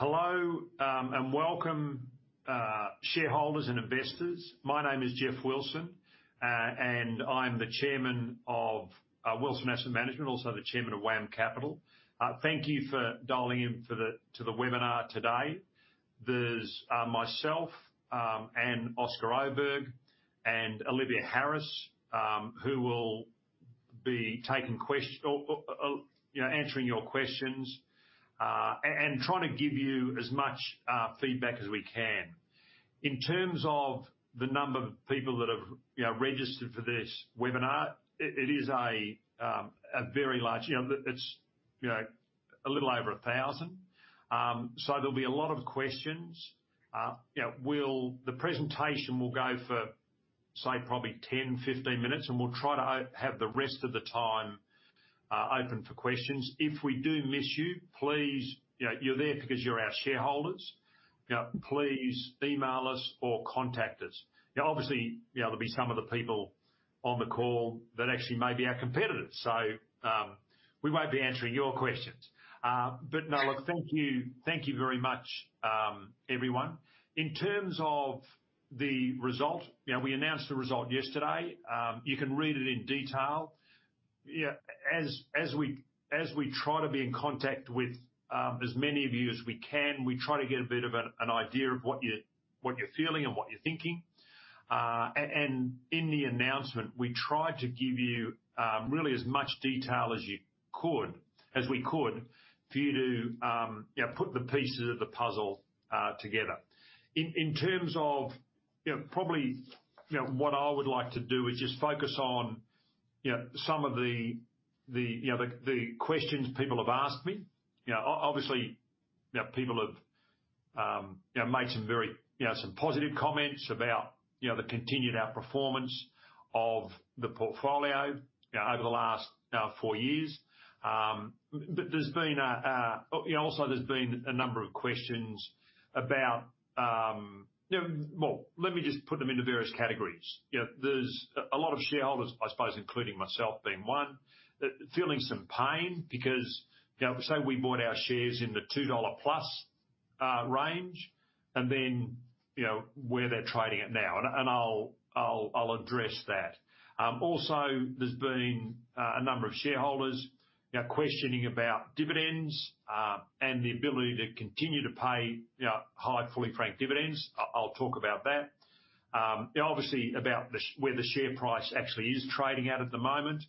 Hello, and welcome, shareholders and investors. My name is Geoff Wilson, and I'm the Chairman of Wilson Asset Management, also the Chairman of WAM Capital. Thank you for dialing in to the webinar today. There's myself, and Oscar Oberg and Olivia Harris, who will be, you know, answering your questions, and trying to give you as much feedback as we can. In terms of the number of people that have, you know, registered for this webinar, it, it is a, a very large, you know, it's, you know, a little over 1,000. There'll be a lot of questions. Yeah, we'll. The presentation will go for, say, probably 10, 15 minutes, and we'll try to have the rest of the time open for questions. If we do miss you, please, you know, you're there because you're our shareholders, you know, please email us or contact us. You know, obviously, there'll be some of the people on the call that actually may be our competitors, so we won't be answering your questions. No, look, thank you, thank you very much, everyone. In terms of the result, you know, we announced the result yesterday. You can read it in detail. Yeah, as we try to be in contact with, as many of you as we can, we try to get a bit of an idea of what you're, what you're feeling and what you're thinking. In the announcement, we tried to give you really as much detail as you could as we could, for you to, you know, put the pieces of the puzzle together. In terms of, you know, probably, you know, what I would like to do is just focus on, you know, some of the, the, you know, the, the questions people have asked me. You know, obviously, you know, people have, you know, made some very, you know, some positive comments about, you know, the continued outperformance of the portfolio, you know, over the last four years. There's been a, you know, also, there's been a number of questions about, you know, well, let me just put them into various categories. You know, there's a lot of shareholders, I suppose, including myself being one, feeling some pain because, you know, say, we bought our shares in the $2+ range, and then, you know, where they're trading at now, and I, and I'll, I'll, I'll address that. Also, there's been a number of shareholders, you know, questioning about dividends, and the ability to continue to pay, you know, high fully franked dividends. I'll talk about that. Obviously, about the, where the share price actually is trading at, at the moment.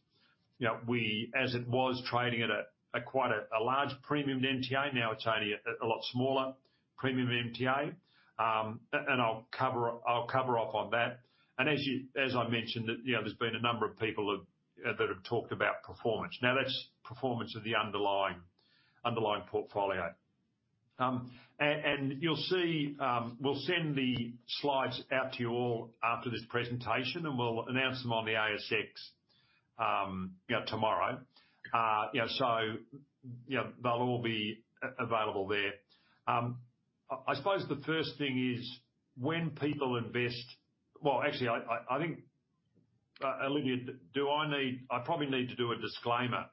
You know, we. As it was trading at a, a, quite a, a large premium to NTA, now it's only a, a lot smaller premium to NTA. And I'll cover, I'll cover off on that. As you, as I mentioned, you know, there's been a number of people have, that have talked about performance. Now, that's performance of the underlying, underlying portfolio. You'll see, we'll send the slides out to you all after this presentation, and we'll announce them on the ASX, you know, tomorrow. Yeah, you know, they'll all be available there. I, I suppose the first thing is when people invest. Well, actually, I think, Olivia, do I probably need to do a disclaimer.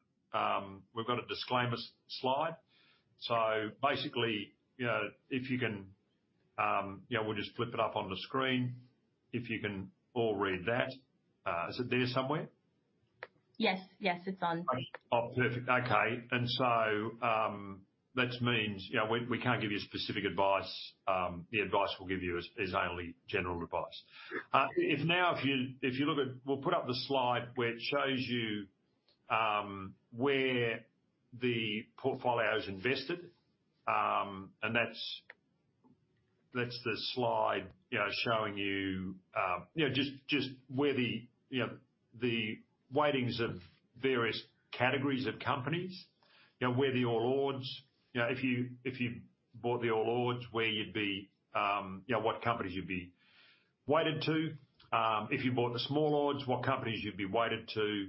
We've got a disclaimer slide. Basically, you know, if you can, you know, we'll just flip it up on the screen. If you can all read that. Is it there somewhere? Yes, it's on. Oh, perfect. Okay. So, that means, you know, we can't give you specific advice. The advice we'll give you is, is only general advice. If you, if you look at. We'll put up the slide where it shows you, where the portfolio is invested, and that's, that's the slide, you know, showing you, you know, just, just where the, you know, the weightings of various categories of companies. You know, where the All Ords, you know, if you, if you bought the All Ords, where you'd be, you know, what companies you'd be weighted to. If you bought the Small Ords, what companies you'd be weighted to,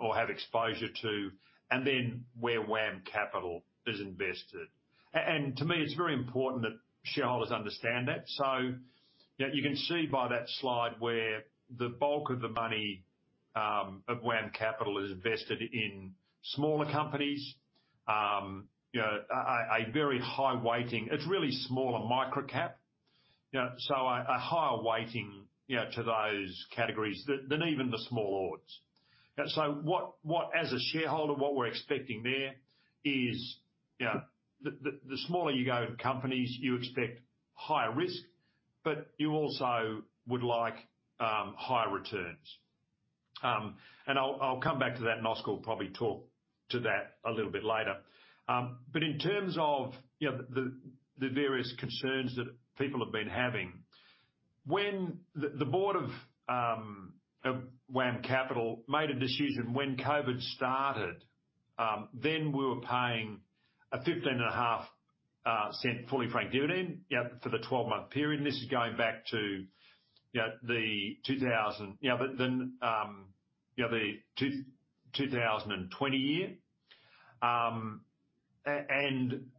or have exposure to, and then where WAM Capital is invested. To me, it's very important that shareholders understand that. Yeah, you can see by that slide where the bulk of the money of WAM Capital is invested in smaller companies. You know, a very high weighting. It's really smaller micro-cap. You know, a higher weighting, you know, to those categories than even the Small Ords. As a shareholder, what we're expecting there is, you know, the smaller you go to companies, you expect higher risk, but you also would like higher returns. I'll come back to that, and Oscar will probably talk to that a little bit later. But in terms of, you know, the, the, the various concerns that people have been having, when the board of WAM Capital made a decision when COVID started, then we were paying a 0.155 fully franked dividend, yeah, for the 12-month period. This is going back to the 2020 year.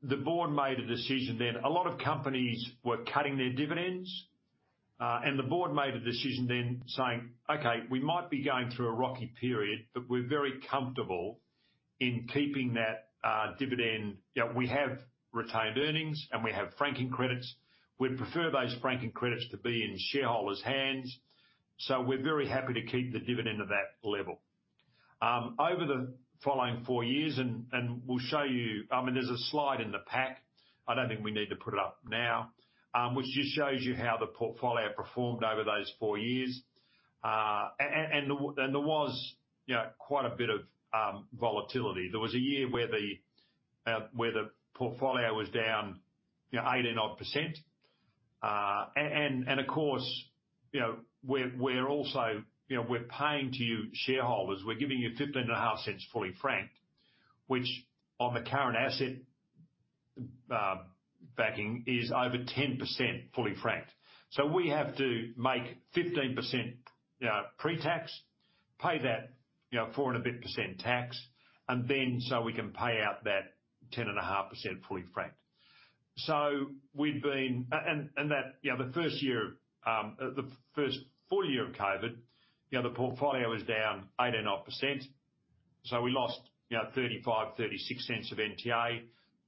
The board made a decision then. A lot of companies were cutting their dividends. The board made a decision then saying, "Okay, we might be going through a rocky period, but we're very comfortable in keeping that dividend. You know, we have retained earnings, and we have franking credits. We'd prefer those franking credits to be in shareholders' hands, so we're very happy to keep the dividend at that level." Over the following four years, and we'll show you, I mean, there's a slide in the pack, I don't think we need to put it up now, which just shows you how the portfolio performed over those four years. There was, you know, quite a bit of volatility. There was a year where the where the portfolio was down, you know, 8%+. Of course, you know, we're, we're also, you know, we're paying to you, shareholders, we're giving you 0.155 fully franked, which on the current asset backing is over 10% fully franked. We have to make 15% pre-tax, pay that, you know, four and a bit percent tax, we can pay out that 10.5% fully franked. We've been. That, you know, the first year, the first full year of COVID, you know, the portfolio was down 8%-9%, so we lost, you know, 0.35-0.36 of NTA.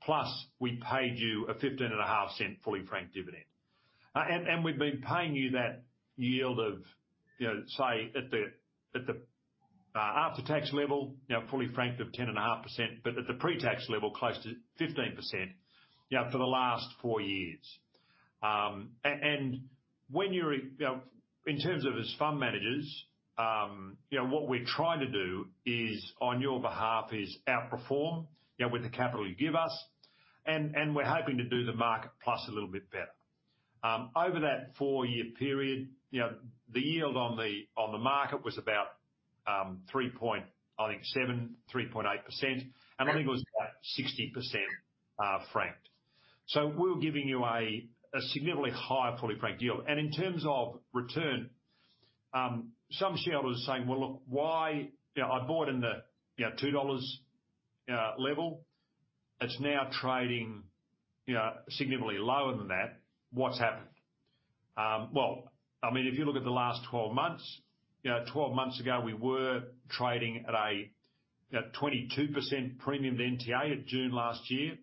Plus, we paid you an AUD 0.155 fully franked dividend. We've been paying you that yield of, you know, say, at the after-tax level, you know, fully franked of 10.5%, but at the pre-tax level, close to 15%, you know, for the last four years. When you're, you know, in terms of as fund managers, you know, what we're trying to do is, on your behalf, is outperform, you know, with the capital you give us, and we're hoping to do the market plus a little bit better. Over that four-year period, you know, the yield on the, on the market was about, I think, 3.7, 3.8%, and I think it was about 60% franked. We're giving you a, a significantly higher fully franked yield. In terms of return, some shareholders are saying, "Well, look, why. You know, I bought in the, you know, 2 dollars level. It's now trading, you know, significantly lower than that. What's happened?" Well, I mean, if you look at the last 12 months, you know, 12 months ago we were trading at a, you know, 22% premium to NTA at June last year,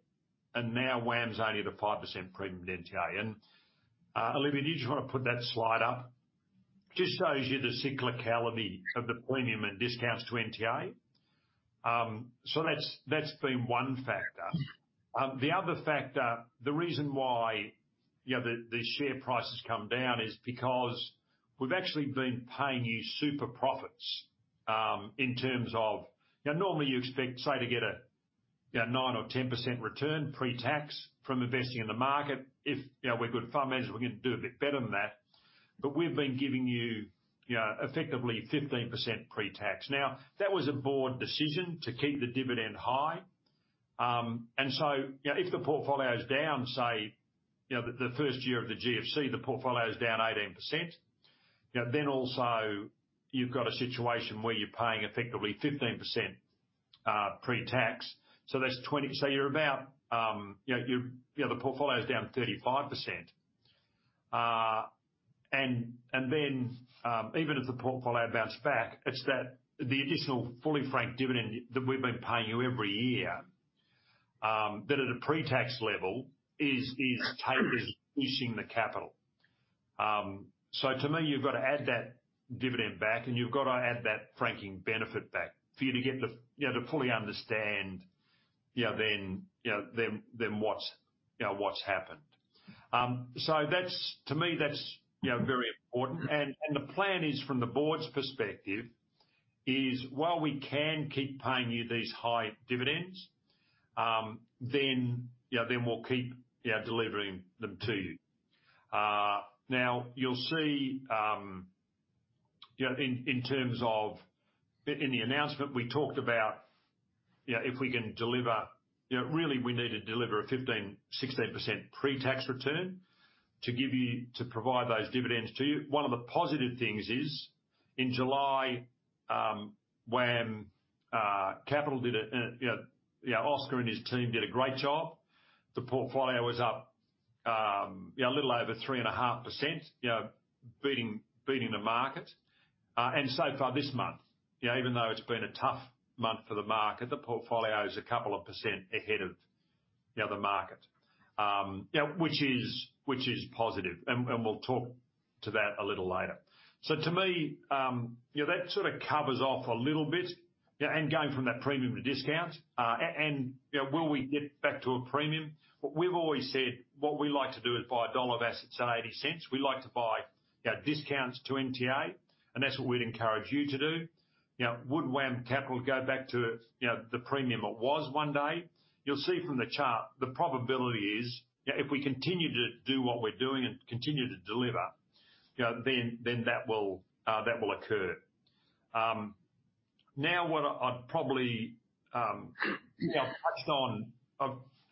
and now WAM's only at a 5% premium to NTA. Olivia, did you want to put that slide up? Just shows you the cyclicality of the premium and discounts to NTA. That's, that's been one factor. The other factor, the reason why, you know, the, the share price has come down is because we've actually been paying you super profits, in terms of. You know, normally you expect, say, to get a, you know, 9% or 10% return pre-tax from investing in the market. If, you know, we're good fund managers, we're gonna do a bit better than that, but we've been giving you, you know, effectively 15% pre-tax. That was a board decision to keep the dividend high. You know, if the portfolio is down, say, you know, the, the first year of the GFC, the portfolio is down 18%, you know, then also you've got a situation where you're paying effectively 15% pre-tax, so that's 20. You're about, you know, you know, the portfolio is down 35%. Even if the portfolio bounced back, it's that the additional fully franked dividend that we've been paying you every year, but at a pre-tax level is, is easing the capital. To me, you've got to add that dividend back, and you've got to add that franking benefit back for you to get the, you know, to fully understand, you know, then, you know, then, then what's, you know, what's happened. That's to me, that's, you know, very important. The plan is, from the board's perspective, is while we can keep paying you these high dividends, then, you know, then we'll keep, you know, delivering them to you. Now, you'll see, you know, in, in terms of in the announcement, we talked about, you know, if we can deliver, you know, really we need to deliver a 15%-16% pre-tax return to provide those dividends to you. One of the positive things is, in July, when WAM Capital did a, you know, yeah, Oscar and his team did a great job. The portfolio was up, you know, a little over 3.5%, you know, beating, beating the market. So far this month, you know, even though it's been a tough month for the market, the portfolio is a couple of % ahead of, you know, the market. You know, which is, which is positive, and we'll talk to that a little later. To me, you know, that sort of covers off a little bit, you know, and going from that premium to discount. You know, will we get back to a premium? We've always said what we like to do is buy AUD 1 of assets at 0.80. We like to buy, you know, discounts to NTA, and that's what we'd encourage you to do. You know, would WAM Capital go back to, you know, the premium it was one day? You'll see from the chart, the probability is, you know, if we continue to do what we're doing and continue to deliver, you know, then, then that will that will occur. Now, what I'd probably, you know, touched on.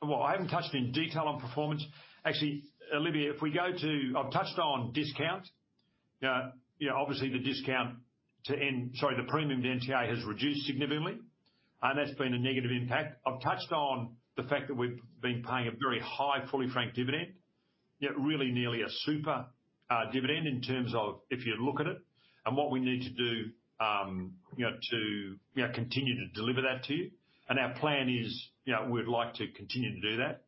Well, I haven't touched in detail on performance. Actually, Olivia, if we go to, I've touched on discount. Yeah, obviously, the discount to end, sorry, the premium to NTA has reduced significantly, and that's been a negative impact. I've touched on the fact that we've been paying a very high, fully franked dividend. Yet really nearly a super dividend in terms of if you look at it. What we need to do, you know, to, you know, continue to deliver that to you, and our plan is, you know, we'd like to continue to do that.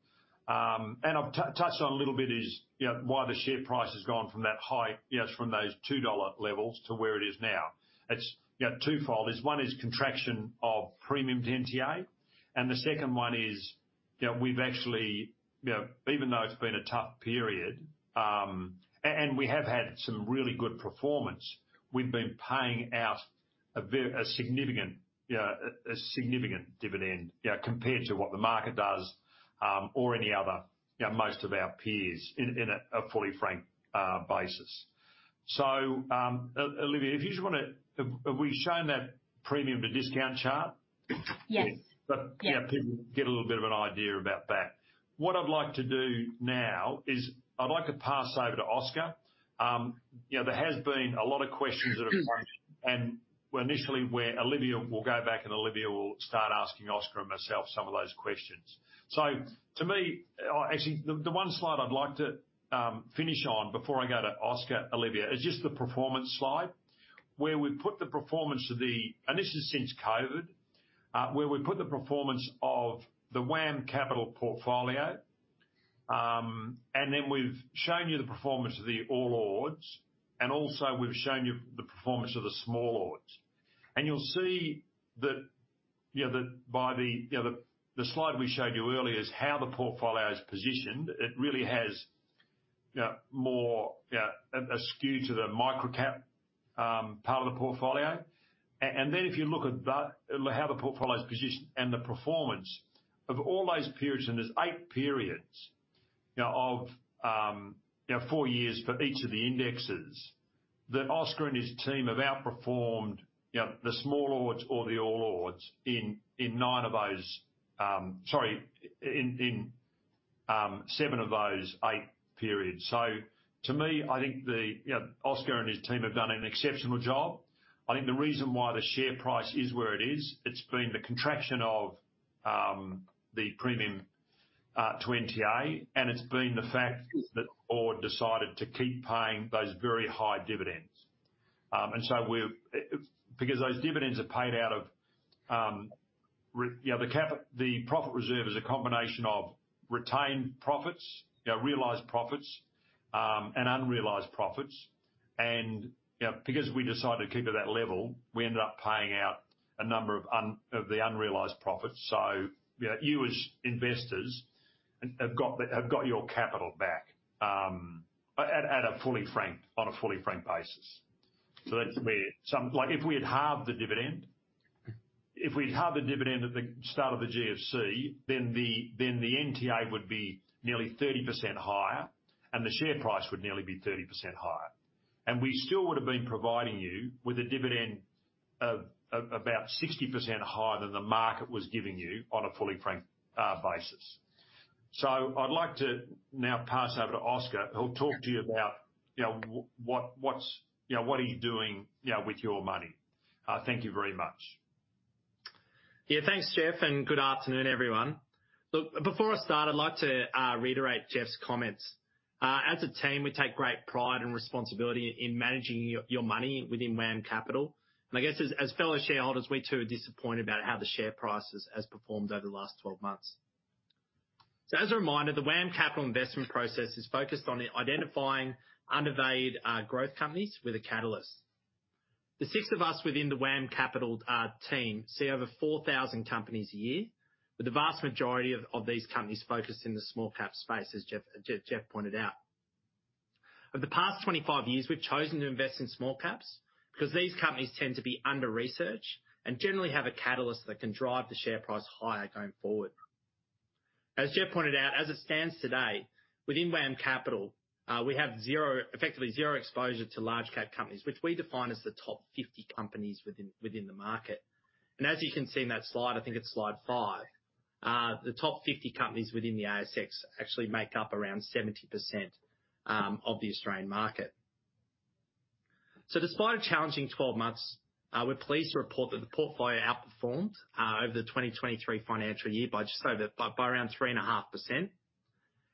I've touched on a little bit is, you know, why the share price has gone from that high, you know, from those 2 dollar levels to where it is now. It's, you know, twofold. There's one is contraction of premium to NTA, and the second one is, you know, we've actually, you know, even though it's been a tough period, and we have had some really good performance, we've been paying out a significant, a significant dividend, compared to what the market does, or any other, you know, most of our peers in, in a, a fully frank basis. Olivia, if you just wanna. Have, have we shown that premium to discount chart? Yes. People get a little bit of an idea about that. What I'd like to do now is I'd like to pass over to Oscar. You know, there has been a lot of questions that have come, and well, initially, where Olivia will go back, and Olivia will start asking Oscar and myself some of those questions. To me, actually, the, the one slide I'd like to finish on before I go to Oscar, Olivia, is just the performance slide where we've put the performance of the. This is since COVID, where we put the performance of the WAM Capital portfolio, and then we've shown you the performance of the All Ords, and also we've shown you the performance of the Small Ords. You'll see that, that by the, the slide we showed you earlier is how the portfolio is positioned. It really has more, yeah, a skew to the micro-cap part of the portfolio. If you look at the, how the portfolio is positioned and the performance of all those periods, there's 8 periods of four years for each of the indexes, that Oscar and his team have outperformed the Small Ords or the All Ords in 9 of those. Sorry, in seven of those eight periods. To me, I think Oscar and his team have done an exceptional job. I think the reason why the share price is where it is, it's been the contraction of the premium to NTA, and it's been the fact that the board decided to keep paying those very high dividends. So we're because those dividends are paid out of you know, the profit reserve is a combination of retained profits, you know, realized profits, and unrealized profits, and, you know, because we decided to keep it that level, we ended up paying out a number of the unrealized profits. You know, you, as investors, have got the, have got your capital back at a fully franked, on a fully franked basis. That's where some Like, if we had halved the dividend, if we'd halved the dividend at the start of the GFC, then the, then the NTA would be nearly 30% higher, and the share price would nearly be 30% higher. We still would have been providing you with a dividend of, of about 60% higher than the market was giving you on a fully frank basis. I'd like to now pass over to Oscar, who'll talk to you about, you know, what, what's, you know, what are you doing, you know, with your money. Thank you very much. Yeah. Thanks, Geoff, and good afternoon, everyone. Look, before I start, I'd like to reiterate Geoff's comments. As a team, we take great pride and responsibility in managing your, your money within WAM Capital. I guess as fellow shareholders, we too are disappointed about how the share price has, has performed over the last 12 months. As a reminder, the WAM Capital investment process is focused on identifying undervalued growth companies with a catalyst. The six of us within the WAM Capital team see over 4,000 companies a year, with the vast majority of these companies focused in the small cap space, as Geoff, Geoff, Geoff pointed out. Over the past 25 years, we've chosen to invest in small caps because these companies tend to be under research and generally have a catalyst that can drive the share price higher going forward. As Geoff pointed out, as it stands today, within WAM Capital, we have effectively zero exposure to large cap companies, which we define as the top 50 companies within, within the market. As you can see in that slide, I think it's slide five, the top 50 companies within the ASX actually make up around 70%, of the Australian market. Despite a challenging 12 months, we're pleased to report that the portfolio outperformed, over the 2023 financial year by just over by around 3.5%.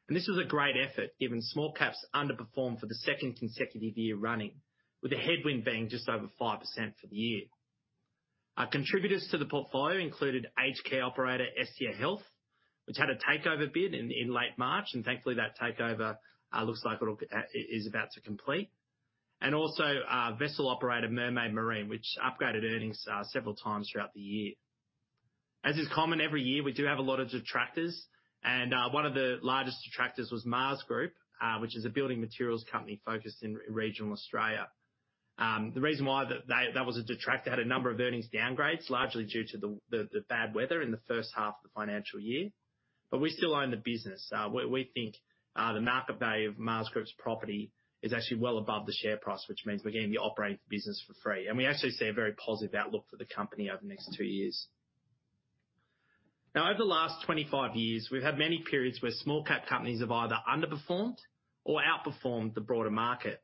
This was a great effort, given small caps underperformed for the second consecutive year running, with the headwind being just over 5% for the year. Our contributors to the portfolio included aged care operator Estia Health, which had a takeover bid in, in late March, and thankfully, that takeover looks like it'll it is about to complete. Also, vessel operator MMA Offshore, which upgraded earnings several times throughout the year. As is common every year, we do have a lot of detractors, and one of the largest detractors was Maas Group, which is a building materials company focused in regional Australia. The reason why that, that was a detractor, it had a number of earnings downgrades, largely due to the bad weather in the first half of the financial year, but we still own the business. We think the market value of Maas Group's property is actually well above the share price, which means we're getting the operating business for free, we actually see a very positive outlook for the company over the next two years. Now, over the last 25 years, we've had many periods where small-cap companies have either underperformed or outperformed the broader market.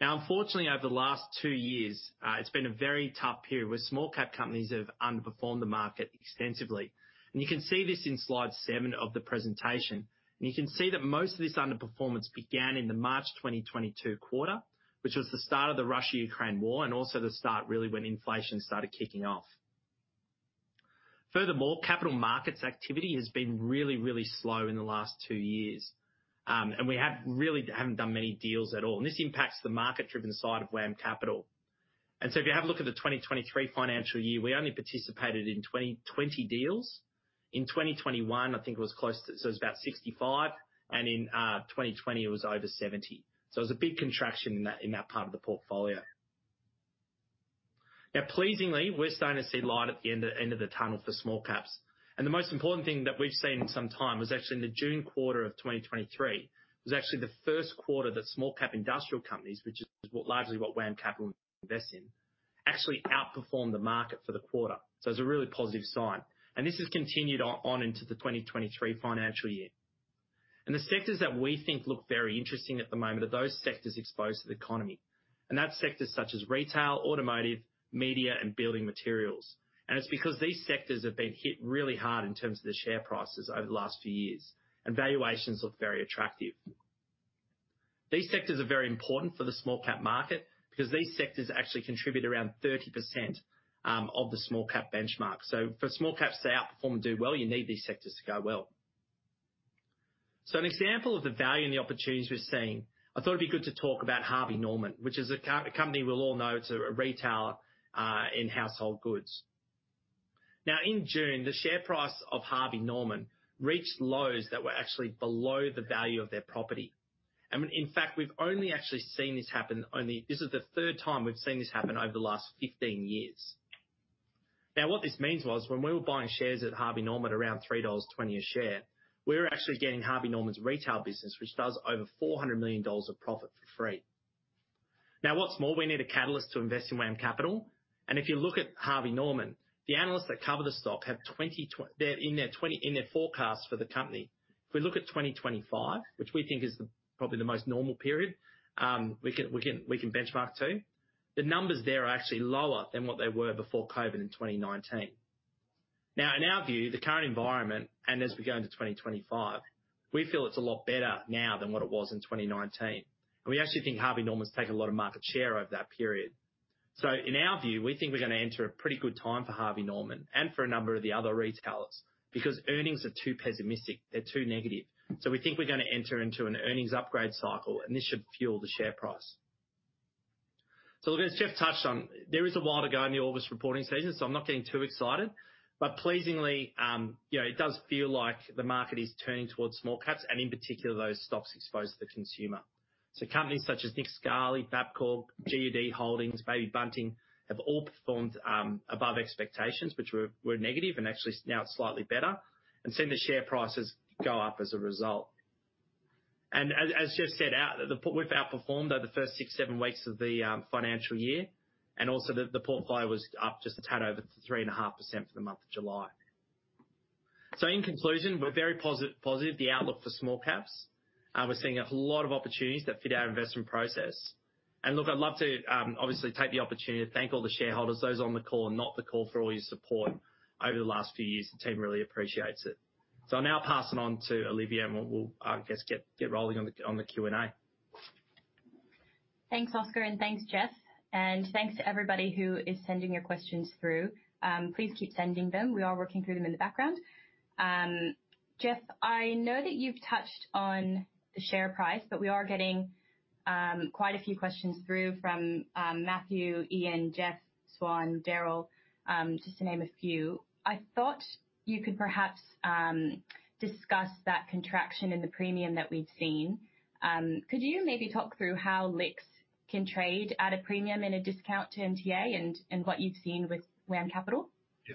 Now, unfortunately, over the last two years, it's been a very tough period, where small-cap companies have underperformed the market extensively. You can see this in slide seven of the presentation. You can see that most of this underperformance began in the March 2022 quarter, which was the start of the Russia-Ukraine War, also the start, really, when inflation started kicking off. Furthermore, capital markets activity has been really, really slow in the last two years. And we have really haven't done many deals at all, and this impacts the market-driven side of WAM Capital. If you have a look at the 2023 financial year, we only participated in 20, 20 deals. In 2021, I think it was close to. So it was about 65, and in 2020, it was over 70. It was a big contraction in that part of the portfolio. Now, pleasingly, we're starting to see light at the end of, end of the tunnel for small caps. The most important thing that we've seen in some time was actually in the June quarter of 2023, was actually the first quarter that small cap industrial companies, which is what largely what WAM Capital invest in, actually outperformed the market for the quarter. It's a really positive sign, and this has continued on into the 2023 financial year. The sectors that we think look very interesting at the moment are those sectors exposed to the economy, and that's sectors such as retail, automotive, media, and building materials. It's because these sectors have been hit really hard in terms of the share prices over the last few years, and valuations look very attractive. These sectors are very important for the small cap market because these sectors actually contribute around 30% of the small cap benchmark. For small caps to outperform and do well, you need these sectors to go well. An example of the value and the opportunities we're seeing, I thought it'd be good to talk about Harvey Norman, which is a company we'll all know. It's a retailer in household goods. In June, the share price of Harvey Norman reached lows that were actually below the value of their property. In fact, we've only actually seen this happen. This is the third time we've seen this happen over the last 15 years. What this means was, when we were buying shares at Harvey Norman at around 3.20 dollars a share, we were actually getting Harvey Norman's retail business, which does over 400 million dollars of profit, for free. What's more, we need a catalyst to invest in WAM Capital. If you look at Harvey Norman, the analysts that cover the stock have in their forecast for the company. If we look at 2025, which we think is the, probably the most normal period, we can, we can, we can benchmark to, the numbers there are actually lower than what they were before COVID in 2019. Now, in our view, the current environment, and as we go into 2025, we feel it's a lot better now than what it was in 2019, and we actually think Harvey Norman's taken a lot of market share over that period. In our view, we think we're going to enter a pretty good time for Harvey Norman and for a number of the other retailers, because earnings are too pessimistic, they're too negative. We think we're going to enter into an earnings upgrade cycle, and this should fuel the share price. As Geoff touched on, there is a while to go in the August reporting season, so I'm not getting too excited. Pleasingly, you know, it does feel like the market is turning towards small caps, and in particular, those stocks exposed to the consumer. Companies such as Nick Scali, Bapcor, GUD Holdings, Baby Bunting, have all performed above expectations, which were, were negative and actually now slightly better, and seen the share prices go up as a result. As Geoff said, we've outperformed over the first six, seven weeks of the financial year, and also the, the portfolio was up just a tad over 3.5% for the month of July. In conclusion, we're very positive about the outlook for small caps. We're seeing a lot of opportunities that fit our investment process. Look, I'd love to obviously take the opportunity to thank all the shareholders, those on the call and not on the call, for all your support over the last few years. The team really appreciates it. I'll now pass it on to Olivia, and we'll, I guess, get rolling on the Q&A. Thanks, Oscar, and thanks, Geoff. Thanks to everybody who is sending your questions through. Please keep sending them. We are working through them in the background. Geoff, I know that you've touched on the share price, but we are getting quite a few questions through from Matthew, Ian, Jeff Swan, Daryl, just to name a few. I thought you could perhaps discuss that contraction in the premium that we've seen. Could you maybe talk through how LIC can trade at a premium and a discount to NTA and what you've seen with WAM Capital? Yeah.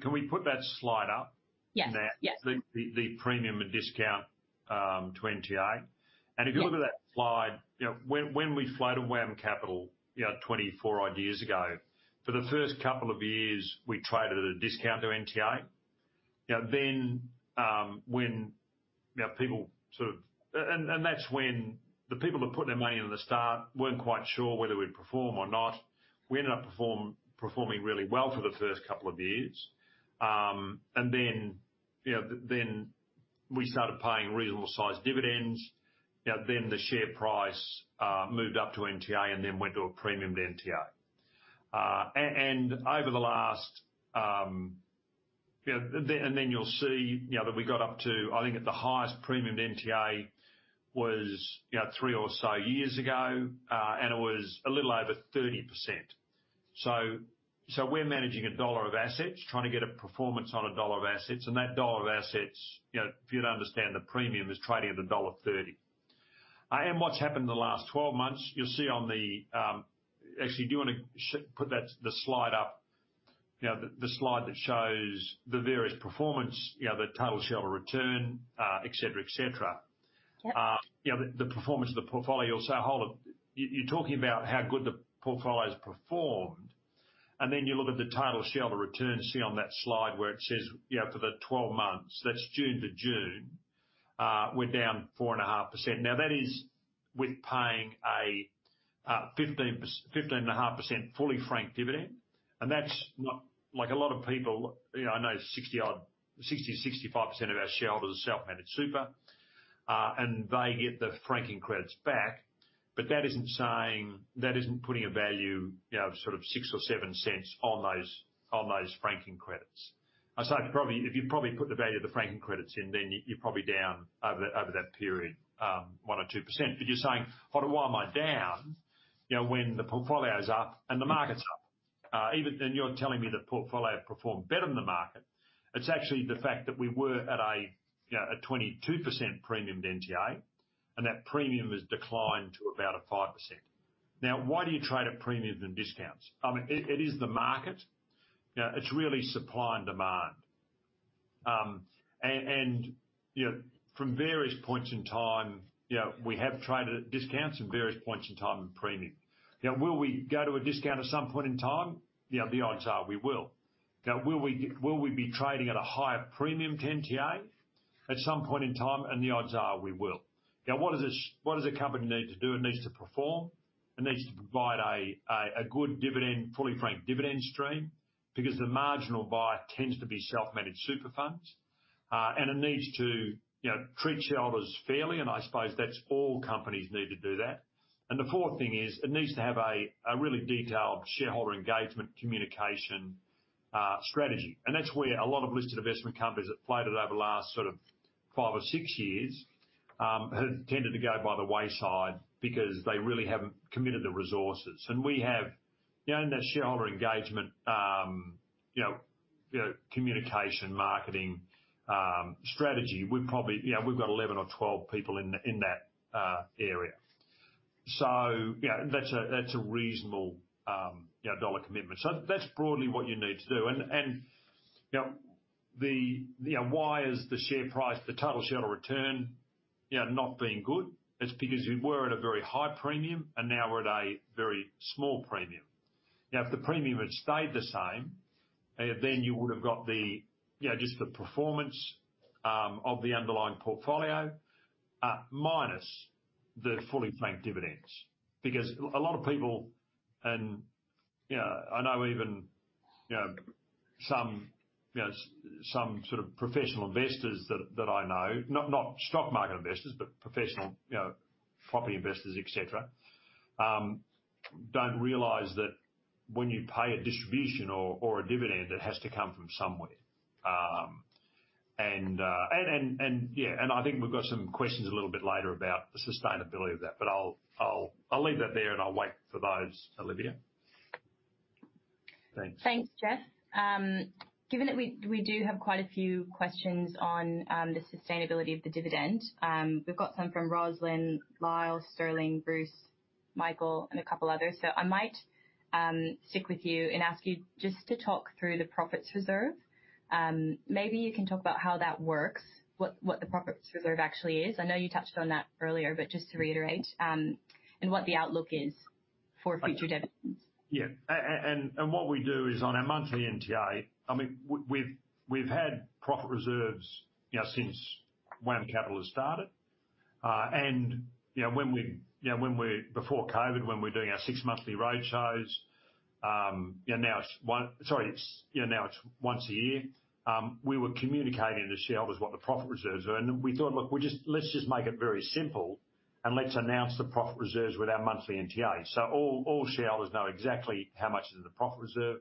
Can we put that slide up? Yes. Yes. The, the, the premium and discount to NTA. Yeah. If you look at that slide, you know, when, when we floated WAM Capital, you know, 24 odd years ago, for the first couple of years, we traded at a discount to NTA. You know, then, when, you know, that's when the people that put their money in the start weren't quite sure whether we'd perform or not. We ended up performing really well for the first couple of years. Then, you know, then we started paying reasonable-sized dividends. You know, then the share price moved up to NTA and then went to a premium to NTA. Over the last. You know, the, and then you'll see, you know, that we got up to, I think, at the highest premium to NTA was, you know, three or so years ago, and it was a little over 30%. We're managing AUD 1 of assets, trying to get a performance on AUD 1 of assets, and that AUD 1 of assets, you know, if you'd understand the premium, is trading at dollar 1.30. What's happened in the last 12 months, you'll see on the Actually, do you want to put that, the slide up, you know, the, the slide that shows the various performance, you know, the total share return, et cetera, et cetera? You know, the, the performance of the portfolio, you'll say, "Hold on. You, you're talking about how good the portfolio has performed," and then you look at the total shareholder return. See on that slide where it says, you know, for the 12 months, that's June to June, we're down 4.5%. That is with paying a 15.5% fully franked dividend, and that's not like, a lot of people, you know, I know 60% odd, 60%-65% of our shareholders are self-managed super, and they get the franking credits back. That isn't putting a value, you know, of sort of 0.06 or 0.07 on those, on those franking credits. I'd say probably, if you probably put the value of the franking credits in, then you, you're probably down over, over that period, 1% or 2%. You're saying, "Hold on, why am I down, you know, when the portfolio is up and the market's up?" Even then, you're telling me the portfolio performed better than the market. It's actually the fact that we were at a, you know, a 22% premium to NTA, and that premium has declined to about a 5%. Now, why do you trade at premiums and discounts? I mean, it, it is the market. You know, it's really supply and demand. And, you know, from various points in time, you know, we have traded at discounts, in various points in time, in premium. Now, will we go to a discount at some point in time? Yeah, the odds are we will. Now, will we be trading at a higher premium to NTA at some point in time? The odds are we will. Now, what does a company need to do? It needs to perform. It needs to provide a good dividend, fully franked dividend stream, because the marginal buyer tends to be self-managed super funds. It needs to, you know, treat shareholders fairly, and I suppose that's all companies need to do that. The fourth thing is, it needs to have a really detailed shareholder engagement communication strategy. That's where a lot of listed investment companies that floated over the last sort of five or six years have tended to go by the wayside because they really haven't committed the resources. We have, you know, in that shareholder engagement, you know, you know, communication, marketing, strategy, we probably. You know, we've got 11 or 12 people in that area. You know, that's a, that's a reasonable, you know, AUD commitment. That's broadly what you need to do. You know, the, you know, why is the share price, the total shareholder return, you know, not been good? It's because we were at a very high premium, and now we're at a very small premium. Now, if the premium had stayed the same, then you would have got the, you know, just the performance of the underlying portfolio, minus the fully franked dividends. Because a lot of people and, you know, I know even, you know, some, you know, some sort of professional investors that, that I know, not, not stock market investors, but professional, you know, property investors, et cetera, don't realize that when you pay a distribution or, or a dividend, it has to come from somewhere. Yeah, I think we've got some questions a little bit later about the sustainability of that, but I'll leave that there, and I'll wait for those, Olivia. Thanks. Thanks, Geoff. given that we do have quite a few questions on the sustainability of the dividend, we've got some from Rosalind, Lyle, Sterling, Bruce, Michael, and a couple others. I might stick with you and ask you just to talk through the profit reserve. maybe you can talk about how that works, what, what the profit reserve actually is. I know you touched on that earlier, but just to reiterate, and what the outlook is for future dividends. Yeah. What we do is on our monthly NTA. I mean, we've had profit reserves, you know, since WAM Capital has started. You know, Before COVID, when we were doing our 6 monthly roadshows, you know, now it's once a year. We were communicating to shareholders what the profit reserves were, and we thought: Look, let's just make it very simple, and let's announce the profit reserves with our monthly NTA. All, all shareholders know exactly how much is in the profit reserve.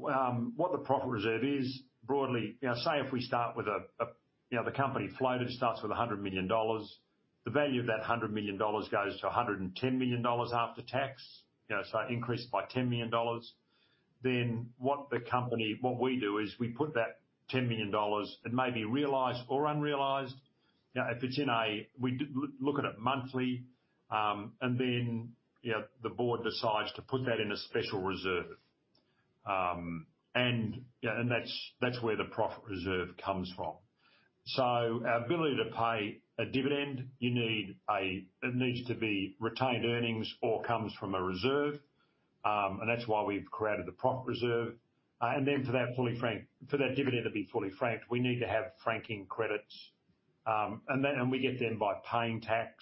What the profit reserve is, broadly, you know, say, if we start with the company floater starts with 100 million dollars. The value of that 100 million dollars goes to 110 million dollars after tax, you know, so increased by 10 million dollars. What the company, what we do is we put that 10 million dollars, it may be realized or unrealized, you know, if it's in a we look at it monthly, and then, you know, the board decides to put that in a special reserve. You know, that's, that's where the profit reserve comes from. Our ability to pay a dividend, you need. It needs to be retained earnings or comes from a reserve, and that's why we've created the profit reserve. Then for that dividend to be fully franked, we need to have franking credits. Then, we get them by paying tax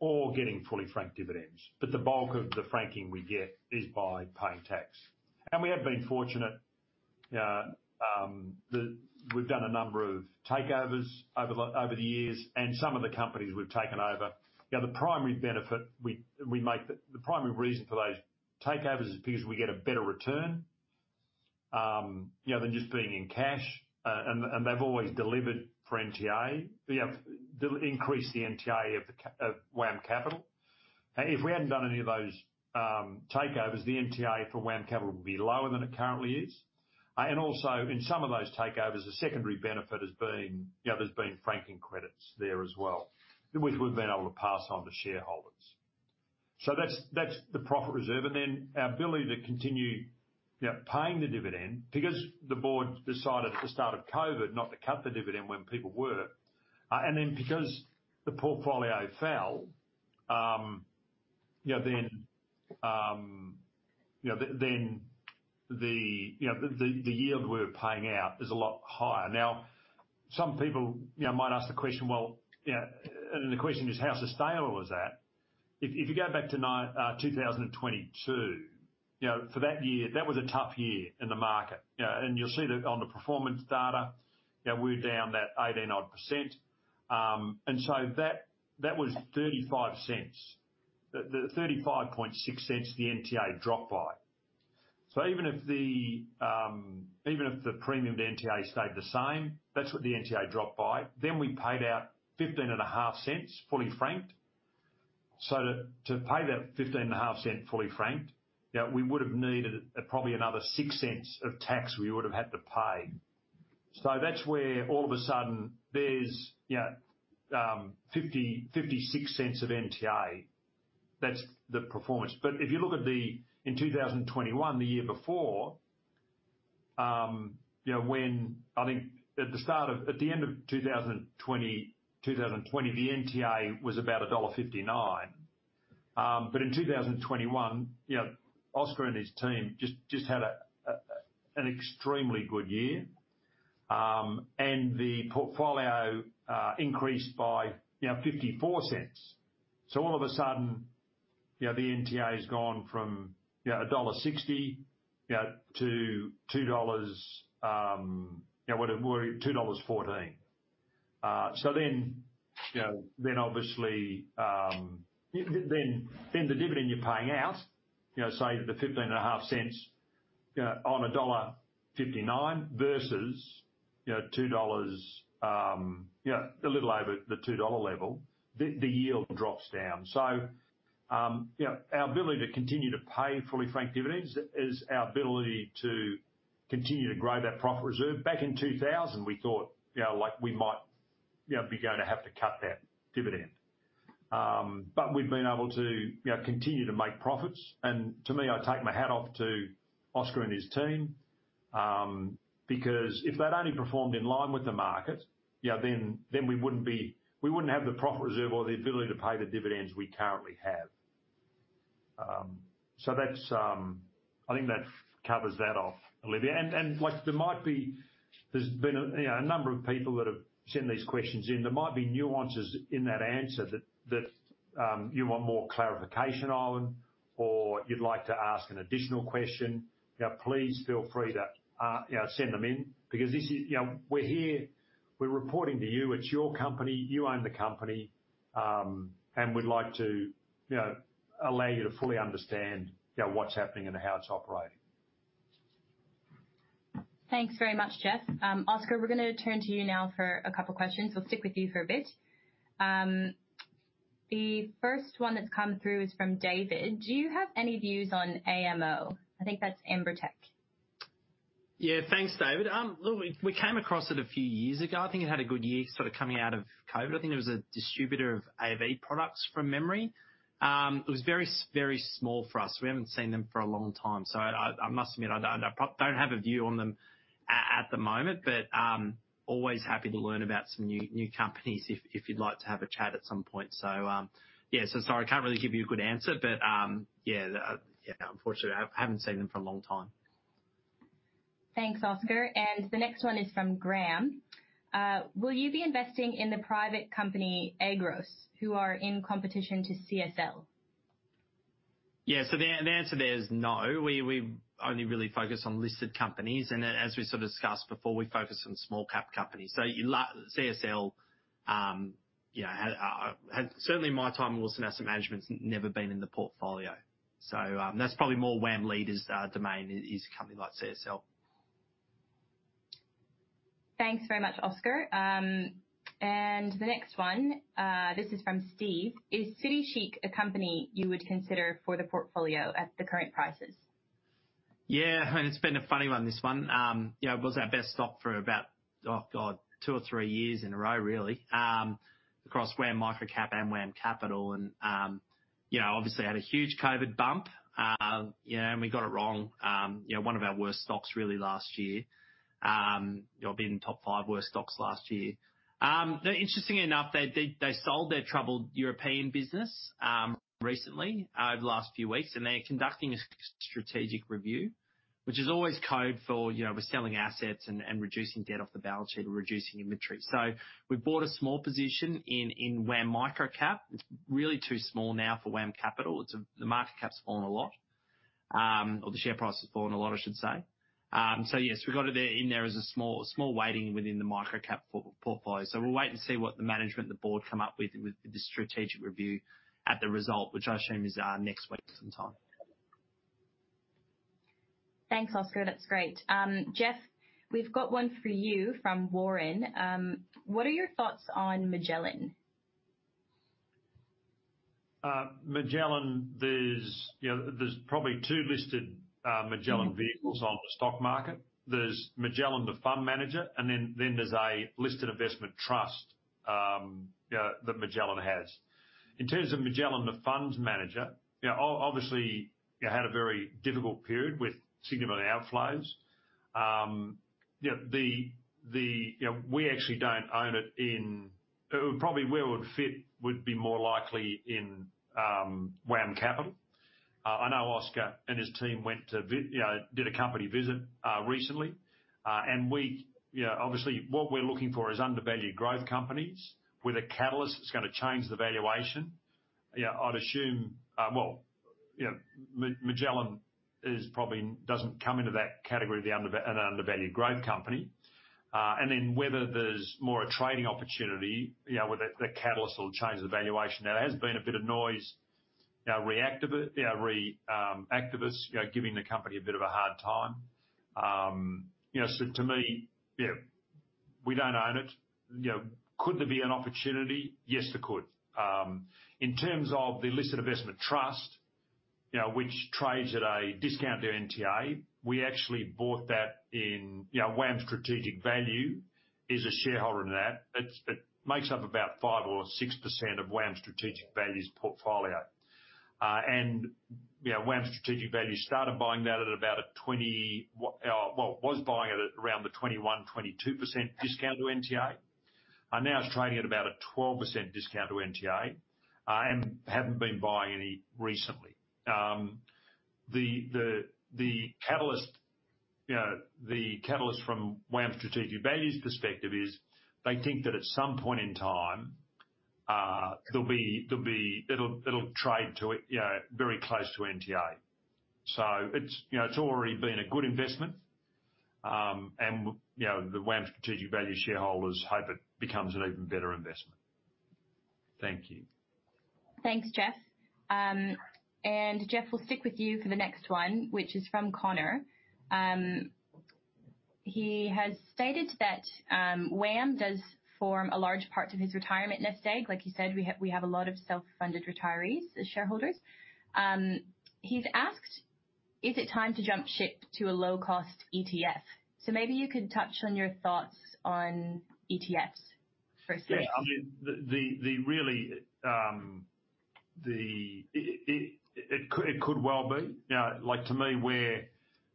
or getting fully franked dividends. The bulk of the franking we get is by paying tax. We have been fortunate, we've done a number of takeovers over the years, and some of the companies we've taken over, you know, the primary benefit we make the primary reason for those takeovers is because we get a better return, you know, than just being in cash. They've always delivered for NTA, they have increased the NTA of WAM Capital. If we hadn't done any of those takeovers, the NTA for WAM Capital would be lower than it currently is. Also, in some of those takeovers, the secondary benefit has been, you know, there's been franking credits there as well, which we've been able to pass on to shareholders. That's, that's the profit reserve, and then our ability to continue, you know, paying the dividend because the board decided at the start of COVID not to cut the dividend when people were. Because the portfolio fell, you know, then, you know, then the, you know, the, the, the yield we were paying out is a lot higher. Some people, you know, might ask the question, well, you know, the question is: How sustainable is that? If, if you go back to 2022, you know, for that year, that was a tough year in the market. You know, you'll see that on the performance data, you know, we're down that 18%. That, that was 0.35. The, the 0.356, the NTA dropped by. Even if the, even if the premium of the NTA stayed the same, that's what the NTA dropped by. We paid out 0.155, fully franked. To pay that 0.155 fully franked, you know, we would've needed probably another 0.06 of tax we would've had to pay. That's where all of a sudden there's, you know, 0.56 of NTA. That's the performance. If you look at in 2021, the year before, you know, when I think At the end of 2020, 2020, the NTA was about dollar 1.59. In 2021, you know, Oscar and his team had an extremely good year. The portfolio increased by, you know, 0.54. All of a sudden, you know, the NTA has gone from, you know, dollar 1.60, you know, to 2.00 dollars, you know, 2.14 dollars. You know, then obviously, then, then the dividend you're paying out, you know, say the 0.155, you know, on dollar 1.59 versus, you know, 2.00 dollars, you know, a little over the 2.00 dollar level, the, the yield drops down. You know, our ability to continue to pay fully franked dividends is our ability to continue to grow that profit reserve. Back in 2000, we thought, you know, like we might, you know, be going to have to cut that dividend. We've been able to, you know, continue to make profits, and to me, I take my hat off to Oscar and his team, because if they'd only performed in line with the market, you know, then, then we wouldn't have the profit reserve or the ability to pay the dividends we currently have. That's, I think that covers that off, Olivia. Like, there's been a, you know, a number of people that have sent these questions in. There might be nuances in that answer that you want more clarification on, or you'd like to ask an additional question. You know, please feel free to, you know, send them in, because this is. You know, we're here, we're reporting to you. It's your company. You own the company, and we'd like to, you know, allow you to fully understand, you know, what's happening and how it's operating. Thanks very much, Geoff. Oscar, we're gonna turn to you now for a couple questions. We'll stick with you for a bit. The first one that's come through is from David: Do you have any views on AMO? I think that's Ambertech. Yeah. Thanks, David. look, we came across it a few years ago. I think it had a good year sort of coming out of COVID. I think it was a distributor of AV products from memory. it was very very small for us. We haven't seen them for a long time, so I must admit, I don't have a view on them at the moment, but always happy to learn about some new, new companies if, if you'd like to have a chat at some point. Yeah, so sorry, I can't really give you a good answer, but yeah, yeah, unfortunately, I haven't seen them for a long time. Thanks, Oscar. The next one is from Graham: Will you be investing in the private company, Aegros, who are in competition to CSL? Yeah. The, the answer there is no. We only really focus on listed companies, and as we sort of discussed before, we focus on small cap companies. CSL, you know, had had certainly in my time in Wilson Asset Management, it's never been in the portfolio. That's probably more WAM Leaders', domain, is a company like CSL. Thanks very much, Oscar. The next one, this is from Steve: Is City Chic a company you would consider for the portfolio at the current prices? Yeah, it's been a funny one, this one. You know, it was our best stock for about, oh, God, two or three years in a row, really, across WAM Microcap and WAM Capital. You know, obviously, had a huge COVID bump. You know, and we got it wrong, you know, one of our worst stocks really last year. You know, being top 5 worst stocks last year. Interestingly enough, they, they, they sold their troubled European business recently, over the last few weeks, and they're conducting a strategic review, which is always code for, you know, we're selling assets and and reducing debt off the balance sheet or reducing inventory. We bought a small position in in WAM Microcap. It's really too small now for WAM Capital. It's the market cap's fallen a lot, or the share price has fallen a lot, I should say. Yes, we've got it there, in there as a small, small weighting within the micro-cap portfolio. We'll wait and see what the management and the board come up with, with the strategic review at the result, which I assume is next week sometime. Thanks, Oscar. That's great. Geoff, we've got one for you from Warren. What are your thoughts on Magellan? Magellan Financial Group, there's, you know, there's probably two listed Magellan Financial Group vehicles on the stock market. There's Magellan Financial Group, the fund manager, and then, then there's a listed investment trust that Magellan Financial Group has. In terms of Magellan Financial Group, the funds manager, yeah, obviously, they had a very difficult period with significant outflows. Yeah, the, the, you know, we actually don't own it in. Probably where it would fit would be more likely in WAM Capital. I know Oscar and his team went to, you know, did a company visit recently. We, you know, obviously, what we're looking for is undervalued growth companies, with a catalyst that's gonna change the valuation. Yeah, I'd assume, well, you know, Magellan Financial Group is probably doesn't come into that category of an undervalued growth company. Whether there's more a trading opportunity, you know, where the catalyst will change the valuation. There has been a bit of noise, you know, activists, you know, giving the company a bit of a hard time. You know, to me, yeah, we don't own it. You know, could there be an opportunity? Yes, there could. In terms of the listed investment trust, you know, which trades at a discount to NTA, we actually bought that in, you know, WAM Strategic Value is a shareholder in that. It makes up about 5% or 6% of WAM Strategic Value's portfolio. You know, WAM Strategic Value started buying that at about a 20. Well, was buying it at around the 21%-22% discount to NTA, now it's trading at about a 12% discount to NTA, and haven't been buying any recently. The, the, the catalyst, you know, the catalyst from WAM Strategic Value's perspective is they think that at some point in time, there'll be, there'll be it'll, it'll trade to, you know, very close to NTA. It's, you know, it's already been a good investment. You know, the WAM Strategic Value shareholders hope it becomes an even better investment. Thank you. Thanks, Geoff. Geoff, we'll stick with you for the next one, which is from Connor. He has stated that, WAM does form a large part of his retirement nest egg. Like you said, we have, we have a lot of self-funded retirees as shareholders. He's asked, "Is it time to jump ship to a low-cost ETF?" Maybe you could touch on your thoughts on ETFs for a second. Yeah, I mean, the really, it could well be. You know, like, to me, we're,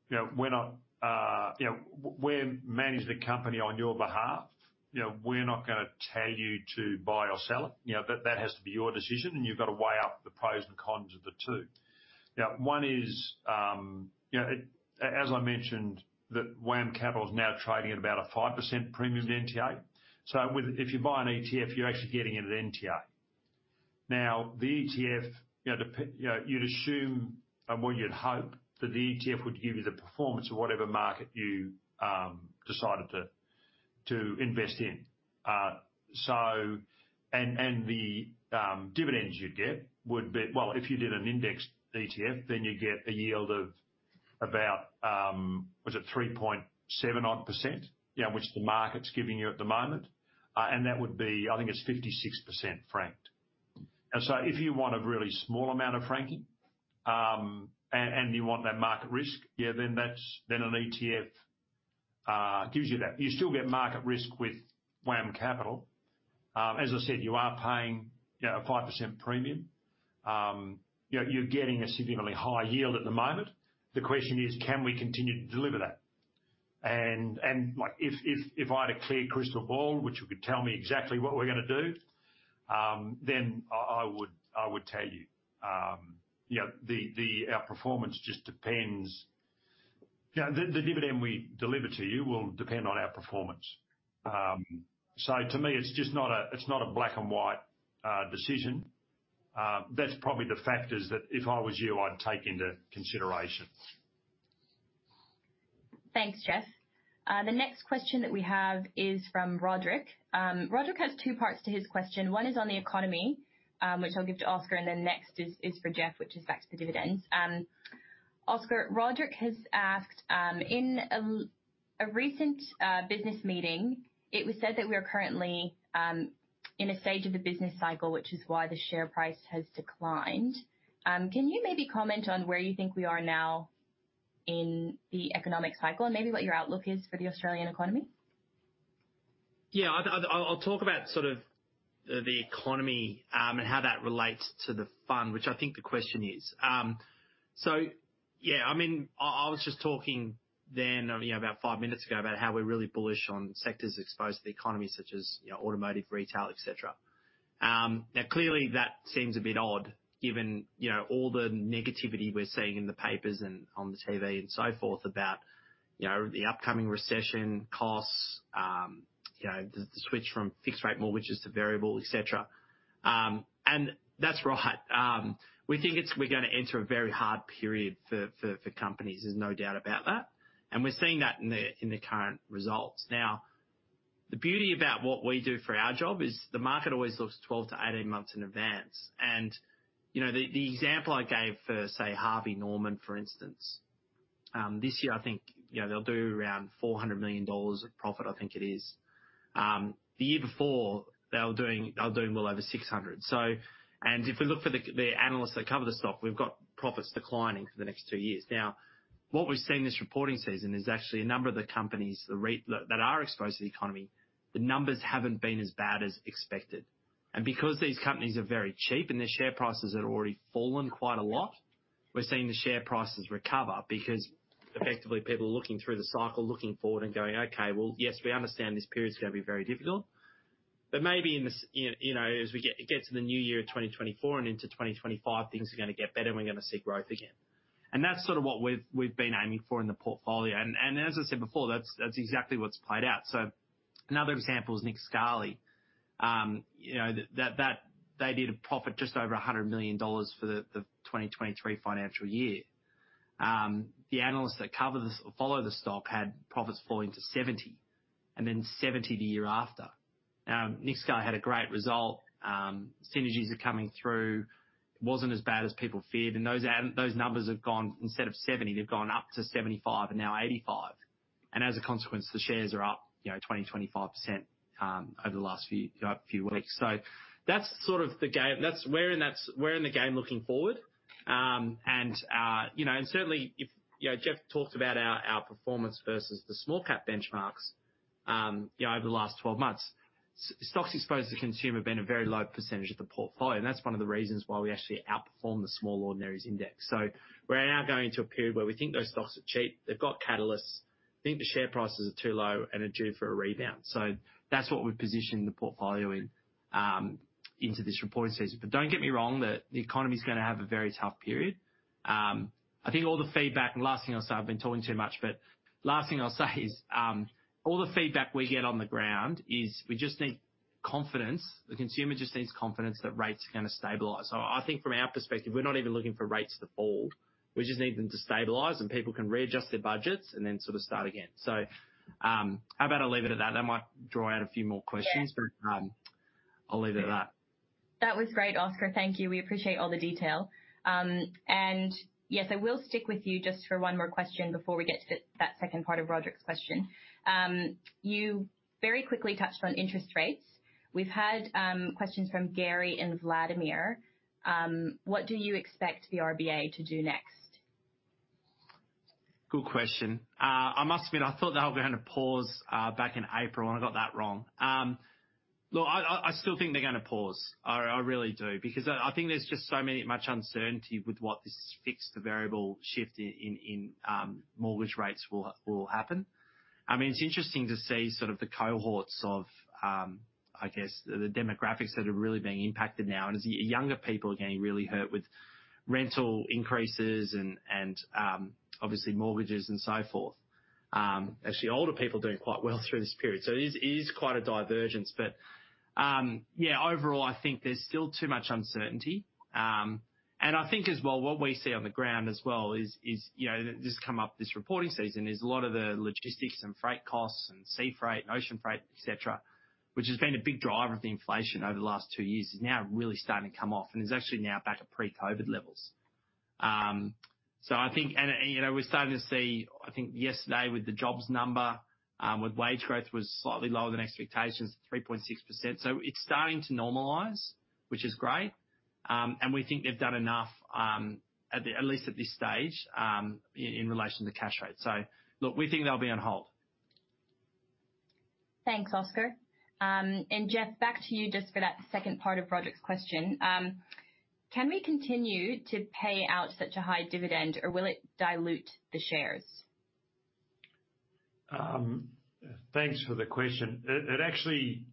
you know, we're not, you know, we're a management company on your behalf. You know, we're not gonna tell you to buy or sell it. You know, that, that has to be your decision, and you've got to weigh up the pros and cons of the two. You know, one is, you know, as I mentioned, that WAM Capital is now trading at about a 5% premium to NTA. So if you buy an ETF, you're actually getting it at NTA. Now, the ETF, you know, you'd assume, or you'd hope, that the ETF would give you the performance of whatever market you decided to, to invest in. So, and the dividends you'd get would be. Well, if you did an indexed ETF, then you'd get a yield of about, was it 3.7% odd? You know, which the market's giving you at the moment. That would be, I think it's 56% franked. If you want a really small amount of franking, and, and you want that market risk, yeah, then that's then an ETF gives you that. You still get market risk with WAM Capital. As I said, you are paying, you know, a 5% premium. You're, you're getting a significantly higher yield at the moment. The question is: Can we continue to deliver that? Like, if, if, if I had a clear crystal ball, which would tell me exactly what we're gonna do, then I, I would, I would tell you. You know, the dividend we deliver to you will depend on our performance. To me, it's just not a, it's not a black-and-white decision. That's probably the factors that if I was you, I'd take into consideration. Thanks, Geoff. The next question that we have is from Roderick. Roderick has two parts to his question. One is on the economy, which I'll give to Oscar. Next is for Geoff, which is back to the dividends. Oscar, Roderick has asked: "In a recent business meeting, it was said that we are currently in a stage of the business cycle, which is why the share price has declined." Can you maybe comment on where you think we are now in the economic cycle, and maybe what your outlook is for the Australian economy? Yeah, I'll talk about sort of the, the economy, and how that relates to the fund, which I think the question is. Yeah, I mean, I was just talking then, you know, about five minutes ago, about how we're really bullish on sectors exposed to the economy, such as, you know, automotive, retail, et cetera. Now, clearly, that seems a bit odd, given, you know, all the negativity we're seeing in the papers and on the TV and so forth about, you know, the upcoming recession costs, you know, the, the switch from fixed rate mortgages to variable, et cetera. That's right. We think it's, we're gonna enter a very hard period for companies, there's no doubt about that, and we're seeing that in the, in the current results. The beauty about what we do for our job is the market always looks 12-18 months in advance. You know, the example I gave for, say, Harvey Norman, for instance, this year, I think, you know, they'll do around 400 million dollars of profit, I think it is. The year before, they were doing, they were doing well over 600 million. If we look for the analysts that cover the stock, we've got profits declining for the next two years. What we've seen this reporting season is actually a number of the companies that are exposed to the economy, the numbers haven't been as bad as expected. Because these companies are very cheap and their share prices have already fallen quite a lot. we're seeing the share prices recover because effectively people are looking through the cycle, looking forward and going, "Okay, well, yes, we understand this period is going to be very difficult, but maybe in this, you know, as we get to the new year of 2024 and into 2025, things are going to get better, and we're going to see growth again." That's sort of what we've been aiming for in the portfolio. And as I said before, that's exactly what's played out. Another example is Nick Scali. You know, that they did a profit just over 100 million dollars for the 2023 financial year. The analysts that cover follow the stock had profits falling to 70 million and then 70 million the year after. Now, Nick Scali had a great result. Synergies are coming through. It wasn't as bad as people feared, and those numbers have gone, Instead of 70, they've gone up to 75 and now 85, and as a consequence, the shares are up, you know, 20%-25% over the last few weeks. That's, we're in the game looking forward. And certainly, if, you know, Geoff talked about our performance versus the small cap benchmarks, you know, over the last 12 months. Stocks exposed to consumer have been a very low percentage of the portfolio, and that's one of the reasons why we actually outperform the Small Ords index. We're now going into a period where we think those stocks are cheap, they've got catalysts. We think the share prices are too low and are due for a rebound. That's what we've positioned the portfolio in into this reporting season. Don't get me wrong, the economy's going to have a very tough period. Last thing I'll say, I've been talking too much, but last thing I'll say is all the feedback we get on the ground is we just need confidence. The consumer just needs confidence that rates are going to stabilize. I think from our perspective, we're not even looking for rates to fall. We just need them to stabilize, and people can readjust their budgets and then sort of start again. How about I leave it at that? I might draw out a few more questions. Yeah. I'll leave it at that. That was great, Oscar. Thank you. We appreciate all the detail. Yes, I will stick with you just for one more question before we get to that second part of Roderick's question. You very quickly touched on interest rates. We've had questions from Gary and Vladimir. What do you expect the RBA to do next? Good question. I must admit, I thought they were going to pause back in April, and I got that wrong. Look, I still think they're going to pause. I really do, because I think there's just so much uncertainty with what this fixed to variable shift in mortgage rates will, will happen. I mean, it's interesting to see sort of the cohorts of, I guess, the demographics that are really being impacted now, and as the younger people are getting really hurt with rental increases and, and, obviously mortgages and so forth. Actually, older people are doing quite well through this period, so it is, it is quite a divergence. Yeah, overall, I think there's still too much uncertainty. I think as well, what we see on the ground as well is, you know, this has come up this reporting season, is a lot of the logistics and freight costs and sea freight and ocean freight, et cetera, which has been a big driver of the inflation over the last two years, is now really starting to come off and is actually now back at pre-COVID levels. So I think, you know, we're starting to see, I think yesterday with the jobs number, with wage growth was slightly lower than expectations, 3.6%. It's starting to normalize, which is great. We think they've done enough, at least at this stage, in relation to cash rates. Look, we think they'll be on hold. Thanks, Oscar. Geoff, back to you just for that second part of Roderick's question. Can we continue to pay out such a high dividend, or will it dilute the shares? Thanks for the question. It, it actually.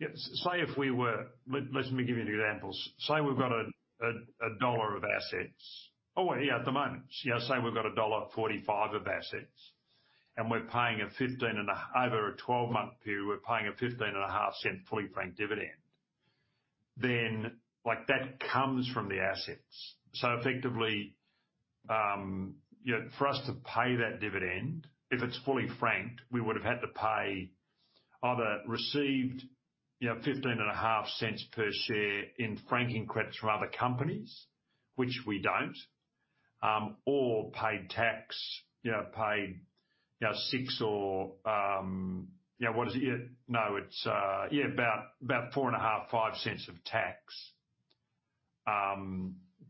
Yeah, say if we were. Let me give you an example. Say we've got AUD 1 of assets. Oh, yeah, at the moment, you know, say we've got dollar 1.45 of assets, and we're paying a fifteen and a half. Over a 12-month period, we're paying an AUD 0.155 fully franked dividend. Like, that comes from the assets. Effectively, you know, for us to pay that dividend, if it's fully franked, we would have had to pay either received, you know, 0.155 per share in franking credits from other companies, which we don't, or paid tax, you know, paid, you know, six or, you know, what is it? No, it's, yeah, about 0.045-0.05 of tax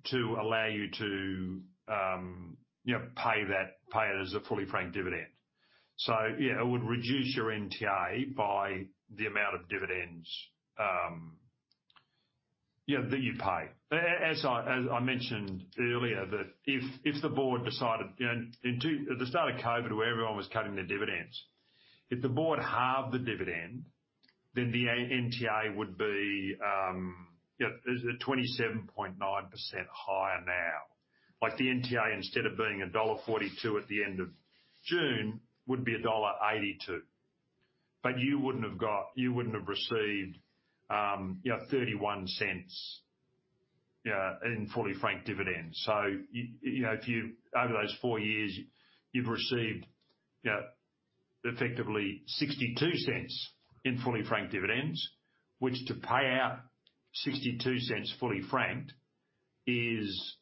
to allow you to, you know, pay that, pay it as a fully franked dividend. Yeah, it would reduce your NTA by the amount of dividends, yeah, that you pay. As I mentioned earlier, that if the board decided, you know, at the start of COVID, where everyone was cutting their dividends, if the board halved the dividend, then the NTA would be, you know, is at 27.9% higher now. Like, the NTA, instead of being dollar 1.42 at the end of June, would be dollar 1.82. You wouldn't have received, you know, 0.31 in fully franked dividends. You know, if you over those four years, you've received, you know, effectively 0.62 in fully franked dividends, which to pay out 0.62 fully franked is,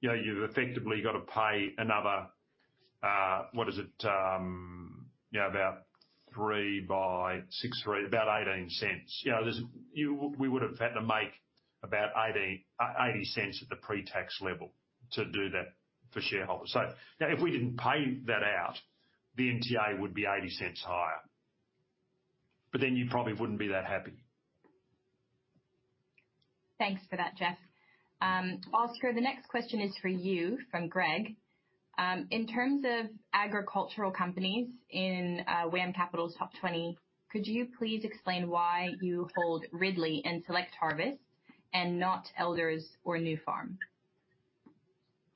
you know, you've effectively got to pay another, what is it? You know, about three by six, three, about AUD 0.18. You know, there's we would have had to make about 0.80, 0.80 at the pre-tax level to do that for shareholders. Now, if we didn't pay that out, the NTA would be 0.80 higher. But then you probably wouldn't be that happy. Thanks for that, Geoff. Oscar, the next question is for you from Greg. In terms of agricultural companies in WAM Capital's top 20, could you please explain why you hold Ridley and Select Harvests, and not Elders or Nufarm?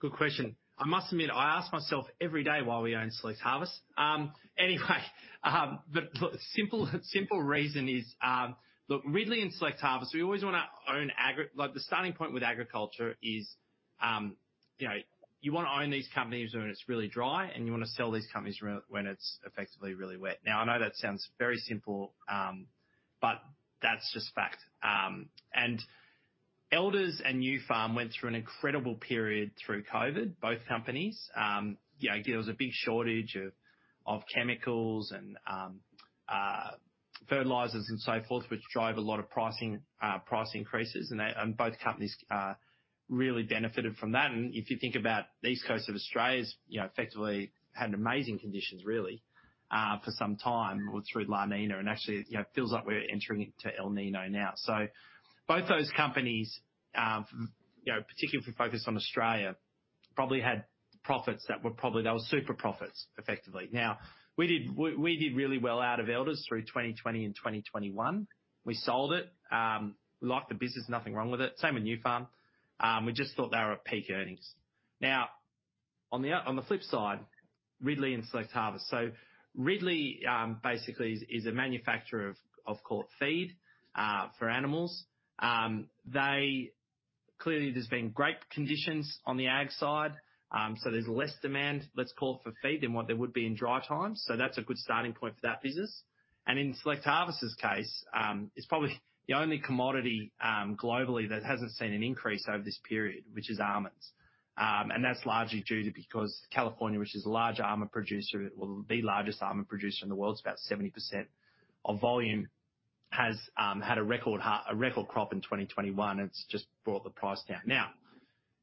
Good question. I must admit, I ask myself every day why we own Select Harvests. Anyway, the simple, simple reason is, look, Ridley and Select Harvests, we always wanna own Like, the starting point with agriculture is, you know, you want to own these companies when it's really dry, and you want to sell these companies when it's effectively really wet. Now, I know that sounds very simple, but that's just fact. Elders and Nufarm went through an incredible period through COVID, both companies. You know, there was a big shortage of, of chemicals and, fertilizers and so forth, which drove a lot of pricing, price increases, and both companies, really benefited from that. If you think about the east coast of Australia, is, you know, effectively had amazing conditions, really, for some time through La Niña, and actually, you know, feels like we're entering into El Niño now. Both those companies, you know, particularly if we focus on Australia, probably had profits that were probably. They were super profits, effectively. We did really well out of Elders through 2020 and 2021. We sold it. We liked the business, nothing wrong with it. Same with Nufarm. We just thought they were at peak earnings. On the flip side, Ridley and Select Harvests. Ridley basically is a manufacturer of stock feed for animals. They clearly, there's been great conditions on the ag side, so there's less demand, let's call, for feed than what there would be in dry times. That's a good starting point for that business. In Select Harvests' case, it's probably the only commodity globally that hasn't seen an increase over this period, which is almonds. That's largely due to because California, which is a large almond producer, well, the largest almond producer in the world, it's about 70% of volume, has had a record crop in 2021, and it's just brought the price down.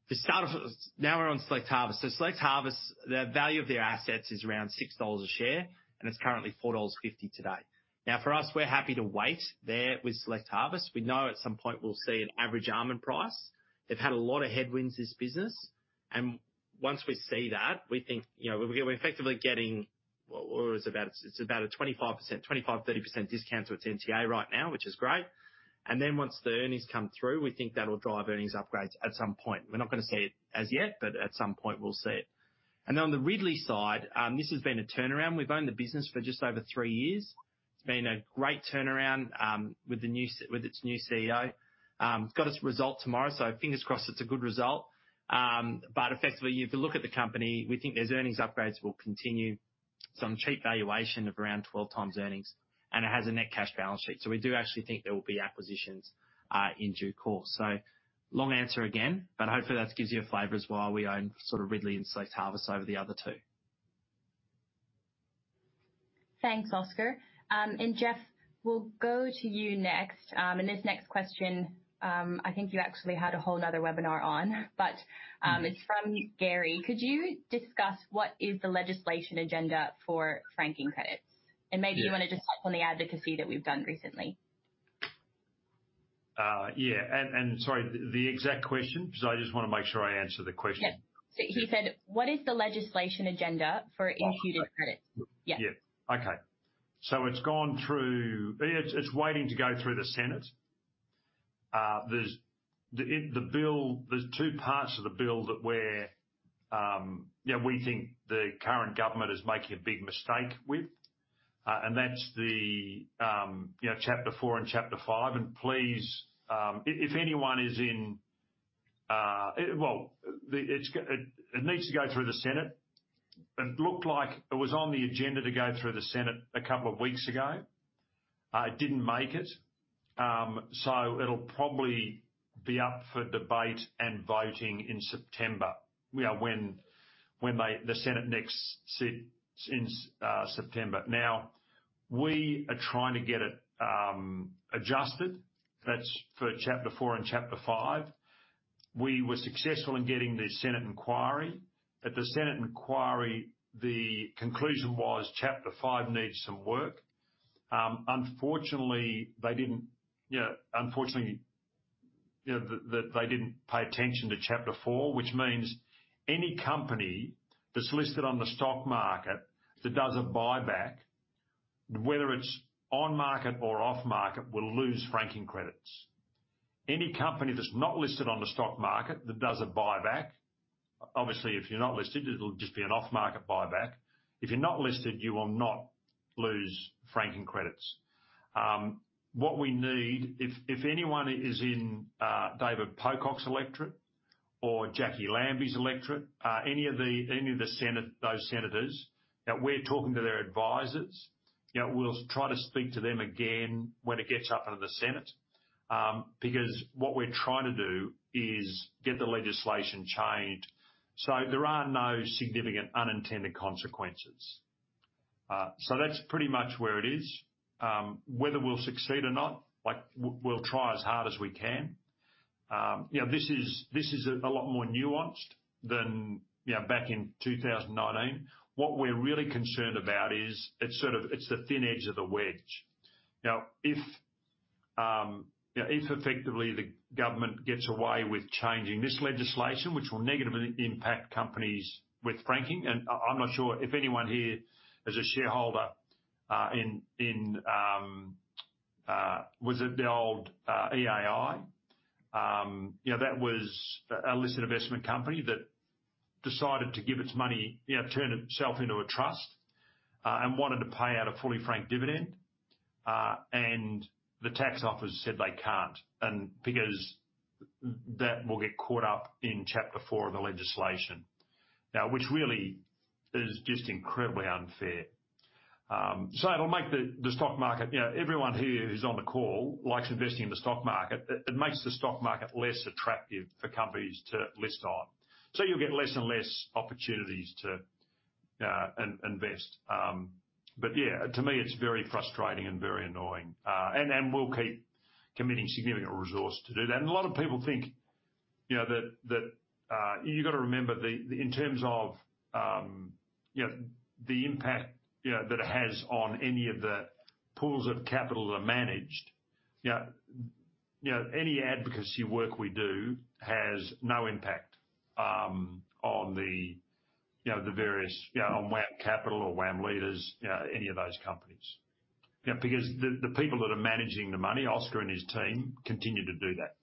To start off, now we're on Select Harvests. Select Harvests, the value of their assets is around 6 dollars a share, and it's currently 4.50 dollars today. For us, we're happy to wait there with Select Harvests. We know at some point we'll see an average almond price. They've had a lot of headwinds, this business, then once we see that, we think, you know, we're effectively getting, well, it's about, it's about a 25%, 25%-30% discount to its NTA right now, which is great. Then, once the earnings come through, we think that'll drive earnings upgrades at some point. We're not going to see it as yet, but at some point, we'll see it. On the Ridley side, this has been a turnaround. We've owned the business for just over three years. It's been a great turnaround, with its new CEO. It's got its result tomorrow, so fingers crossed it's a good result. Effectively, if you look at the company, we think those earnings upgrades will continue some cheap valuation of around 12x earnings, and it has a net cash balance sheet. We do actually think there will be acquisitions in due course. Long answer again, hopefully that gives you a flavor as why we own sort of Ridley and Select Harvests over the other two. Thanks, Oscar. Geoff, we'll go to you next. This next question, I think you actually had a whole other webinar on, but it's from Gary. Could you discuss what is the legislation agenda for franking credits? Yes. Maybe you want to just touch on the advocacy that we've done recently. Yeah, and, and sorry, the, the exact question? Because I just want to make sure I answer the question. Yeah. he said, "What is the legislation agenda for imputed credits? Oh, right. Yeah. Yeah. Okay. It's gone through it's waiting to go through the Senate. There's two parts to the bill that we're, yeah, we think the current government is making a big mistake with, and that's the, you know, chapter 4 and chapter 5. Please, if anyone is in. Well, it needs to go through the Senate. It looked like it was on the agenda to go through the Senate a couple of weeks ago. It didn't make it, it'll probably be up for debate and voting in September, you know, when, when they, the Senate next sits in September. We are trying to get it adjusted. That's for chapter 4 and chapter 5. We were successful in getting the Senate inquiry. At the Senate inquiry, the conclusion was chapter five needs some work. Unfortunately, they didn't, you know, unfortunately, you know, they didn't pay attention to chapter four, which means any company that's listed on the stock market that does a buyback, whether it's on market or off market, will lose franking credits. Any company that's not listed on the stock market that does a buyback, obviously, if you're not listed, it'll just be an off-market buyback. If you're not listed, you will not lose franking credits. What we need, if, if anyone is in David Pocock's electorate or Jacqui Lambie's electorate, any of the, any of the Senate, those senators, that we're talking to their advisors. You know, we'll try to speak to them again when it gets up into the Senate, because what we're trying to do is get the legislation changed so there are no significant unintended consequences. That's pretty much where it is. Whether we'll succeed or not, like, we'll try as hard as we can. You know, this is, this is a lot more nuanced than, you know, back in 2019. What we're really concerned about is, it's the thin edge of the wedge. Now, if, you know, if effectively the government gets away with changing this legislation, which will negatively impact companies with franking, and I, I'm not sure if anyone here is a shareholder in, was it the old, EAI? Yeah, that was a listed investment company that decided to give its money, you know, turn itself into a trust, and wanted to pay out a fully franked dividend. The tax office said they can't, and because that will get caught up in chapter four of the legislation. Now, which really is just incredibly unfair. It'll make the, the stock market, you know, everyone here who's on the call likes investing in the stock market. It makes the stock market less attractive for companies to list on. You'll get less and less opportunities to invest. Yeah, to me, it's very frustrating and very annoying. We'll keep committing significant resource to do that. A lot of people think, you know. You've got to remember the, the, in terms of, you know, the impact, you know, that it has on any of the pools of capital that are managed, you know, you know, any advocacy work we do has no impact, on the, you know, the various, you know, on WAM Capital or WAM Leaders, you know, any of those companies. You know, because the, the people that are managing the money, Oscar and his team, continue to do that.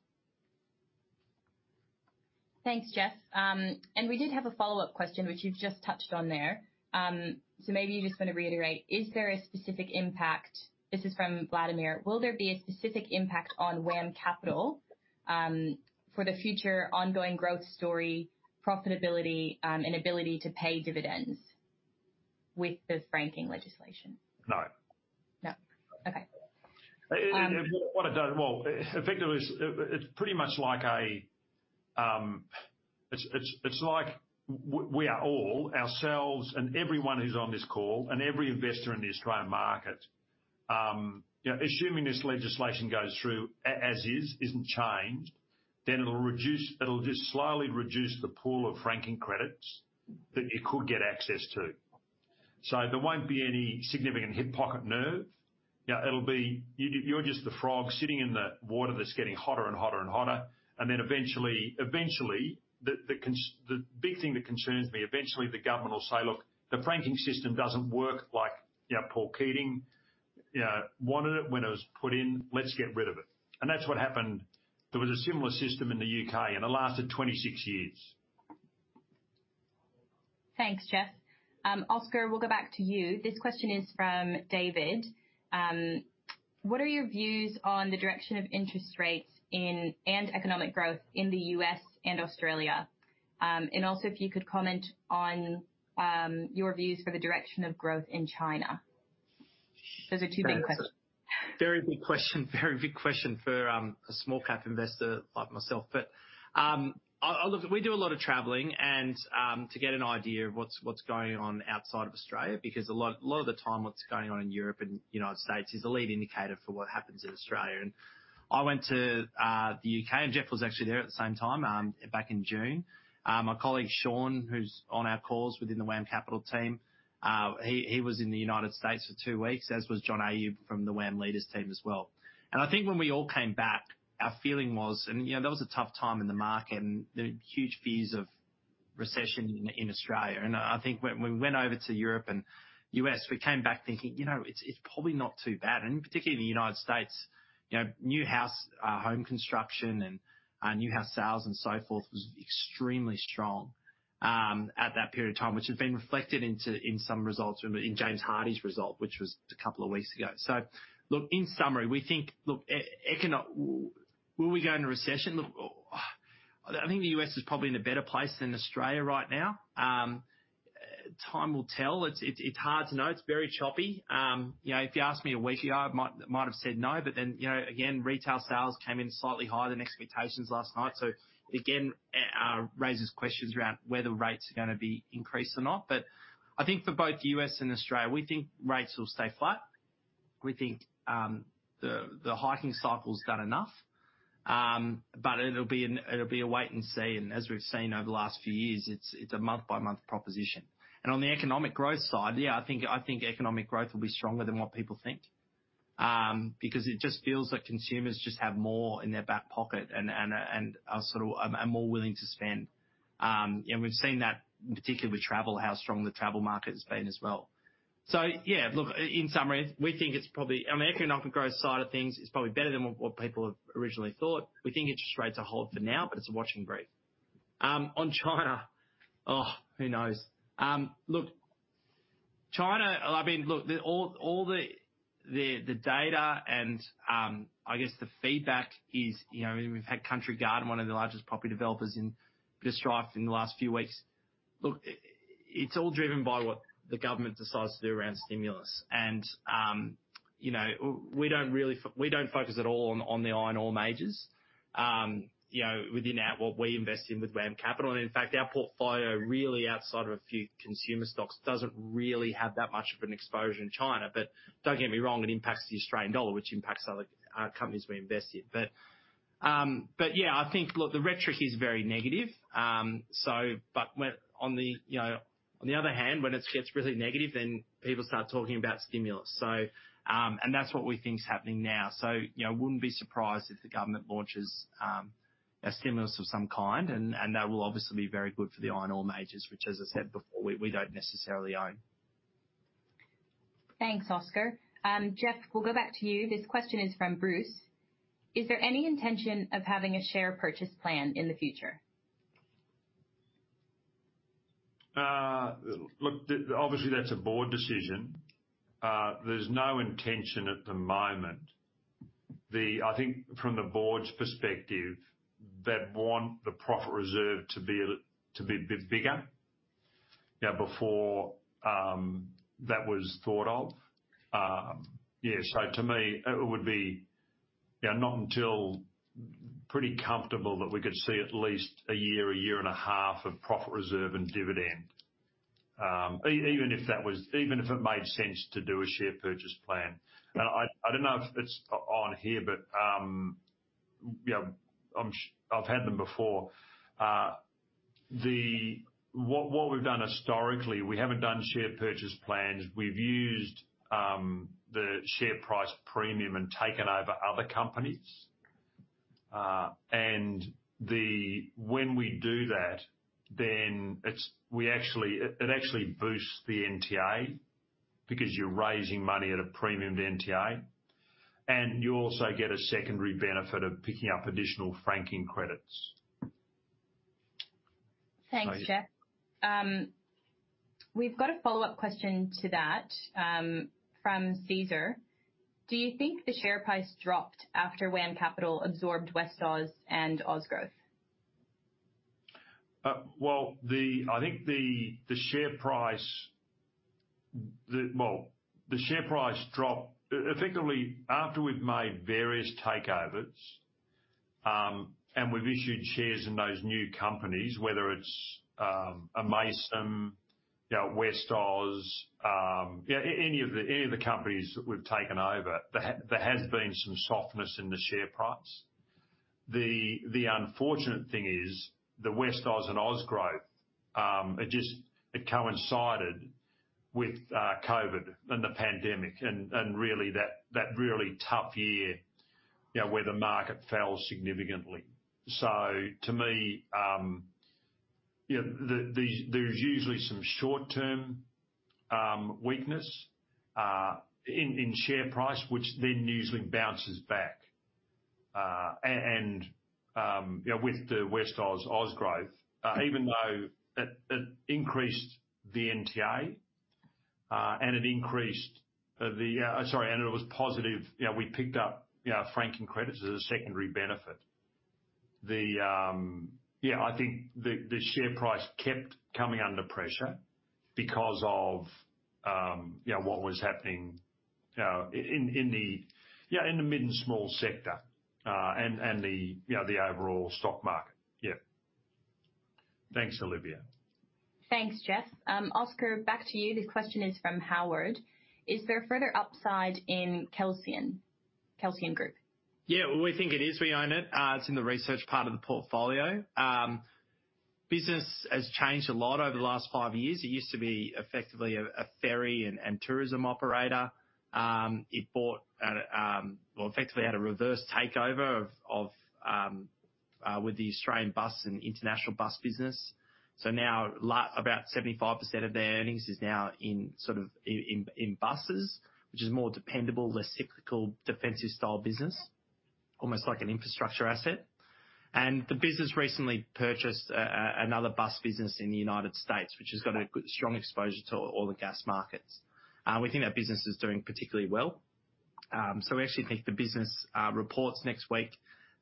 Thanks, Geoff. We did have a follow-up question, which you've just touched on there. So maybe you just want to reiterate: Is there a specific impact. This is from Vladimir. Will there be a specific impact on WAM Capital, for the future ongoing growth story, profitability, and ability to pay dividends with this franking legislation? No. No. Okay. What it does. Well, effectively, it's pretty much like a. It's like we are all, ourselves and everyone who's on this call, and every investor in the Australian market, you know, assuming this legislation goes through as is, isn't changed, then it'll just slowly reduce the pool of franking credits that you could get access to. There won't be any significant hip pocket nerve. You know, you're just the frog sitting in the water that's getting hotter and hotter and hotter, and then eventually, eventually, the big thing that concerns me, eventually, the government will say, "Look, the franking system doesn't work like, you know, Paul Keating, you know, wanted it when it was put in. Let's get rid of it." That's what happened. There was a similar system in the U.K. It lasted 26 years. Thanks, Geoff. Oscar, we'll go back to you. This question is from David. What are your views on the direction of interest rates in, and economic growth in the U.S. and Australia? Also, if you could comment on your views for the direction of growth in China. Those are two big questions. Very big question. Very big question for a small cap investor like myself. I, I'll look, we do a lot of traveling and to get an idea of what's going on outside of Australia, because a lot of the time, what's going on in Europe and United States is a lead indicator for what happens in Australia. I went to the U.K., and Geoff was actually there at the same time back in June. My colleague, Shaun, who's on our calls within the WAM Capital team, he was in the United States for two weeks, as was John Ayoub from the WAM Leaders team as well. I think when we all came back, our feeling was, you know, that was a tough time in the market and the huge fears of recession in Australia. I think when, when we went over to Europe and U.S., we came back thinking, "You know, it's, it's probably not too bad." Particularly in the United States, you know, new house home construction and new house sales and so forth, was extremely strong at that period of time, which has been reflected into, in some results in, in James Hardie's result, which was a couple of weeks ago. Look, in summary, we think, look, econ. Will we go into recession? Look, I think the U.S. is probably in a better place than Australia right now. Time will tell. It's, it's, it's hard to know. It's very choppy. You know, if you asked me a week ago, I might, might have said no, but then, you know, again, retail sales came in slightly higher than expectations last night. Again, raises questions around whether rates are gonna be increased or not. I think for both U.S. and Australia, we think rates will stay flat. We think, the, the hiking cycle's done enough, but it'll be an, it'll be a wait and see. As we've seen over the last few years, it's, it's a month-by-month proposition. On the economic growth side, yeah, I think, I think economic growth will be stronger than what people think, because it just feels like consumers just have more in their back pocket and, and, and are sort of, are more willing to spend. We've seen that particularly with travel, how strong the travel market has been as well. Yeah, look, in summary, we think it's probably. On the economic and growth side of things, it's probably better than what people have originally thought. We think interest rates are hot for now, but it's a watch and wait. On China, who knows? Look, China, I mean, look, the, all, all the, the, the data and, I guess the feedback is, you know, we've had Country Garden, one of the largest property developers in distress in the last few weeks. Look, it's all driven by what the government decides to do around stimulus. You know, we don't really we don't focus at all on the iron ore majors, you know, within our what we invest in with WAM Capital. In fact, our portfolio, really outside of a few consumer stocks, doesn't really have that much of an exposure in China. Don't get me wrong, it impacts the Australian dollar, which impacts other companies we invest in. Yeah, I think, look, the rhetoric is very negative. When on the other hand, when it gets really negative, then people start talking about stimulus. That's what we think is happening now. You know, I wouldn't be surprised if the government launches a stimulus of some kind, and that will obviously be very good for the iron ore majors, which, as I said before we don't necessarily own. Thanks, Oscar. Geoff, we'll go back to you. This question is from Bruce: Is there any intention of having a share purchase plan in the future? Look, the, obviously, that's a board decision. There's no intention at the moment. I think from the board's perspective, they'd want the profit reserve to be a, to be a bit bigger, you know, before that was thought of. Yeah, so to me, it would be, you know, not until pretty comfortable that we could see at least a year, 1.5 years of profit reserve and dividend. Even if that was. Even if it made sense to do a share purchase plan. I don't know if it's on here, but, you know, I'm I've had them before. What we've done historically, we haven't done share purchase plans. We've used the share price premium and taken over other companies. When we do that, then it's, we actually, it, it actually boosts the NTA because you're raising money at a premium to NTA, and you also get a secondary benefit of picking up additional franking credits. Thanks, Geoff. We've got a follow-up question to that, from Caesar. Do you think the share price dropped after WAM Capital absorbed Westoz and Ozgrowth? Well, I think the share price. Well, the share price dropped effectively after we'd made various takeovers, and we've issued shares in those new companies, whether it's Amaysim, you know, Westoz, yeah, any of the companies that we've taken over, there has been some softness in the share price. The unfortunate thing is, Westoz and Ozgrowth, it just coincided with COVID and the pandemic and really, that really tough year, you know, where the market fell significantly. To me, you know, there's usually some short-term weakness in share price, which then usually bounces back. You know, with Westoz, Ozgrowth, even though it increased the NTA, and it increased. Sorry. It was positive. You know, we picked up, you know, franking credits as a secondary benefit. I think the, the share price kept coming under pressure because of, you know, what was happening, in the mid and small sector, and you know, the overall stock market. Yeah. Thanks, Olivia. Thanks, Geoff. Oscar, back to you. This question is from Howard: Is there further upside in Kelsian, Kelsian Group? Yeah, well, we think it is. We own it. It's in the research part of the portfolio. Business has changed a lot over the last five years. It used to be effectively a ferry and tourism operator. It bought at. Well, effectively had a reverse takeover of, with the Australian bus and international bus business. Now, about 75% of their earnings is now in, sort of, in buses, which is more dependable, less cyclical, defensive style business, almost like an infrastructure asset. The business recently purchased a another bus business in the United States, which has got a good, strong exposure to oil and gas markets. We think that business is doing particularly well. We actually think the business reports next week,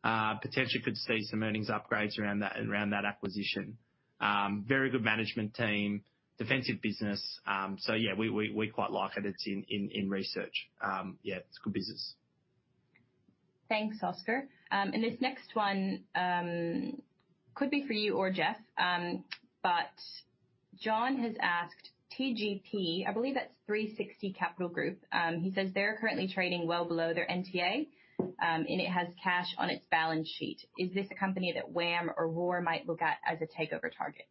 potentially could see some earnings upgrades around that, around that acquisition. Very good management team, defensive business. Yeah, we quite like it. It's in research. Yeah, it's a good business. Thanks, Oscar. This next one could be for you or Geoff. John has asked, TGP, I believe that's 360 Capital Group. He says they're currently trading well below their NTA, and it has cash on its balance sheet. Is this a company that WAM or WAR might look at as a takeover target?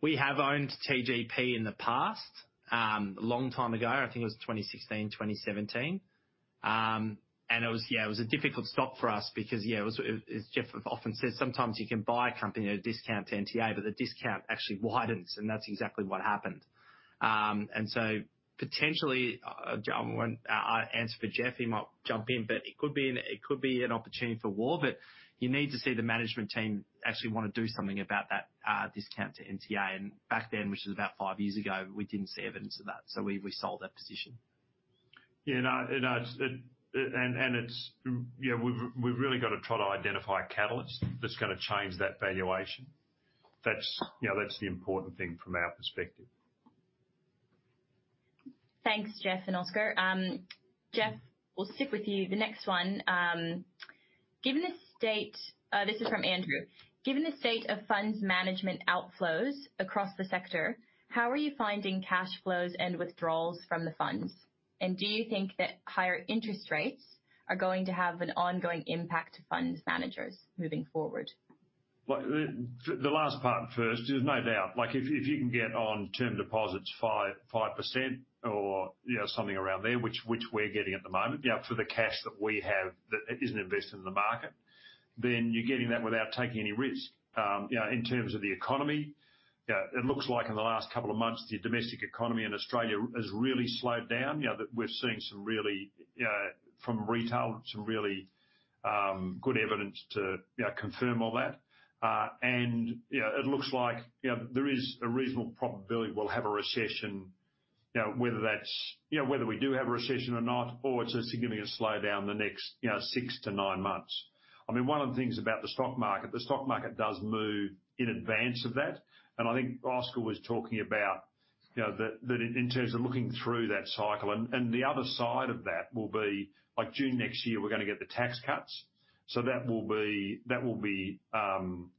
We have owned TGP in the past, a long time ago. I think it was 2016, 2017. It was, yeah, it was a difficult stop for us because, yeah, it was, as Geoff often says, sometimes you can buy a company at a discount to NTA, but the discount actually widens, and that's exactly what happened. Potentially, I'll answer for Geoff, he might jump in, but it could be an, it could be an opportunity for WAR, but you need to see the management team actually want to do something about that, discount to NTA. Back then, which is about five years ago, we didn't see evidence of that, so we sold that position. Yeah, no. You know, we've, we've really got to try to identify a catalyst that's going to change that valuation. That's, you know, that's the important thing from our perspective. Thanks, Geoff and Oscar. Geoff, we'll stick with you. The next one, this is from Andrew. Given the state of funds management outflows across the sector, how are you finding cash flows and withdrawals from the funds? Do you think that higher interest rates are going to have an ongoing impact to funds managers moving forward? Well, the, the last part first, there's no doubt, like, if, if you can get on term deposits 5, 5% or, you know, something around there, which, which we're getting at the moment, you know, for the cash that we have that isn't invested in the market, then you're getting that without taking any risk. You know, in terms of the economy, you know, it looks like in the last couple of months, the domestic economy in Australia has really slowed down. You know, that we're seeing some really, from retail, some really, good evidence to, you know, confirm all that. You know, it looks like, you know, there is a reasonable probability we'll have a recession. You know, whether that's. You know, whether we do have a recession or not, or it's a significant slowdown in the next, you know, six to nine months. I mean, one of the things about the stock market, the stock market does move in advance of that, and I think Oscar was talking about, you know, that, that in terms of looking through that cycle. The other side of that will be like June next year, we're gonna get the tax cuts. That will be, that will be, you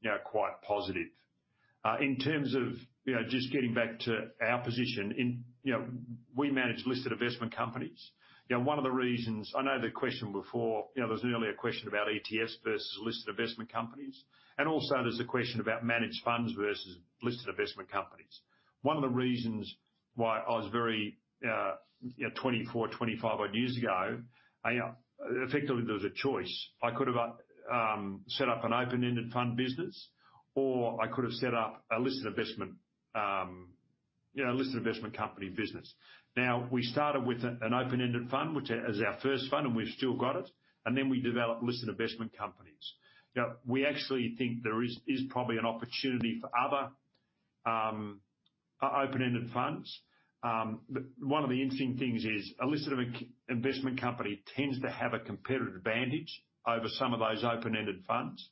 know, quite positive. In terms of, you know, just getting back to our position in. You know, we manage listed investment companies. You know, one of the reasons. I know the question before, you know, there was an earlier question about ETFs versus listed investment companies, and also there's a question about managed funds versus listed investment companies. One of the reasons why I was very, you know, 24, 25 odd years ago, you know, effectively, there was a choice. I could have set up an open-ended fund business, or I could have set up a listed investment company business. We started with an open-ended fund, which is our first fund, and we've still got it, and then we developed listed investment companies. You know, we actually think there is probably an opportunity for other open-ended funds. One of the interesting things is a listed investment company tends to have a competitive advantage over some of those open-ended funds.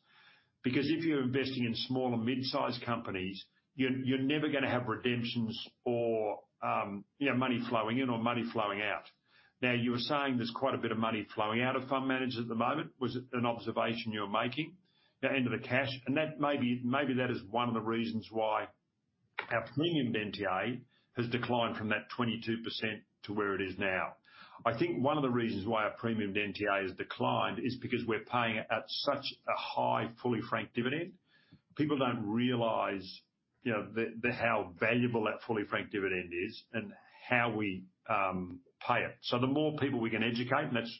If you're investing in small and mid-sized companies, you're never gonna have redemptions or, you know, money flowing in or money flowing out. You were saying there's quite a bit of money flowing out of fund managers at the moment, was it an observation you were making? Into the cash, and that maybe, maybe that is one of the reasons why our premium to NTA has declined from that 22% to where it is now. I think one of the reasons why our premium to NTA has declined is because we're paying out such a high fully franked dividend. People don't realize, you know, how valuable that fully franked dividend is and how we pay it. The more people we can educate, and that's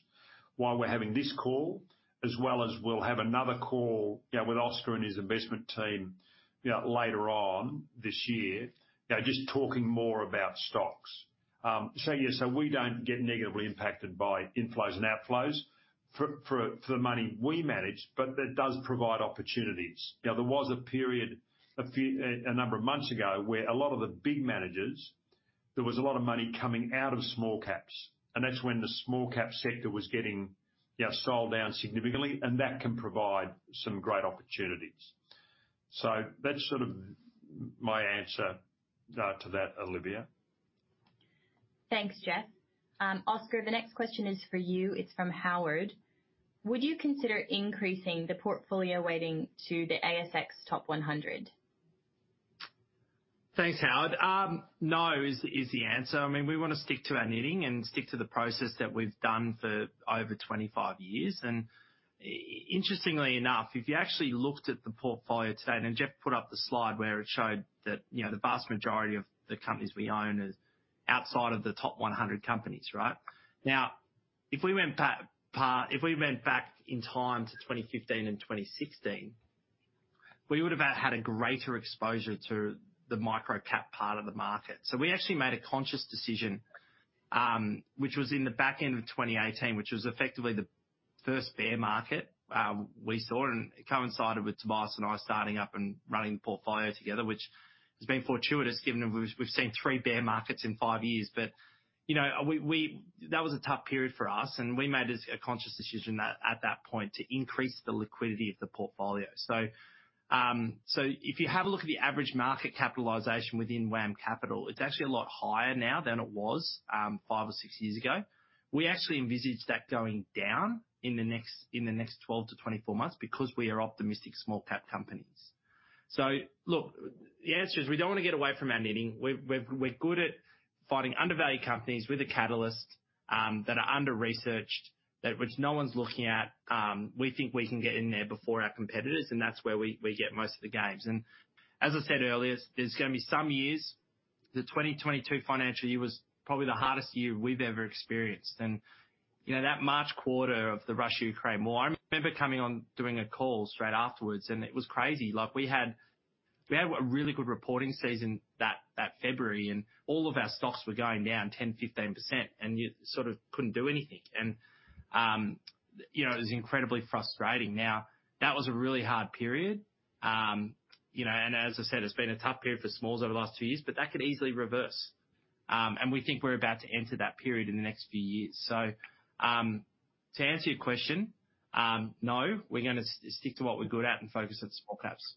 why we're having this call, as well as we'll have another call, you know, with Oscar and his investment team, you know, later on this year. You know, just talking more about stocks. Yeah, so we don't get negatively impacted by inflows and outflows for, for, for the money we manage, but that does provide opportunities. Now, there was a period, a few, a number of months ago, where a lot of the big managers, there was a lot of money coming out of small caps, and that's when the small cap sector was getting, you know, sold down significantly, and that can provide some great opportunities. That's sort of my answer to that, Olivia. Thanks, Geoff. Oscar, the next question is for you. It's from Howard. Would you consider increasing the portfolio weighting to the ASX top 100? Thanks, Howard. No, is the answer. I mean, we wanna stick to our knitting and stick to the process that we've done for over 25 years. Interestingly enough, if you actually looked at the portfolio today, and Geoff put up the slide where it showed that, you know, the vast majority of the companies we own is outside of the top 100 companies, right? Now, if we went back, if we went back in time to 2015 and 2016, we would have had a greater exposure to the micro-cap part of the market. We actually made a conscious decision, which was in the back end of 2018, which was effectively the first bear market we saw, and it coincided with Tobias and I starting up and running the portfolio together, which has been fortuitous, given that we've, we've seen three bear markets in five years. You know, that was a tough period for us, and we made a conscious decision at that point to increase the liquidity of the portfolio. If you have a look at the average market capitalization within WAM Capital, it's actually a lot higher now than it was, five or six years ago. We actually envisage that going down in the next 12-24 months because we are optimistic small cap companies. Look, the answer is we don't want to get away from our knitting. We're good at finding undervalued companies with a catalyst that are under-researched, that which no one's looking at. We think we can get in there before our competitors, and that's where we get most of the gains. As I said earlier, there's gonna be some years, the 2022 financial year was probably the hardest year we've ever experienced. You know, that March quarter of the Russia-Ukraine War, I remember coming on doing a call straight afterwards, and it was crazy. Like, we had, we had a really good reporting season that February. All of our stocks were going down 10%, 15%. You sort of couldn't do anything. You know, it was incredibly frustrating. Now, that was a really hard period. You know, as I said, it's been a tough period for smalls over the last two years, but that could easily reverse. We think we're about to enter that period in the next few years. To answer your question, no, we're gonna stick to what we're good at and focus on small caps.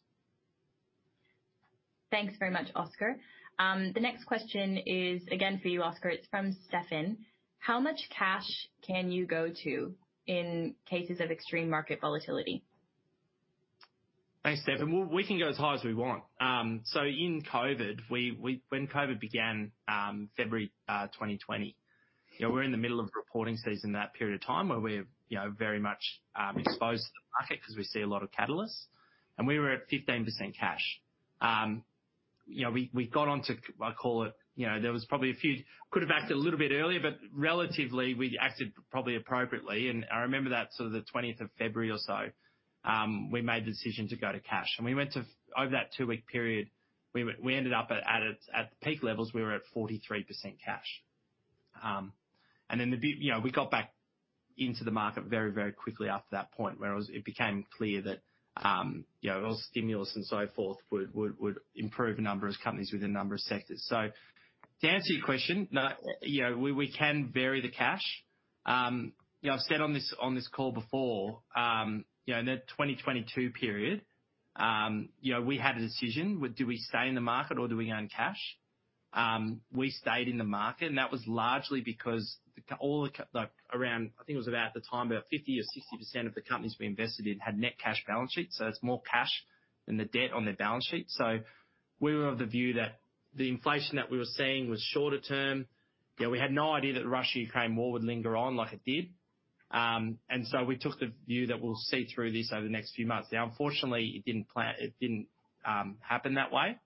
Thanks very much, Oscar. The next question is again for you, Oscar. It's from Stefan: How much cash can you go to in cases of extreme market volatility? Thanks, Stefan. Well, we can go as high as we want. So in COVID, when COVID began, February 2020, you know, we're in the middle of the reporting season, that period of time where we're, you know, very much exposed to the market because we see a lot of catalysts, and we were at 15% cash. You know, we got on to, I call it, you know, there was probably could have acted a little bit earlier, but relatively, we acted probably appropriately. I remember that sort of the 20th of February or so, we made the decision to go to cash. We went to, over that two-week period, we ended up at the peak levels, we were at 43% cash. You know, we got back into the market very, very quickly after that point, where it became clear that, you know, all stimulus and so forth would, would, would improve a number of companies within a number of sectors. To answer your question, no, you know, we can vary the cash. You know, I've said on this, on this call before, you know, in that 2022 period, you know, we had a decision, do we stay in the market, or do we go in cash? We stayed in the market, and that was largely because the like, around I think it was about the time, about 50% or 60% of the companies we invested in had net cash balance sheets, so it's more cash than the debt on their balance sheet. We were of the view that the inflation that we were seeing was shorter term. You know, we had no idea that Russia-Ukraine War would linger on like it did. We took the view that we'll see through this over the next few months. Unfortunately, it didn't happen that way.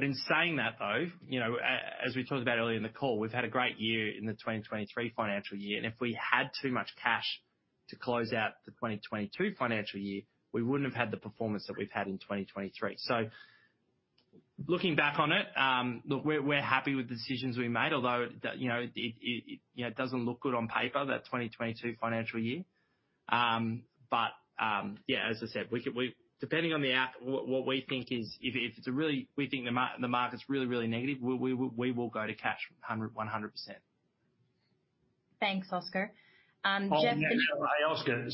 In saying that, though, you know, as we talked about earlier in the call, we've had a great year in the 2023 financial year, and if we had too much cash to close out the 2022 financial year, we wouldn't have had the performance that we've had in 2023. Looking back on it, look, we're happy with the decisions we made, although, that you know, it doesn't look good on paper, that 2022 financial year. Yeah, as I said, we, depending on what we think is. If we think the market's really negative, we will go to cash 100%. Thanks, Oscar. Geoff- Oscar,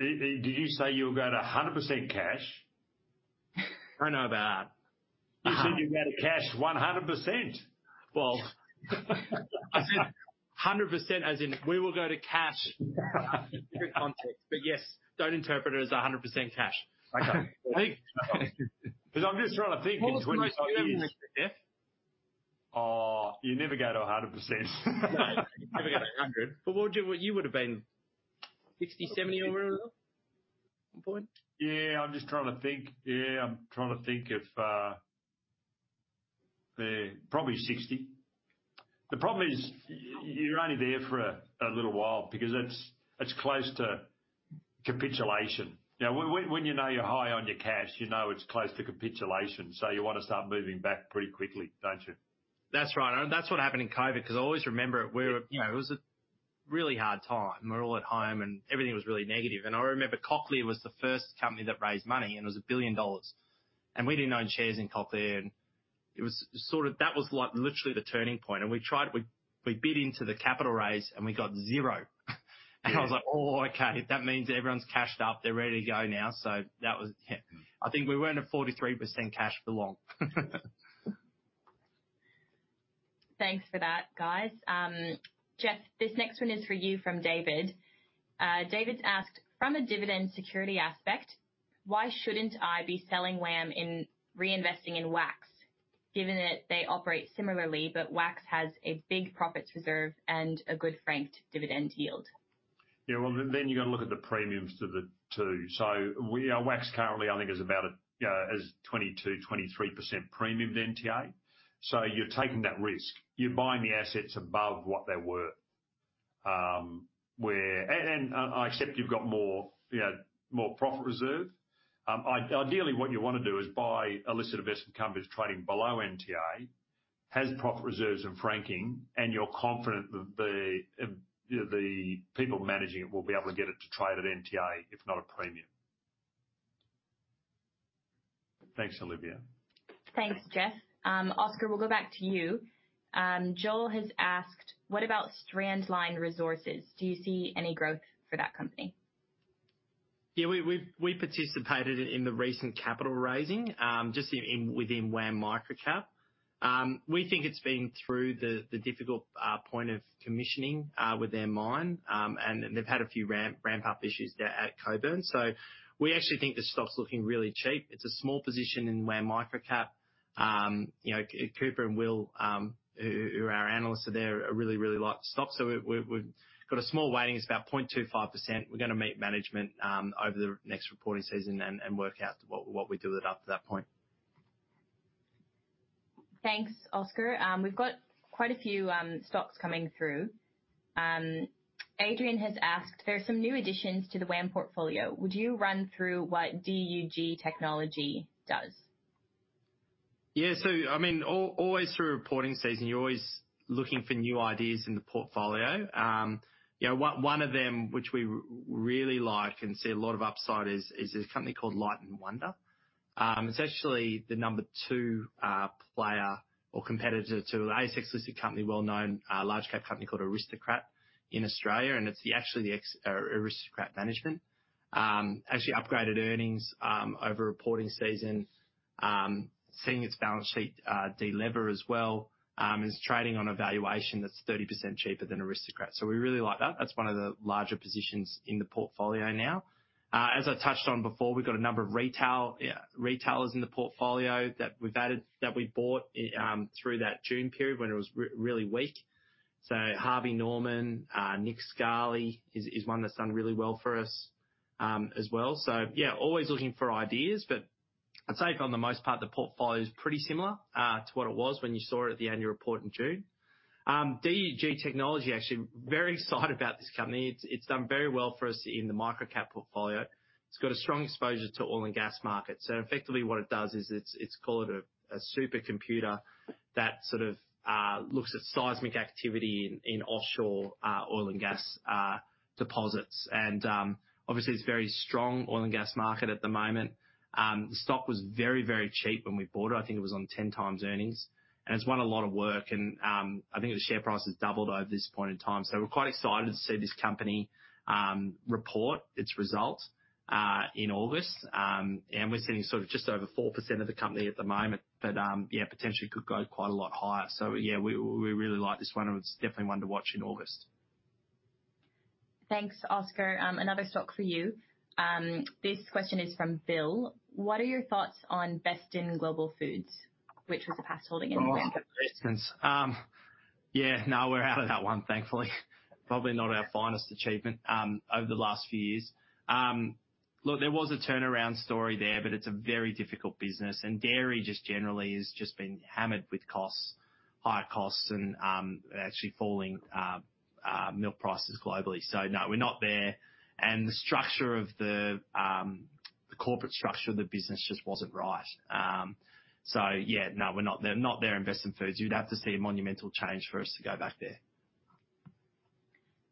did you say you'll go to 100% cash? I know about that. You said you go to cash 100%! Well, 100%, as in we will go to cash. Different context, but yes, don't interpret it as a 100% cash. Okay. Cause I'm just trying to think in 25 years. Oh, you never go to 100%. No, you never get to 100. What would you, you would have been 60, 70 over at one point? Yeah, I'm just trying to think. Yeah, I'm trying to think if. Yeah, probably 60. The problem is, you're only there for a little while because that's, that's close to capitulation. When you know you're high on your cash, you know it's close to capitulation, so you want to start moving back pretty quickly, don't you? That's right. That's what happened in COVID, because I always remember it where, you know, it was a really hard time. We're all at home, and everything was really negative. I remember Cochlear was the first company that raised money, and it was 1 billion dollars. We didn't own shares in Cochlear, and it was sort of that was, like, literally the turning point. We tried, we bid into the capital raise, and we got zero. I was like: "Oh, okay, that means everyone's cashed out. They're ready to go now." That was. I think we weren't at 43% cash for long. Thanks for that, guys. Geoff Wilson, this next one is for you from David. David's asked, "From a dividend security aspect, why shouldn't I be selling WAM Capital and reinvesting in WAM Research, given that they operate similarly, but WAM Research has a big profits reserve and a good franked dividend yield? Well, then, then you got to look at the premiums to the two. We. WAX currently, I think, is about, yeah, as 22%-23% premium NTA. You're taking that risk. You're buying the assets above what they're worth. And, except you've got more, you know, more profit reserve. Ideally, what you want to do is buy a listed investment company that's trading below NTA, has profit reserves and franking, and you're confident that the, you know, the people managing it will be able to get it to trade at NTA, if not a premium. Thanks, Olivia. Thanks, Geoff. Oscar, we'll go back to you. Joel has asked: What about Strandline Resources? Do you see any growth for that company? We participated in the recent capital raising, just in, within WAM Microcap. We think it's been through the, the difficult point of commissioning, with their mine, and they've had a few ramp, ramp-up issues there at Coburn. We actually think the stock's looking really cheap. It's a small position in WAM Microcap. You know, Cooper and Will, who, who are our analysts there, really, really like the stock, so we've got a small weighting. It's about 0.25%. We're gonna meet management over the next reporting season and, and work out what, what we do with it after that point. Thanks, Oscar. We've got quite a few stocks coming through. Adrian has asked: "There are some new additions to the WAM portfolio. Would you run through what DUG Technology does? Yeah, I mean, always through reporting season, you're always looking for new ideas in the portfolio. One, one of them, which we really like and see a lot of upside, is, is a company called Light & Wonder. It's actually the number two competitor to an ASX-listed company, well-known, large cap company called Aristocrat in Australia, and it's actually the ex- or Aristocrat management. Actually upgraded earnings over reporting season, seeing its balance sheet de-lever as well, is trading on a valuation that's 30% cheaper than Aristocrat. We really like that. That's one of the larger positions in the portfolio now. As I touched on before, we've got a number of retail, yeah, retailers in the portfolio that we've added, that we bought, through that June period when it was really weak. Harvey Norman, Nick Scali is, is one that's done really well for us, as well. Yeah, always looking for ideas, but I'd say for the most part, the portfolio is pretty similar to what it was when you saw it at the annual report in June. DUG Technology, actually very excited about this company. It's, it's done very well for us in the micro-cap portfolio. It's got a strong exposure to oil and gas markets. Effectively, what it does is it's, it's called a, a supercomputer that sort of, looks at seismic activity in, in offshore, oil and gas, deposits. Obviously, it's a very strong oil and gas market at the moment. The stock was very, very cheap when we bought it. I think it was on 10x earnings, and it's won a lot of work, and I think the share price has doubled over this point in time. We're quite excited to see this company report its results in August. We're sitting sort of just over 4% of the company at the moment, but, yeah, potentially could go quite a lot higher. Yeah, we really like this one, and it's definitely one to watch in August. Thanks, Oscar. Another stock for you. This question is from Bill: What are your thoughts on Beston Global Food Group, which was a past holding in WAM? Oh, Beston. Yeah, no, we're out of that one, thankfully. Probably not our finest achievement over the last few years. Look, there was a turnaround story there, but it's a very difficult business, and dairy just generally has just been hammered with costs, high costs and actually falling milk prices globally. No, we're not there. The structure of the corporate structure of the business just wasn't right. Yeah, no, we're not there, not there in Beston Foods. You'd have to see a monumental change for us to go back there.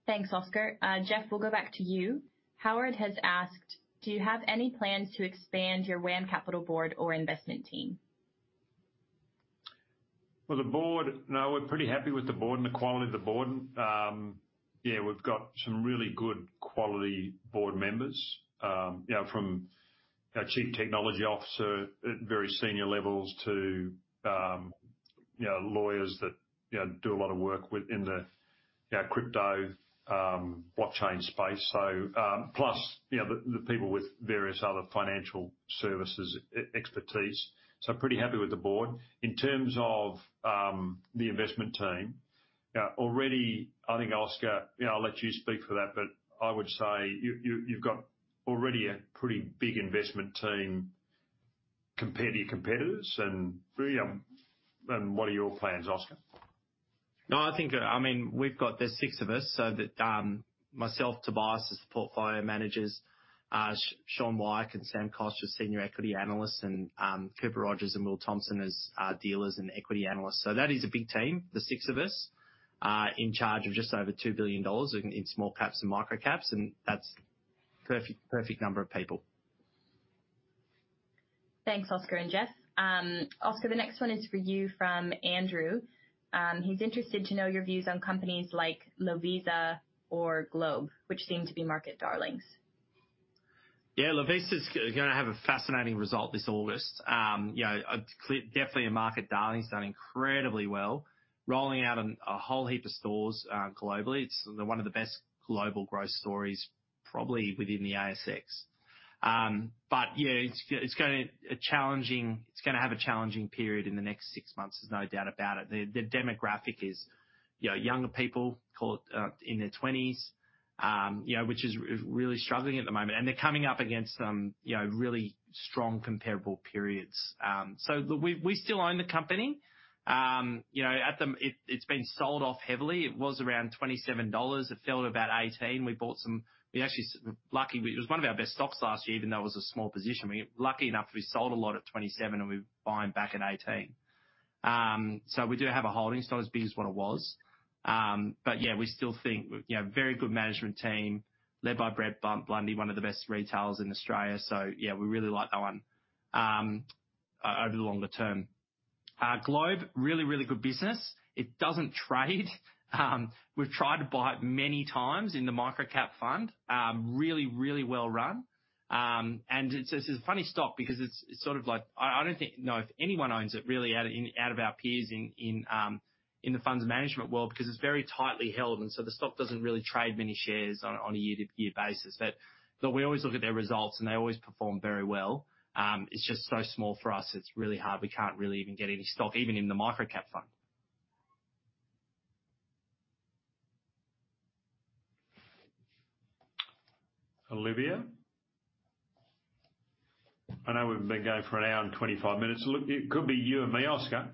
Thanks, Oscar. Geoff, we'll go back to you. Howard has asked, "Do you have any plans to expand your WAM Capital board or investment team? Well, the board, no, we're pretty happy with the board and the quality of the board. Yeah, we've got some really good quality board members, you know, from our chief technology officer at very senior levels to, you know, lawyers that, you know, do a lot of work with in the, you know, crypto, blockchain space. So, plus, you know, the, the people with various other financial services e-expertise. So pretty happy with the board. In terms of the investment team, already, I think, Oscar, you know, I'll let you speak for that, but I would say you, you, you've got already a pretty big investment team compared to your competitors and what are your plans, Oscar? No, I think, I mean, we've got, there's six of us, myself, Tobias, as the portfolio managers, Shaun Weick and Sam Koch, senior equity analysts, and Cooper Rogers and Will Thompson as our dealers and equity analysts. That is a big team, the six of us, in charge of just over 2 billion dollars in, in small caps and micro caps, and that's perfect, perfect number of people. Thanks, Oscar and Geoff. Oscar, the next one is for you from Andrew. He's interested to know your views on companies like Lovisa or Globe, which seem to be market darlings. Yeah, Lovisa's gonna have a fascinating result this August. You know, definitely a market darling. It's done incredibly well, rolling out on a whole heap of stores, globally. It's one of the best global growth stories, probably within the ASX. Yeah, it's it's gonna have a challenging period in the next 6 months, there's no doubt about it. The demographic is, you know, younger people, call it, in their 20s, you know, which is, is really struggling at the moment, they're coming up against some, you know, really strong comparable periods. Look, we still own the company. You know, it's been sold off heavily. It was around 27 dollars. It fell to about 18. We bought some. We actually, lucky, it was one of our best stocks last year, even though it was a small position. We were lucky enough, we sold a lot at 27, and we bought back at 18. We do have a holding. It's not as big as what it was, yeah, we still think, you know, very good management team led by Brett Blundy, one of the best retailers in Australia. Yeah, we really like that one over the longer term. Globe, really, really good business. It doesn't trade. We've tried to buy it many times in the microcap fund. Really, really well run. It's, it's a funny stock because it's, it's sort of like, I, I don't think, know if anyone owns it really, out in, out of our peers in, in, in the funds management world, because it's very tightly held, and so the stock doesn't really trade many shares on a, on a year-to-year basis. We always look at their results, and they always perform very well. It's just so small for us, it's really hard. We can't really even get any stock, even in the WAM Microcap fund. Olivia, I know we've been going for an hour and 25 minutes. Look, it could be you and me, Oscar.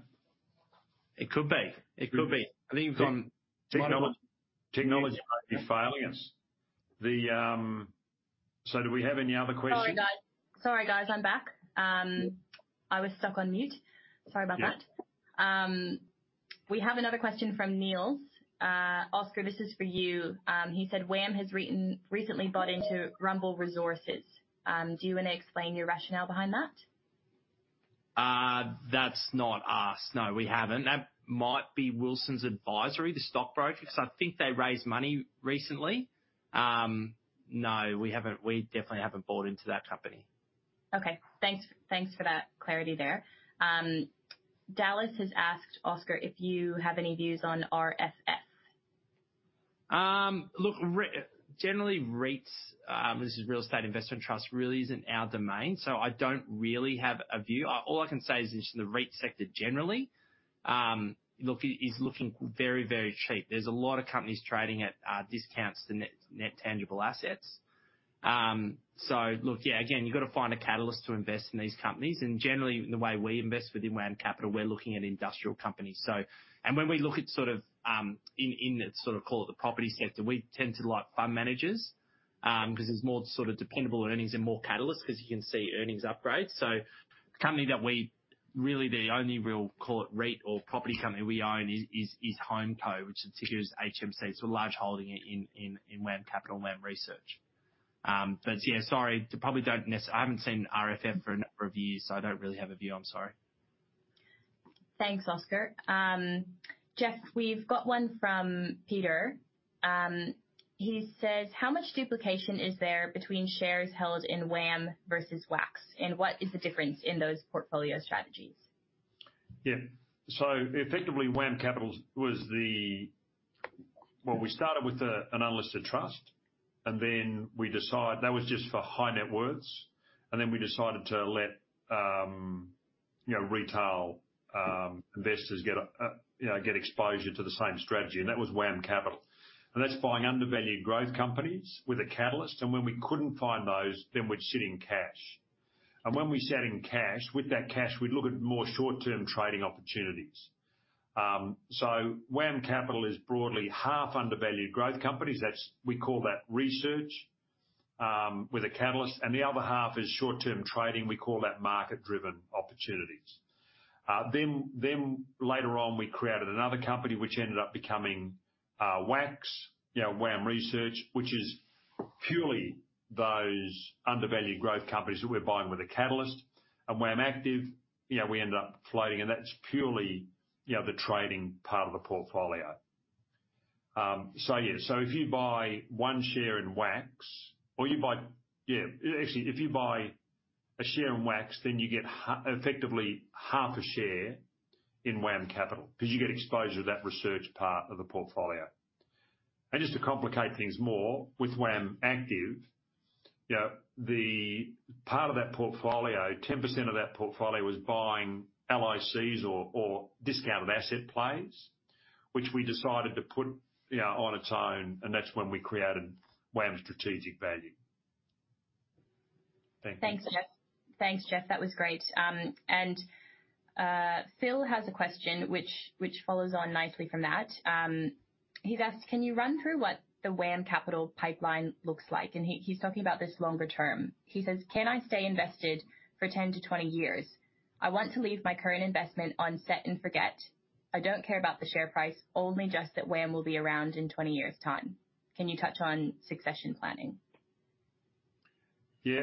It could be. It could be. I think. Technology, technology might be failing us. Do we have any other questions? Sorry, guys. Sorry, guys, I'm back. I was stuck on mute. Sorry about that. Yeah. We have another question from Niels. Oscar, this is for you. He said, "WAM has recently bought into Rumble Resources. Do you want to explain your rationale behind that? That's not us. No, we haven't. That might be Wilsons Advisory, the stockbrokers. I think they raised money recently. No, we haven't. We definitely haven't bought into that company. Okay. Thanks, thanks for that clarity there. Dallas has asked Oscar if you have any views on RFF. Generally, REITs, this is Real Estate Investment Trust, really isn't our domain, so I don't really have a view. All I can say is, just in the REIT sector generally, it is looking very, very cheap. There's a lot of companies trading at discounts to net, Net Tangible Assets. Again, you've got to find a catalyst to invest in these companies, and generally, the way we invest within WAM Capital, we're looking at industrial companies. When we look at sort of, in the sort of, call it, the property sector, we tend to like fund managers, because there's more sort of dependable earnings and more catalysts because you can see earnings upgrades. The company that really, the only real, call it, REIT or property company we own is, is, is HomeCo, which ticker is HMC. It's a large holding in, in, in WAM Capital and WAM Research. Yeah, sorry, you probably don't I haven't seen RFF for a number of years, so I don't really have a view. I'm sorry. Thanks, Oscar. Geoff, we've got one from Peter. He says, "How much duplication is there between shares held in WAM Capital versus WAM Research, and what is the difference in those portfolio strategies? Yeah. Effectively, WAM Capital was. Well, we started with an unlisted trust, and then we decided. That was just for high net worths, and then we decided to let, you know, retail investors get, you know, get exposure to the same strategy, and that was WAM Capital. That's buying undervalued growth companies with a catalyst, and when we couldn't find those, then we'd sit in cash. When we sat in cash, with that cash, we'd look at more short-term trading opportunities. WAM Capital is broadly half undervalued growth companies. That's. We call that research with a catalyst, and the other half is short-term trading. We call that market-driven opportunities. Later on, we created another company which ended up becoming WAX, you know, WAM Research, which is purely those undervalued growth companies that we're buying with a catalyst. WAM Active, you know, we end up floating, and that's purely, you know, the trading part of the portfolio. Yeah. If you buy one share in WAX or you buy. Yeah, actually, if you buy a share in WAX, then you get effectively half a share in WAM Capital, because you get exposure to that research part of the portfolio. Just to complicate things more, with WAM Active, you know, the part of that portfolio, 10% of that portfolio was buying LICs or, or discounted asset plays, which we decided to put, you know, on its own, and that's when we created WAM Strategic Value. Thank you. Thanks, Geoff. Thanks, Geoff. That was great. And Phil has a question which follows on nicely from that. He's asked, "Can you run through what the WAM Capital pipeline looks like?" He, he's talking about this longer term. He says, "Can I stay invested for 10-20 years? I want to leave my current investment on set and forget. I don't care about the share price, only just that WAM will be around in 20 years' time. Can you touch on succession planning? Yeah,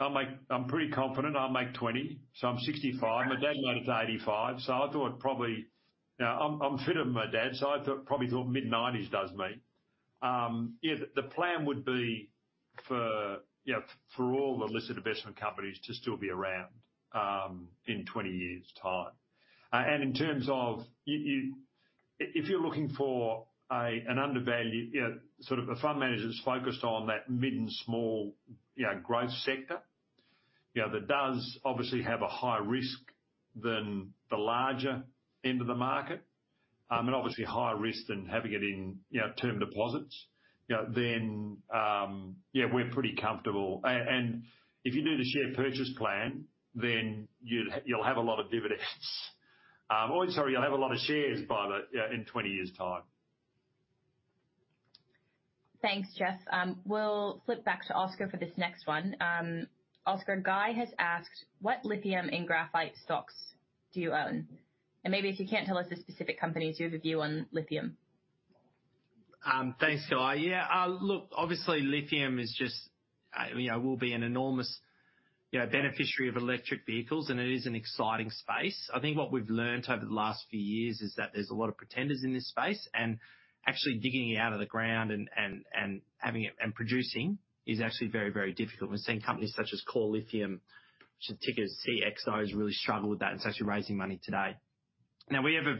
I'm pretty confident I'll make 20, so I'm 65. Gotcha. My dad made it to 85, so I thought probably, you know, I'm, I'm fitter than my dad, so I thought, probably thought mid-90s does me. The, the plan would be for, you know, for all the listed investment companies to still be around in 20 years' time. In terms of. If you're looking for a, an undervalued, you know, sort of a fund manager that's focused on that mid and small, you know, growth sector, you know, that does obviously have a higher risk than the larger end of the market, and obviously higher risk than having it in, you know, term deposits, you know, then, yeah, we're pretty comfortable. If you do the share purchase plan, then you'll, you'll have a lot of dividends. or sorry, you'll have a lot of shares by the in 20 years' time. Thanks, Geoff. We'll flip back to Oscar for this next one. Oscar, Guy has asked, "What lithium and graphite stocks do you own?" Maybe if you can't tell us the specific companies, do you have a view on lithium? Thanks, Guy. Yeah, look, obviously lithium is just, you know, will be an enormous, you know, beneficiary of electric vehicles, and it is an exciting space. I think what we've learned over the last few years is that there's a lot of pretenders in this space, and actually digging it out of the ground and having it, and producing is actually very, very difficult. We've seen companies such as Core Lithium, which the ticker is CXO, has really struggled with that and is actually raising money today. Now, we have a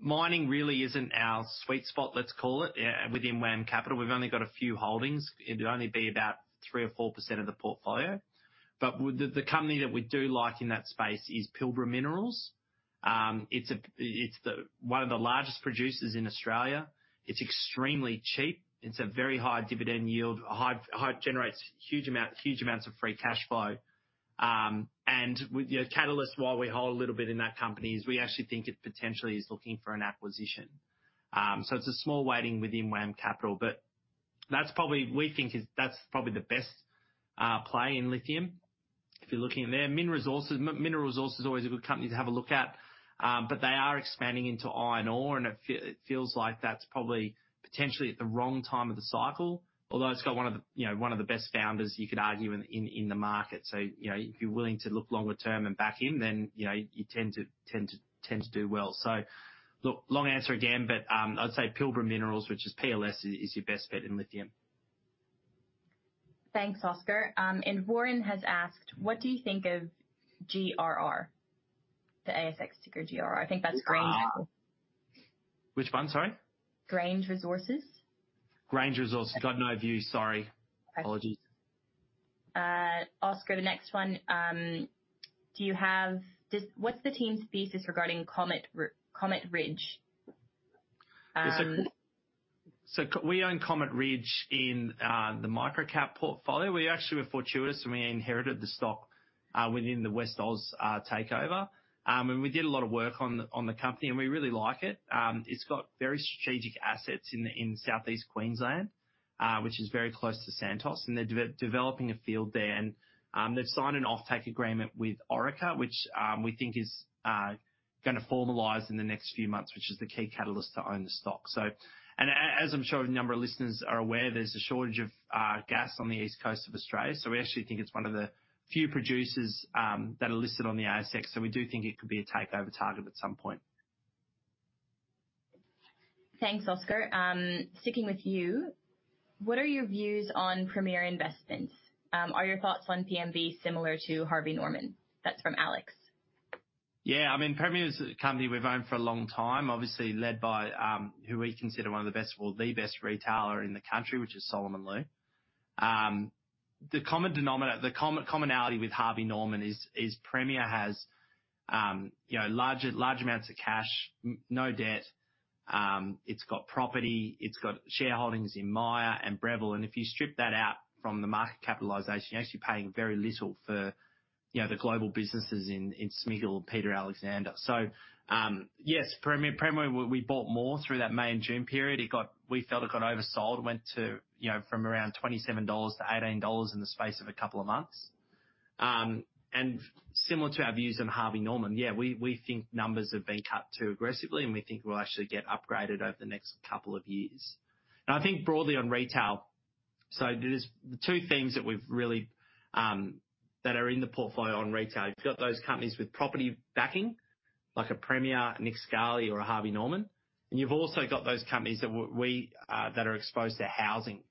Mining really isn't our sweet spot, let's call it, within WAM Capital. We've only got a few holdings. It'd only be about 3% or 4% of the portfolio, but the company that we do like in that space is Pilbara Minerals. It's one of the largest producers in Australia. It's extremely cheap. It's a very high dividend yield, generates huge amount, huge amounts of free cash flow. With the catalyst, while we hold a little bit in that company, is we actually think it potentially is looking for an acquisition. It's a small weighting within WAM Capital. That's probably, we think is, that's probably the best play in lithium. If you're looking in there, Min Resources, Mineral Resources is always a good company to have a look at, but they are expanding into iron ore, and it feels like that's probably potentially at the wrong time of the cycle. Although it's got one of the, you know, one of the best founders you could argue in, in, in the market. You know, if you're willing to look longer term and back him, then, you know, you tend to, tend to, tend to do well. Look, long answer again, but, I'd say Pilbara Minerals, which is PLS, is your best bet in lithium. Thanks, Oscar. Warren has asked: What do you think of GRR? The ASX ticker, GRR. I think that's Grange. Which one, sorry? Grange Resources. Grange Resources. Got no view, sorry. Okay. Apologies. Oscar, the next one, what's the team's thesis regarding Comet Ridge? We own Comet Ridge in the micro-cap portfolio. We actually were fortuitous, and we inherited the stock within the Westoz takeover. We did a lot of work on the company, and we really like it. It's got very strategic assets in Southeast Queensland, which is very close to Santos, and they're developing a field there. They've signed an offtake agreement with Orica, which we think is gonna formalize in the next few months, which is the key catalyst to own the stock. As I'm sure a number of listeners are aware, there's a shortage of gas on the east coast of Australia, so we actually think it's one of the few producers that are listed on the ASX. We do think it could be a takeover target at some point. Thanks, Oscar. Sticking with you, what are your views on Premier Investments? Are your thoughts on PMV similar to Harvey Norman? That's from Alex. Yeah, I mean, Premier is a company we've owned for a long time, obviously led by, who we consider one of the best or the best retailer in the country, which is Solomon Lew. The commonality with Harvey Norman is, is Premier has, you know, large, large amounts of cash, no debt. It's got property, it's got shareholdings in Myer and Breville, and if you strip that out from the market capitalization, you're actually paying very little for, you know, the global businesses in, in Smiggle or Peter Alexander. Yes, Premier, Premier, we bought more through that May and June period. We felt it got oversold, went to, you know, from around 27 dollars to 18 dollars in the space of a couple of months. And similar to our views on Harvey Norman, yeah, we think numbers have been cut too aggressively, and we think we'll actually get upgraded over the next couple of years. And I think broadly on retail, so there's the two themes that we've really that are in the portfolio on retail. You've got those companies with property backing, like a Premier, Nick Scali, or a Harvey Norman. And you've also got those companies that are exposed to housing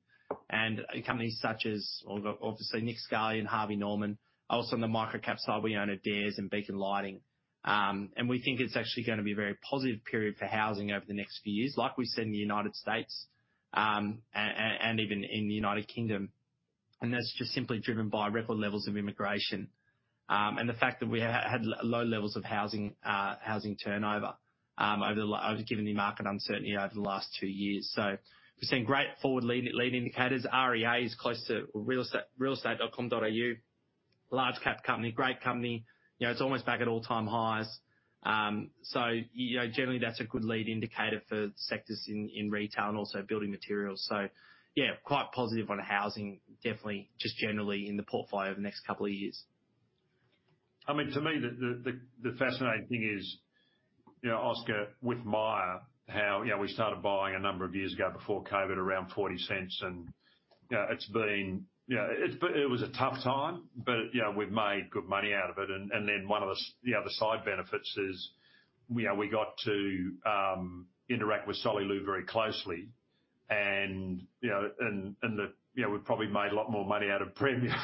and companies such as obviously, Nick Scali and Harvey Norman. Also, on the micro cap side, we own Adairs and Beacon Lighting. And we think it's actually gonna be a very positive period for housing over the next few years, like we see in the United States, and even in the United Kingdom. That's just simply driven by record levels of immigration, and the fact that we had low levels of housing, housing turnover, over given the market uncertainty over the last two years. We're seeing great forward lead, lead indicators. REA is close to real estate, realestate.com.au, large-cap company, great company. You know, it's almost back at all-time highs. You know, generally, that's a good lead indicator for sectors in, in retail and also building materials. Yeah, quite positive on housing, definitely just generally in the portfolio over the next couple of years. I mean, to me, the, the, the, the fascinating thing is, you know, Oscar, with Myer, how, you know, we started buying a number of years ago before COVID, around 0.40. You know, it's been, you know, it's been a tough time, but, you know, we've made good money out of it. Then one of the you know, the other side benefits is, you know, we got to interact with Solly Lew very closely. You know, and, and the, you know, we've probably made a lot more money out of Premier.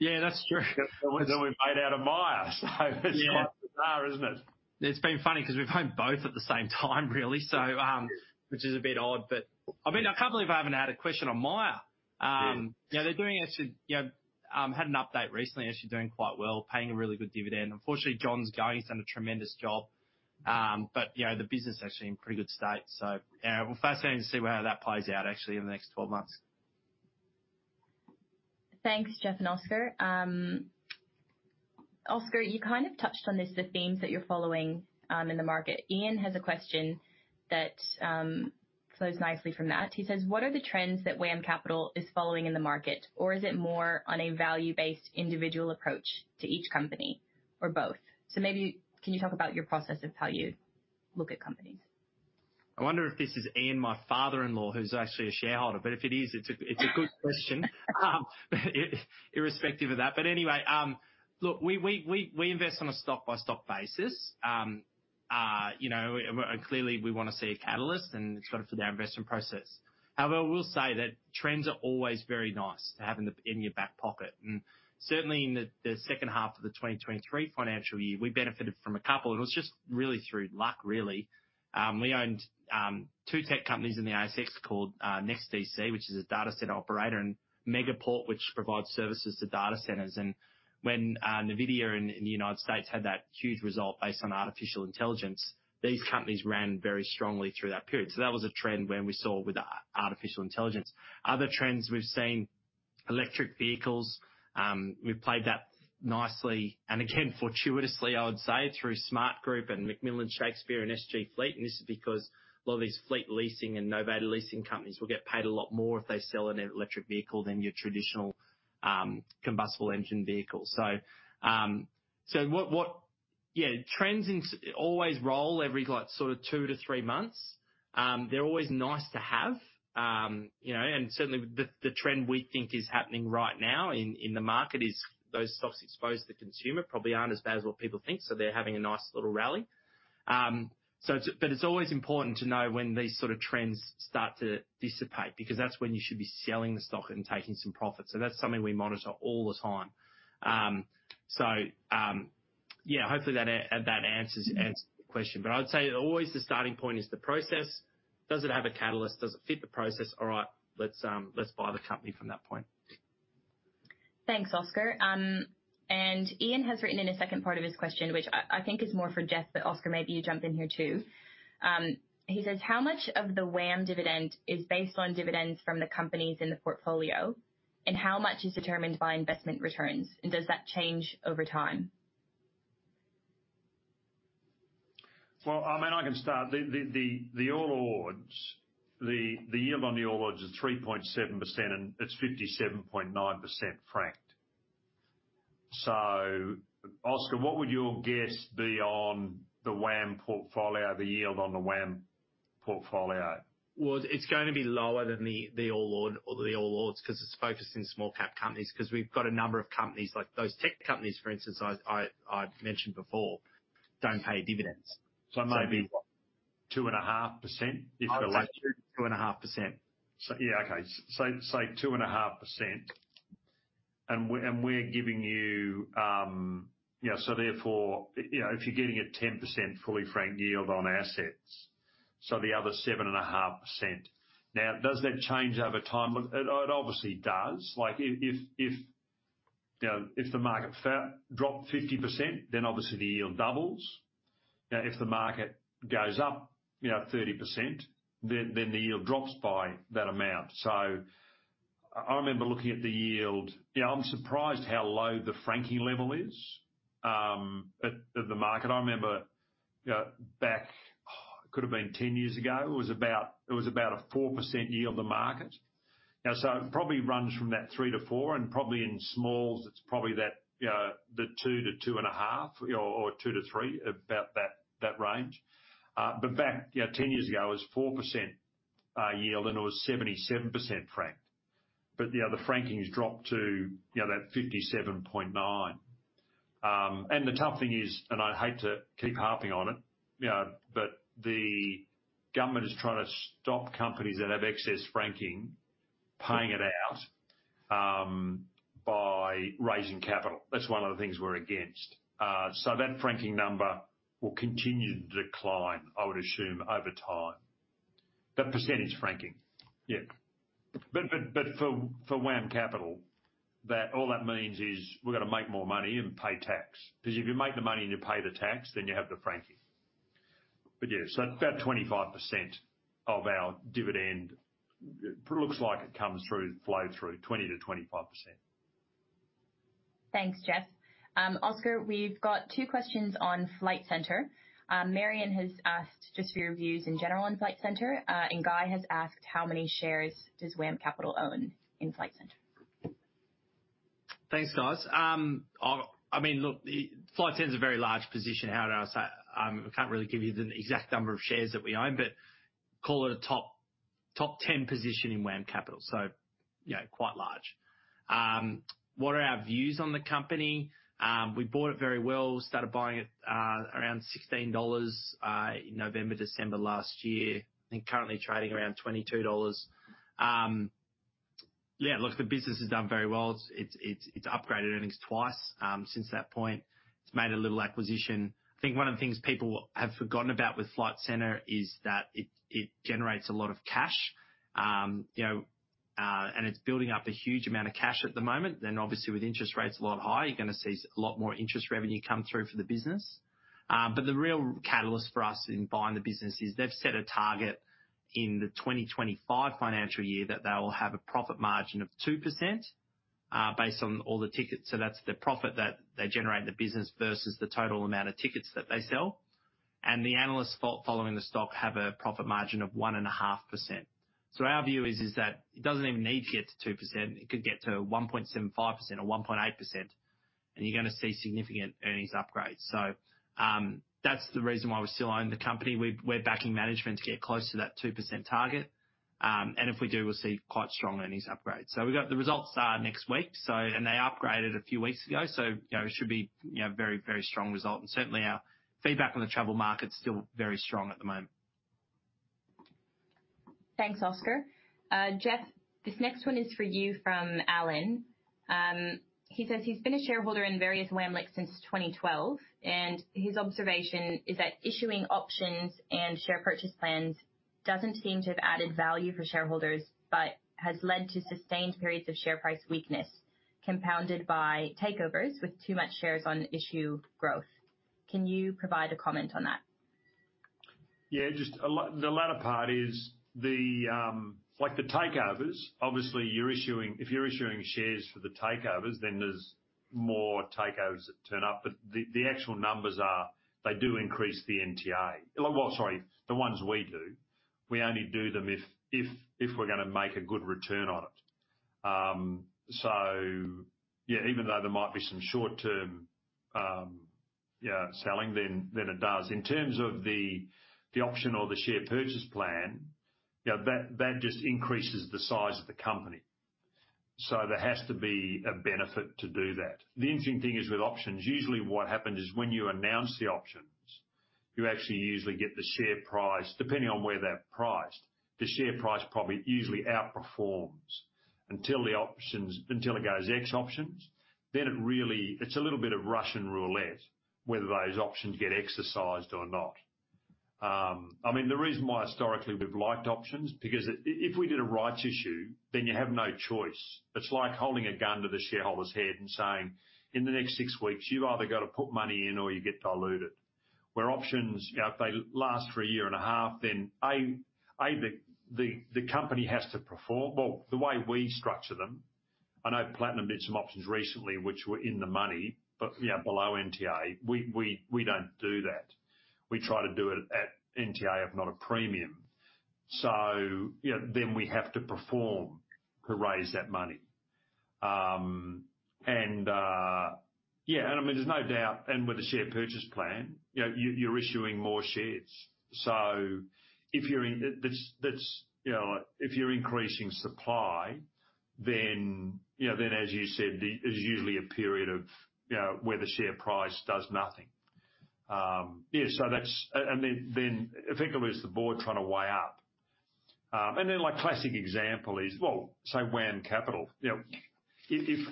Yeah, that's true. Than we made out of Myer. It's quite bizarre, isn't it? It's been funny because we've owned both at the same time, really, so, which is a bit odd. I mean, I can't believe I haven't had a question on Myer. Yeah. Yeah, they're doing actually, you know, had an update recently, actually doing quite well, paying a really good dividend. Unfortunately, John's going. He's done a tremendous job. You know, the business is actually in pretty good state, so we're fascinated to see how that plays out actually in the next 12 months. Thanks, Geoff and Oscar. Oscar, you kind of touched on this, the themes that you're following, in the market. Ian has a question that flows nicely from that. He says: "What are the trends that WAM Capital is following in the market? Or is it more on a value-based individual approach to each company, or both?" Maybe can you talk about your process of how you look at companies? I wonder if this is Ian, my father-in-law, who's actually a shareholder, but if it is, it's a, it's a good question. Irrespective of that. Anyway, look, we invest on a stock-by-stock basis. You know, and clearly, we wanna see a catalyst, and it's kind of for our investment process. However, we'll say that trends are always very nice to have in the, in your back pocket, and certainly in the, the second half of the 2023 financial year, we benefited from a couple. It was just really through luck, really. We owned two tech companies in the ASX called NextDC, which is a data center operator, and Megaport, which provides services to data centers. When NVIDIA in the United States had that huge result based on artificial intelligence, these companies ran very strongly through that period. That was a trend when we saw with artificial intelligence. Other trends we've seen, electric vehicles, we've played that nicely, and again, fortuitously, I would say, through Smartgroup and McMillan Shakespeare and SG Fleet. This is because a lot of these fleet leasing and novated leasing companies will get paid a lot more if they sell an electric vehicle than your traditional combustible engine vehicle. Yeah, trends always roll every, like, sort of 2-3 months. They're always nice to have. You know, certainly the trend we think is happening right now in the market is those stocks exposed to consumer probably aren't as bad as what people think, so they're having a nice little rally. It's always important to know when these sort of trends start to dissipate, because that's when you should be selling the stock and taking some profit. That's something we monitor all the time. Yeah, hopefully that answers, answers the question. I'd say always the starting point is the process. Does it have a catalyst? Does it fit the process? Let's buy the company from that point. Thanks, Oscar. Ian has written in a second part of his question, which I think is more for Geoff, but Oscar, maybe you jump in here, too. He says, "How much of the WAM dividend is based on dividends from the companies in the portfolio, and how much is determined by investment returns, and does that change over time? Well, I mean, I can start. The All Ords, the yield on the All Ords is 3.7%, and it's 57.9% franked. Oscar, what would your guess be on the WAM portfolio, the yield on the WAM portfolio? It's going to be lower than the, the All Ord or the All Ords, 'cause it's focused in small cap companies, 'cause we've got a number of companies, like those tech companies, for instance, I'd mentioned before, don't pay dividends. Maybe, 2.5%? If we're lucky. 2.5%. Yeah, okay. Say 2.5%, and we, and we're giving you. Yeah, so therefore, you know, if you're getting a 10% fully franked yield on assets, so the other 7.5%. Now, does that change over time? Well, it, it obviously does. Like, if you know, if the market dropped 50%, then obviously the yield doubles. Now, if the market goes up, you know, 30%, then, then the yield drops by that amount. I remember looking at the yield. You know, I'm surprised how low the franking level is at, at the market. I remember, you know, back, it could have been 10 years ago, it was about, it was about a 4% yield on the market. It probably runs from that 3%-4%, and probably in Small Ords, it's probably that, you know, the 2%-2.5% or 2%-3%, about that range. Back, you know, 10 years ago, it was 4% yield, and it was 77% franked. You know, the franking's dropped to, you know, that 57.9%. The tough thing is, and I hate to keep harping on it, you know, the government is trying to stop companies that have excess franking, paying it out by raising capital. That's one of the things we're against. That franking number will continue to decline, I would assume, over time. The percentage franking. For, for WAM Capital, all that means is we've got to make more money and pay tax, because if you make the money and you pay the tax, then you have the franking. Yeah, so about 25% of our dividend, it looks like it comes through, flow through 20%-25%. Thanks, Geoff. Oscar, we've got 2 questions on Flight Centre. Marian has asked just for your views in general on Flight Centre, Guy has asked, "How many shares does WAM Capital own in Flight Centre? Thanks, guys. I mean, look, the Flight Centre is a very large position. How do I say. I can't really give you the exact number of shares that we own, but call it a top, top 10 position in WAM Capital, so, you know, quite large. What are our views on the company? We bought it very well, started buying it, around 16 dollars, in November, December last year, and currently trading around 22 dollars. Yeah, look, the business has done very well. It's, it's, it's upgraded earnings twice, since that point. It's made a little acquisition. I think one of the things people have forgotten about with Flight Centre is that it, it generates a lot of cash. You know, and it's building up a huge amount of cash at the moment. Obviously, with interest rates a lot higher, you're gonna see a lot more interest revenue come through for the business. The real catalyst for us in buying the business is they've set a target in the 2025 financial year that they will have a profit margin of 2%, based on all the tickets. That's the profit that they generate in the business versus the total amount of tickets that they sell. The analysts following the stock have a profit margin of 1.5%. Our view is, is that it doesn't even need to get to 2%. It could get to 1.75% or 1.8%, and you're gonna see significant earnings upgrades. That's the reason why we still own the company. We're backing management to get close to that 2% target. If we do, we'll see quite strong earnings upgrades. We've got the results next week, so, and they upgraded a few weeks ago, so, you know, it should be, you know, a very, very strong result. Certainly, our feedback on the travel market is still very strong at the moment. Thanks, Oscar. Geoff, this next one is for you from Alan. He says he's been a shareholder in various WAM likes since 2012, and his observation is that issuing options and share purchase plans doesn't seem to have added value for shareholders, but has led to sustained periods of share price weakness, compounded by takeovers with too much shares on issue growth. Can you provide a comment on that? Yeah, just the latter part is the, like the takeovers, obviously, if you're issuing shares for the takeovers, then there's more takeovers that turn up. The actual numbers are, they do increase the NTA. Well, sorry, the ones we do. We only do them if, if, if we're gonna make a good return on it. So yeah, even though there might be some short-term selling, then, then it does. In terms of the option or the share purchase plan, yeah, that, that just increases the size of the company. So there has to be a benefit to do that. The interesting thing is, with options, usually what happens is when you announce the options, you actually usually get the share price, depending on where they're priced. The share price probably usually outperforms until the options, until it goes ex options, then it really. It's a little bit of Russian roulette, whether those options get exercised or not. I mean, the reason why historically we've liked options, because if we did a rights issue, then you have no choice. It's like holding a gun to the shareholder's head and saying, "In the next 6 weeks, you've either got to put money in or you get diluted." Options, you know, if they last for 1.5 years, then the company has to perform. The way we structure them, I know Platinum did some options recently, which were in the money, but, you know, below NTA, we don't do that. We try to do it at NTA, if not a premium. You know, then we have to perform to raise that money. I mean, there's no doubt. With the share purchase plan, you know, you're, you're issuing more shares. If you're in, that's, that's, you know, if you're increasing supply, then, you know, then, as you said, there's usually a period of, you know, where the share price does nothing. Then, then effectively, it's the board trying to weigh up. Then, like, classic example is, well, say WAM Capital. You know, if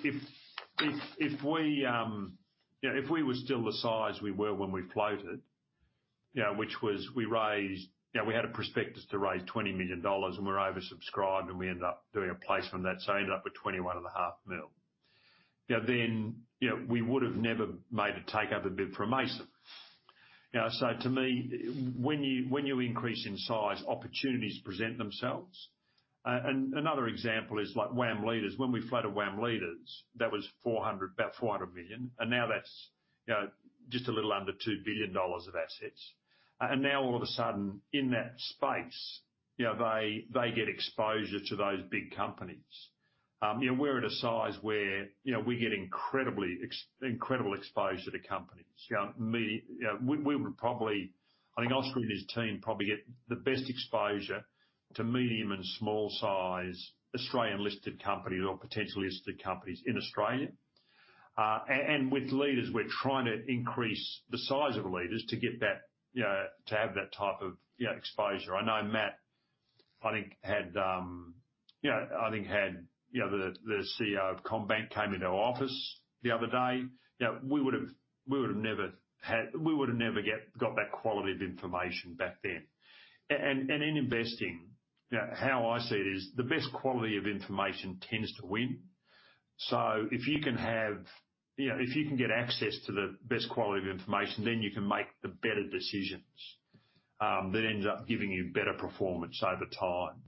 we, you know, if we were still the size we were when we floated, you know, which was we raised. You know, we had a prospectus to raise 20 million dollars, and we're oversubscribed, and we end up doing a placement of that. Ended up with 21.5 million. You know, then, you know, we would have never made a takeover bid for Amaysin. You know, so to me, when you, when you increase in size, opportunities present themselves. Another example is like WAM Leaders. When we floated WAM Leaders, that was 400 million, about 400 million, and now that's, you know, just a little under 2 billion dollars of assets. Now, all of a sudden, in that space, you know, they, they get exposure to those big companies. You know, we're at a size where, you know, we get incredibly incredible exposure to companies. You know, You know, we would probably, I think Oscar and his team probably get the best exposure to medium and small size Australian-listed companies or potentially listed companies in Australia. With Leaders, we're trying to increase the size of Leaders to get that, you know, to have that type of, you know, exposure. I know, Matt, I think, had, you know, I think had, you know, the, the CEO of CommBank came into our office the other day. You know, we would've, we would've never we would've never get, got that quality of information back then. And in investing, you know, how I see it is, the best quality of information tends to win. If you can have. You know, if you can get access to the best quality of information, then you can make the better decisions, that ends up giving you better performance over time.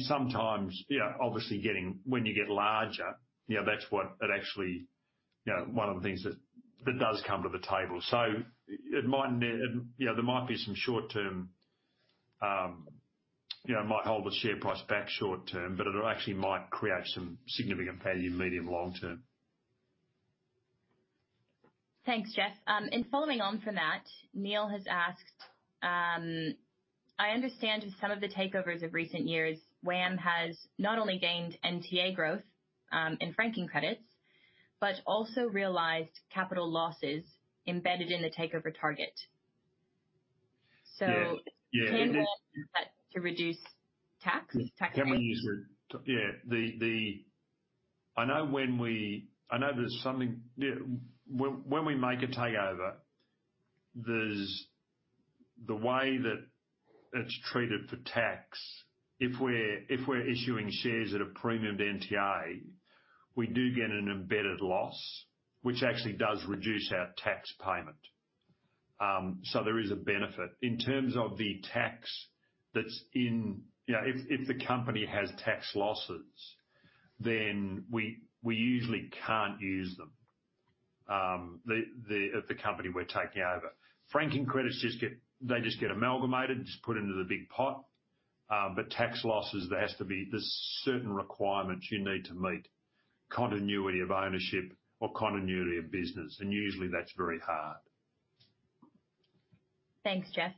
Sometimes, you know, obviously, when you get larger, you know, that's what it actually, one of the things that does come to the table. You know, there might be some short-term, it might hold the share price back short term, but it actually might create some significant value medium long term. Thanks, Geoff. Following on from that, Neil has asked: "I understand with some of the takeovers of recent years, WAM has not only gained NTA growth in franking credits, but also realized capital losses embedded in the takeover target. Yeah. Yeah- Can WAM look to reduce tax, tax rate? Can we use the. Yeah, I know when we I know there's something. Yeah, when, when we make a takeover, the way that it's treated for tax, if we're, if we're issuing shares at a premium to NTA, we do get an embedded loss, which actually does reduce our tax payment. There is a benefit. In terms of the tax that's in. You know, if the company has tax losses, then we usually can't use them at the company we're taking over. Franking credits just get amalgamated, just put into the big pot. Tax losses, there has to be certain requirements you need to meet, continuity of ownership or continuity of business, and usually, that's very hard. Thanks, Geoff.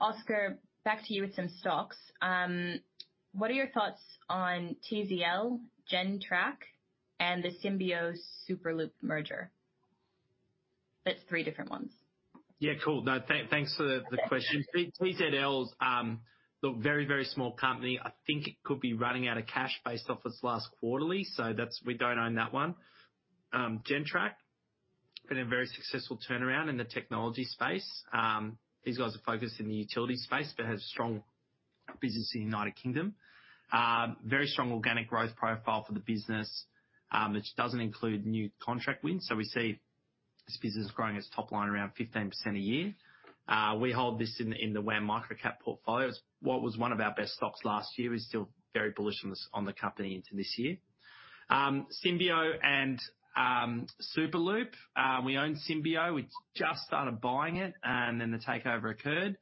Oscar, back to you with some stocks. What are your thoughts on TZL, Gentrack, and the Symbio Superloop merger? That's three different ones. Yeah, cool. No, thanks for the question. TZL's, look, very, very small company. I think it could be running out of cash based off its last quarterly, so that's- we don't own that one. Gentrack, been a very successful turnaround in the technology space. These guys are focused in the utility space but have a strong business in the United Kingdom. Very strong organic growth profile for the business, which doesn't include new contract wins. We see this business growing its top line around 15% a year. We hold this in, in the WAM Microcap portfolio. It's what was one of our best stocks last year, is still very bullish on the, on the company into this year. Symbio and Superloop. We own Symbio. We just started buying it, and then the takeover occurred.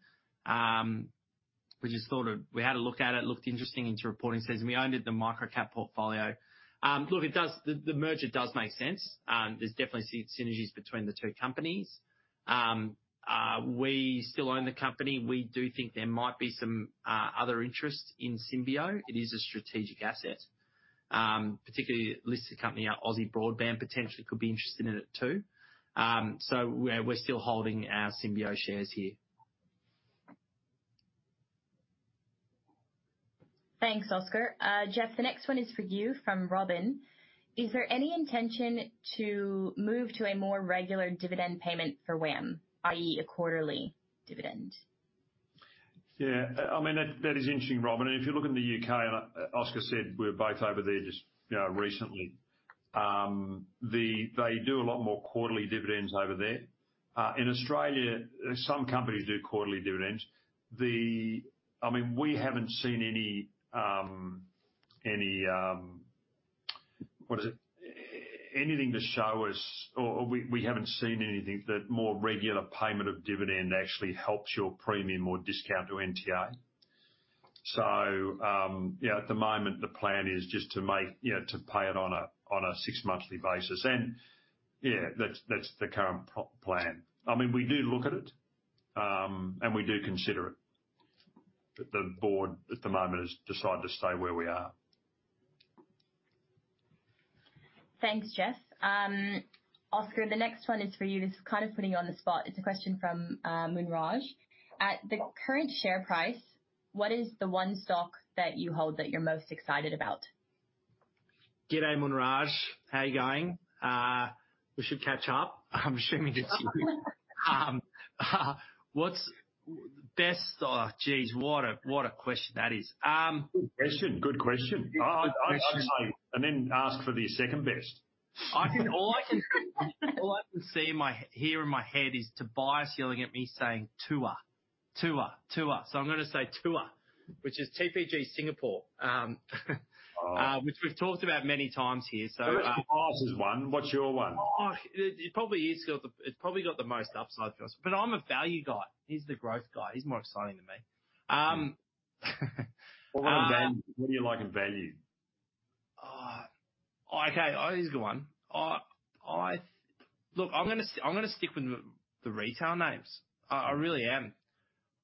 We just thought it. We had a look at it, looked interesting into reporting season, we owned it, the micro-cap portfolio. Look, the merger does make sense. There's definitely synergies between the two companies. We still own the company. We do think there might be some other interest in Symbio. It is a strategic asset. Particularly listed company, Aussie Broadband, potentially could be interested in it, too. We're, we're still holding our Symbio shares here. Thanks, Oscar. Geoff Wilson, the next one is for you from Robin: Is there any intention to move to a more regular dividend payment for WAM, i.e, a quarterly dividend? Yeah, I mean, that, that is interesting, Robin, and if you look in the UK, and Oscar said we were both over there just, you know, recently. They do a lot more quarterly dividends over there. In Australia, some companies do quarterly dividends. I mean, we haven't seen any, any, anything to show us or we haven't seen anything that more regular payment of dividend actually helps your premium or discount to NTA. Yeah, at the moment, the plan is just to make, you know, to pay it on a, on a six-monthly basis. Yeah, that's, that's the current plan. I mean, we do look at it, and we do consider it, but the board at the moment has decided to stay where we are. Thanks, Geoff. Oscar, the next one is for you. This is kind of putting you on the spot. It's a question from Munraj. At the current share price, what is the one stock that you hold that you're most excited about? G'day, Munraj. How you going? We should catch up. I'm assuming it's you. What's best? Oh, geez, what a question that is. Good question. Good question. Then ask for the second best. All I can hear in my head is Tobias yelling at me, saying, "TUA, TUA, TUA." I'm gonna say TUA, which is TPG Singapore. Oh. Which we've talked about many times here, so. Tobias' one. What's your one? Oh, it, it's probably got the most upside for us, but I'm a value guy. He's the growth guy. He's more exciting than me. What about value? What do you like in value? Okay, here's a good one. Look, I'm gonna stick with the retail names. I, I really am.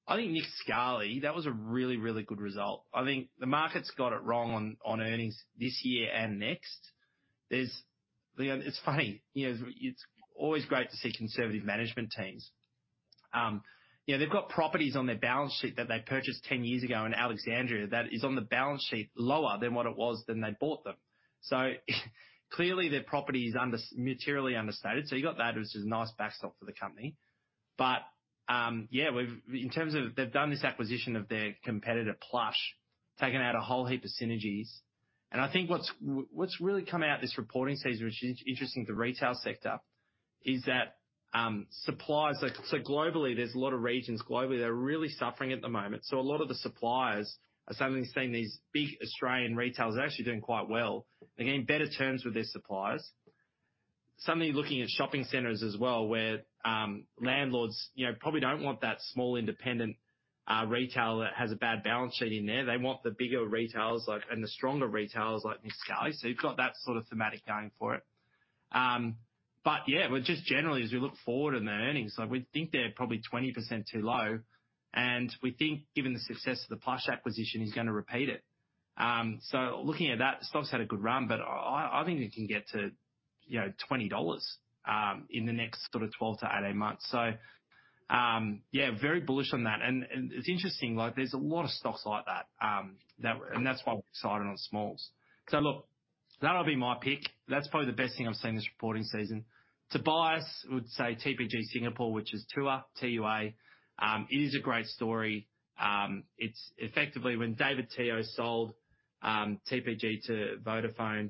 I think Nick Scali, that was a really, really good result. I think the market's got it wrong on earnings this year and next. You know, it's funny, you know, it's always great to see conservative management teams. You know, they've got properties on their balance sheet that they purchased 10 years ago in Alexandria that is on the balance sheet lower than what it was than they bought them. Clearly, their property is materially understated. You got that, which is a nice backstop for the company. Yeah, in terms of, they've done this acquisition of their competitor, Plush, taken out a whole heap of synergies. I think what's, what's really come out this reporting season, which is interesting to the retail sector, is that, So globally, there's a lot of regions globally that are really suffering at the moment. A lot of the suppliers are suddenly seeing these big Australian retailers are actually doing quite well. They're getting better terms with their suppliers. Suddenly looking at shopping centers as well, where, landlords, you know, probably don't want that small, independent, retailer that has a bad balance sheet in there. They want the bigger retailers like, and the stronger retailers like Nick Scali, so you've got that sort of thematic going for it. But yeah, but just generally, as we look forward in the earnings, like we think they're probably 20% too low, and we think given the success of the Plush acquisition, he's gonna repeat it. Looking at that, the stock's had a good run, but I, I think it can get to, you know, 20 dollars in the next sort of 12-18 months. Yeah, very bullish on that. It's interesting, like, there's a lot of stocks like that's why we're excited on smalls. Look, that'll be my pick. That's probably the best thing I've seen this reporting season. Tobias would say TPG Singapore, which is TUA, T-U-A. It is a great story. It's effectively when David Teoh sold TPG to Vodafone,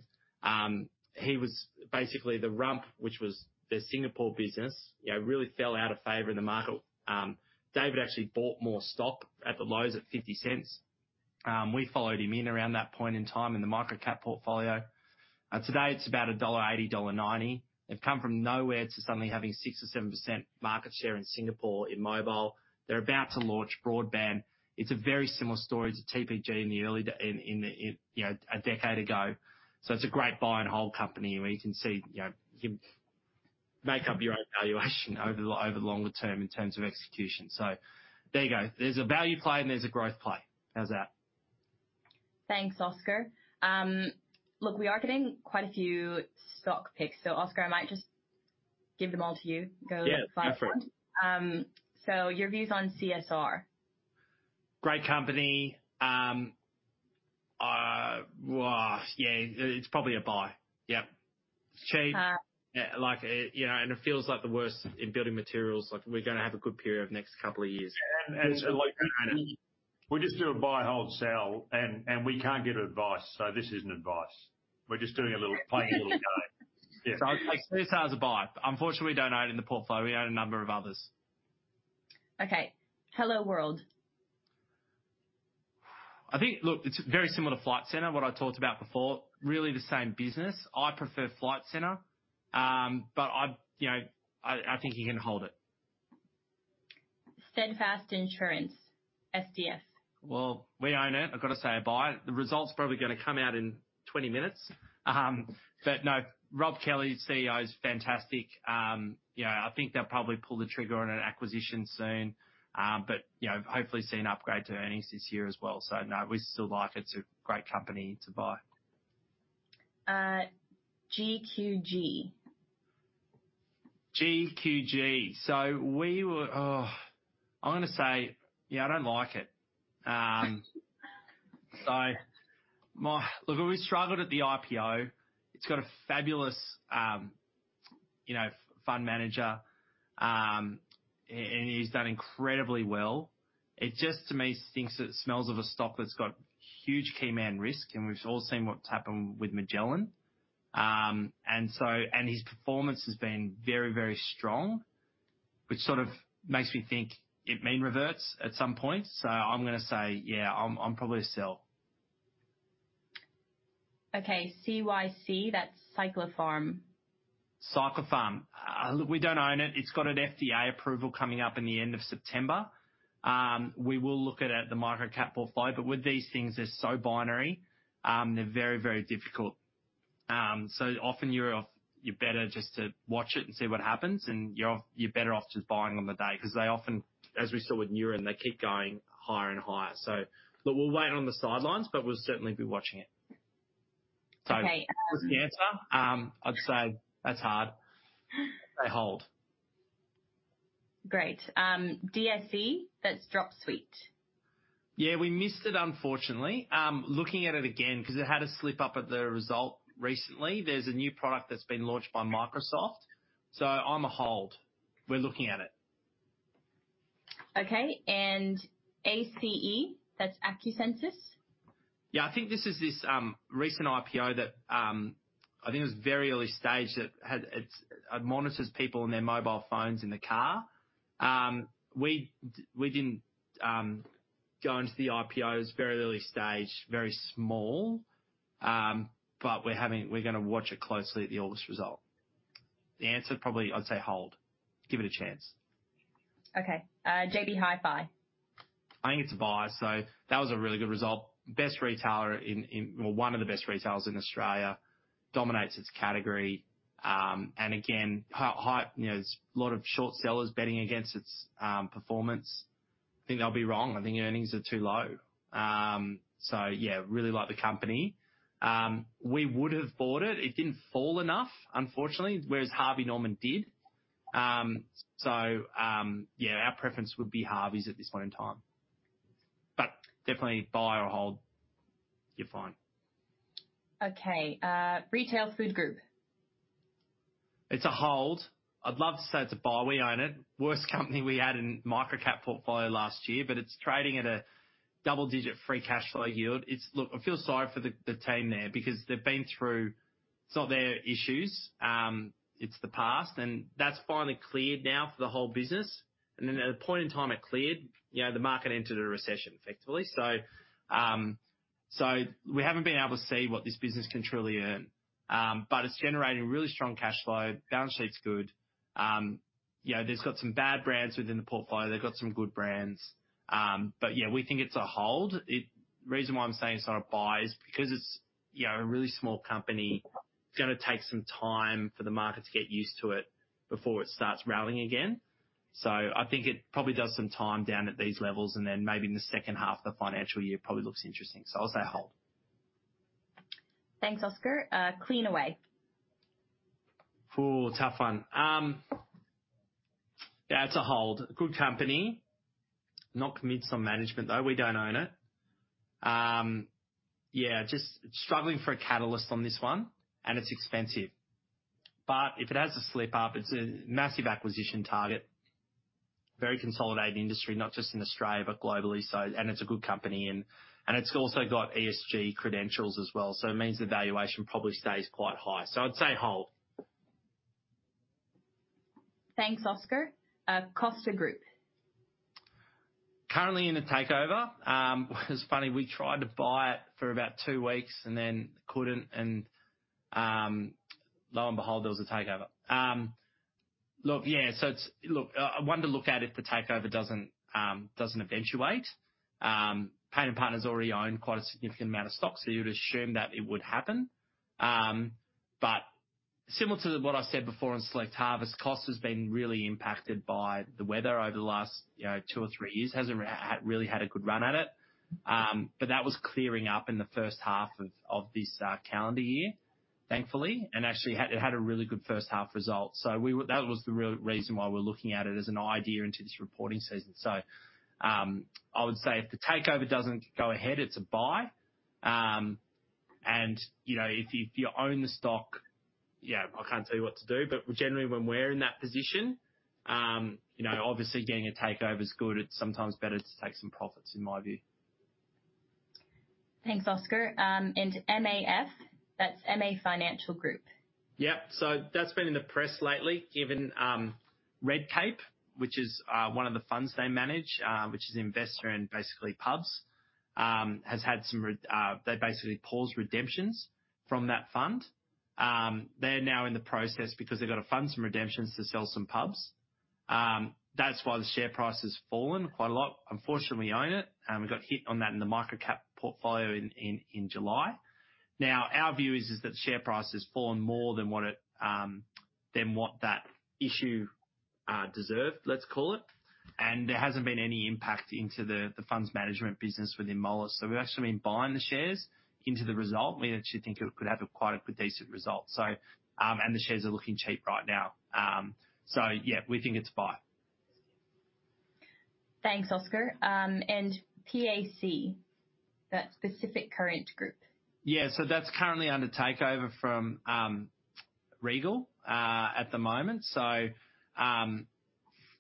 he was basically the rump, which was the Singapore business, you know, really fell out of favor in the market. David actually bought more stock at the lows at 0.50. We followed him in around that point in time in the microcap portfolio. Today it's about dollar 1.80, 1.90 dollar. They've come from nowhere to suddenly having 6% or 7% market share in Singapore in mobile. They're about to launch broadband. It's a very similar story to TPG in the early day, you know, a decade ago. It's a great buy and hold company where you can see, you know, you make up your own valuation over the, over the longer term in terms of execution. There you go. There's a value play and there's a growth play. How's that? Thanks, Oscar. Look, we are getting quite a few stock picks, so Oscar, I might just give them all to you. Yeah, go for it. Your views on CSR? Great company. Yeah, it's probably a buy. Yep. It's cheap. Yeah, like, you know, it feels like the worst in building materials, like we're gonna have a good period of the next couple of years. Yeah, and, and so, like, we just do a buy, hold, sell, and, and we can't give advice. This isn't advice. We're just doing a little playing a little game. Yeah. I'd say this has a buy. Unfortunately, we don't own it in the portfolio. We own a number of others. Okay, Helloworld? I think. Look, it's very similar to Flight Center, what I talked about before, really the same business. I prefer Flight Center, I, you know, I, I think you can hold it. Steadfast Insurance, SDF. We own it. I've got to say a buy. The result's probably gonna come out in 20 minutes. No, Rob Kelly, CEO, is fantastic. You know, I think they'll probably pull the trigger on an acquisition soon. You know, hopefully see an upgrade to earnings this year as well. No, we still like it. It's a great company to buy. GQG? GQG. We were, I'm gonna say, yeah, I don't like it. Look, we struggled at the IPO. It's got a fabulous, you know, fund manager, and he's done incredibly well. It just, to me, thinks it smells of a stock that's got huge key man risk, and we've all seen what's happened with Magellan. His performance has been very, very strong, which sort of makes me think it mean reverts at some point. I'm gonna say, yeah, I'm, I'm probably a sell. Okay. CYC, that's Cyclopharm. Cyclopharm. Look, we don't own it. It's got an FDA approval coming up in the end of September. We will look at it at the micro-cap portfolio, but with these things, they're so binary, they're very, very difficult. So often you're off-you're better just to watch it and see what happens, and you're, you're better off just buying on the day because they often, as we saw with Neuren, they keep going higher and higher. But we'll wait on the sidelines, but we'll certainly be watching it. Okay. What's the answer? I'd say that's hard. I hold. Great. DSE, that's Dropsuite. Yeah, we missed it, unfortunately. Looking at it again, because it had a slip-up at the result recently. There's a new product that's been launched by Microsoft. I'm a hold. We're looking at it. Okay. ACE, that's Acusensus? Yeah, I think this is this recent IPO that I think it was very early stage that had. It monitors people and their mobile phones in the car. We didn't go into the IPO. It's very early stage, very small, but we're gonna watch it closely at the August result. The answer probably, I'd say hold, give it a chance. Okay. JB Hi-Fi. I think it's a buy. That was a really good result. Best retailer in Well, one of the best retailers in Australia, dominates its category. Again, you know, there's a lot of short sellers betting against its performance. I think they'll be wrong. I think earnings are too low. Yeah, really like the company. We would have bought it. It didn't fall enough, unfortunately, whereas Harvey Norman did. Yeah, our preference would be Harvey's at this point in time. Definitely buy or hold, you're fine. Okay. Retail Food Group. It's a hold. I'd love to say it's a buy. We own it. Worst company we had in micro-cap portfolio last year, but it's trading at a double-digit free cash flow yield. It's. Look, I feel sorry for the team there because they've been through. It's not their issues, it's the past, and that's finally cleared now for the whole business. Then at the point in time, it cleared, you know, the market entered a recession, effectively. We haven't been able to see what this business can truly earn. It's generating really strong cash flow. Balance sheet's good. You know, there's got some bad brands within the portfolio. They've got some good brands. Yeah, we think it's a hold. The reason why I'm saying it's not a buy is because it's, you know, a really small company. It's gonna take some time for the market to get used to it before it starts rallying again. I think it probably does some time down at these levels, and then maybe in the second half of the financial year, probably looks interesting. I'll say hold. Thanks, Oscar. Cleanaway. Ooh, tough one. Yeah, it's a hold. Good company. Not convinced on management, though. We don't own it. Yeah, just struggling for a catalyst on this one. It's expensive. If it has a slip-up, it's a massive acquisition target. Very consolidated industry, not just in Australia, but globally, so it's a good company, and it's also got ESG credentials as well. It means the valuation probably stays quite high. I'd say hold. Thanks, Oscar. Costa Group. Currently in a takeover. It's funny, we tried to buy it for about two weeks and then couldn't. Lo and behold, there was a takeover. Look, yeah, so it's. Look, I want to look at it if the takeover doesn't eventuate. Pyne & Partners already own quite a significant amount of stock, so you would assume that it would happen. Similar to what I said before on Select Harvests, Costa's been really impacted by the weather over the last, you know, two or three years. Hasn't really had a good run at it. That was clearing up in the first half of this calendar year, thankfully, and actually, it had a really good first half results. We were that was the real reason why we're looking at it as an idea into this reporting season. I would say if the takeover doesn't go ahead, it's a buy. You know, if you, if you own the stock, yeah, I can't tell you what to do, but generally, when we're in that position, you know, obviously getting a takeover is good. It's sometimes better to take some profits, in my view. Thanks, Oscar. MAF, that's MA Financial Group. Yeah. That's been in the press lately, given Redcape, which is one of the funds they manage, which is investor in basically pubs, has had some. They basically paused redemptions from that fund. They're now in the process because they've got to fund some redemptions to sell some pubs. That's why the share price has fallen quite a lot. Unfortunately, we own it, and we got hit on that in the micro-cap portfolio in July. Our view is, is that the share price has fallen more than what it than what that issue deserved, let's call it, and there hasn't been any impact into the funds management business within Moelis. We've actually been buying the shares into the result. We actually think it could have a quite a decent result. The shares are looking cheap right now. Yeah, we think it's buy. Thanks, Oscar. PAC, that's Pacific Current Group. Yeah. That's currently under takeover from Regal at the moment.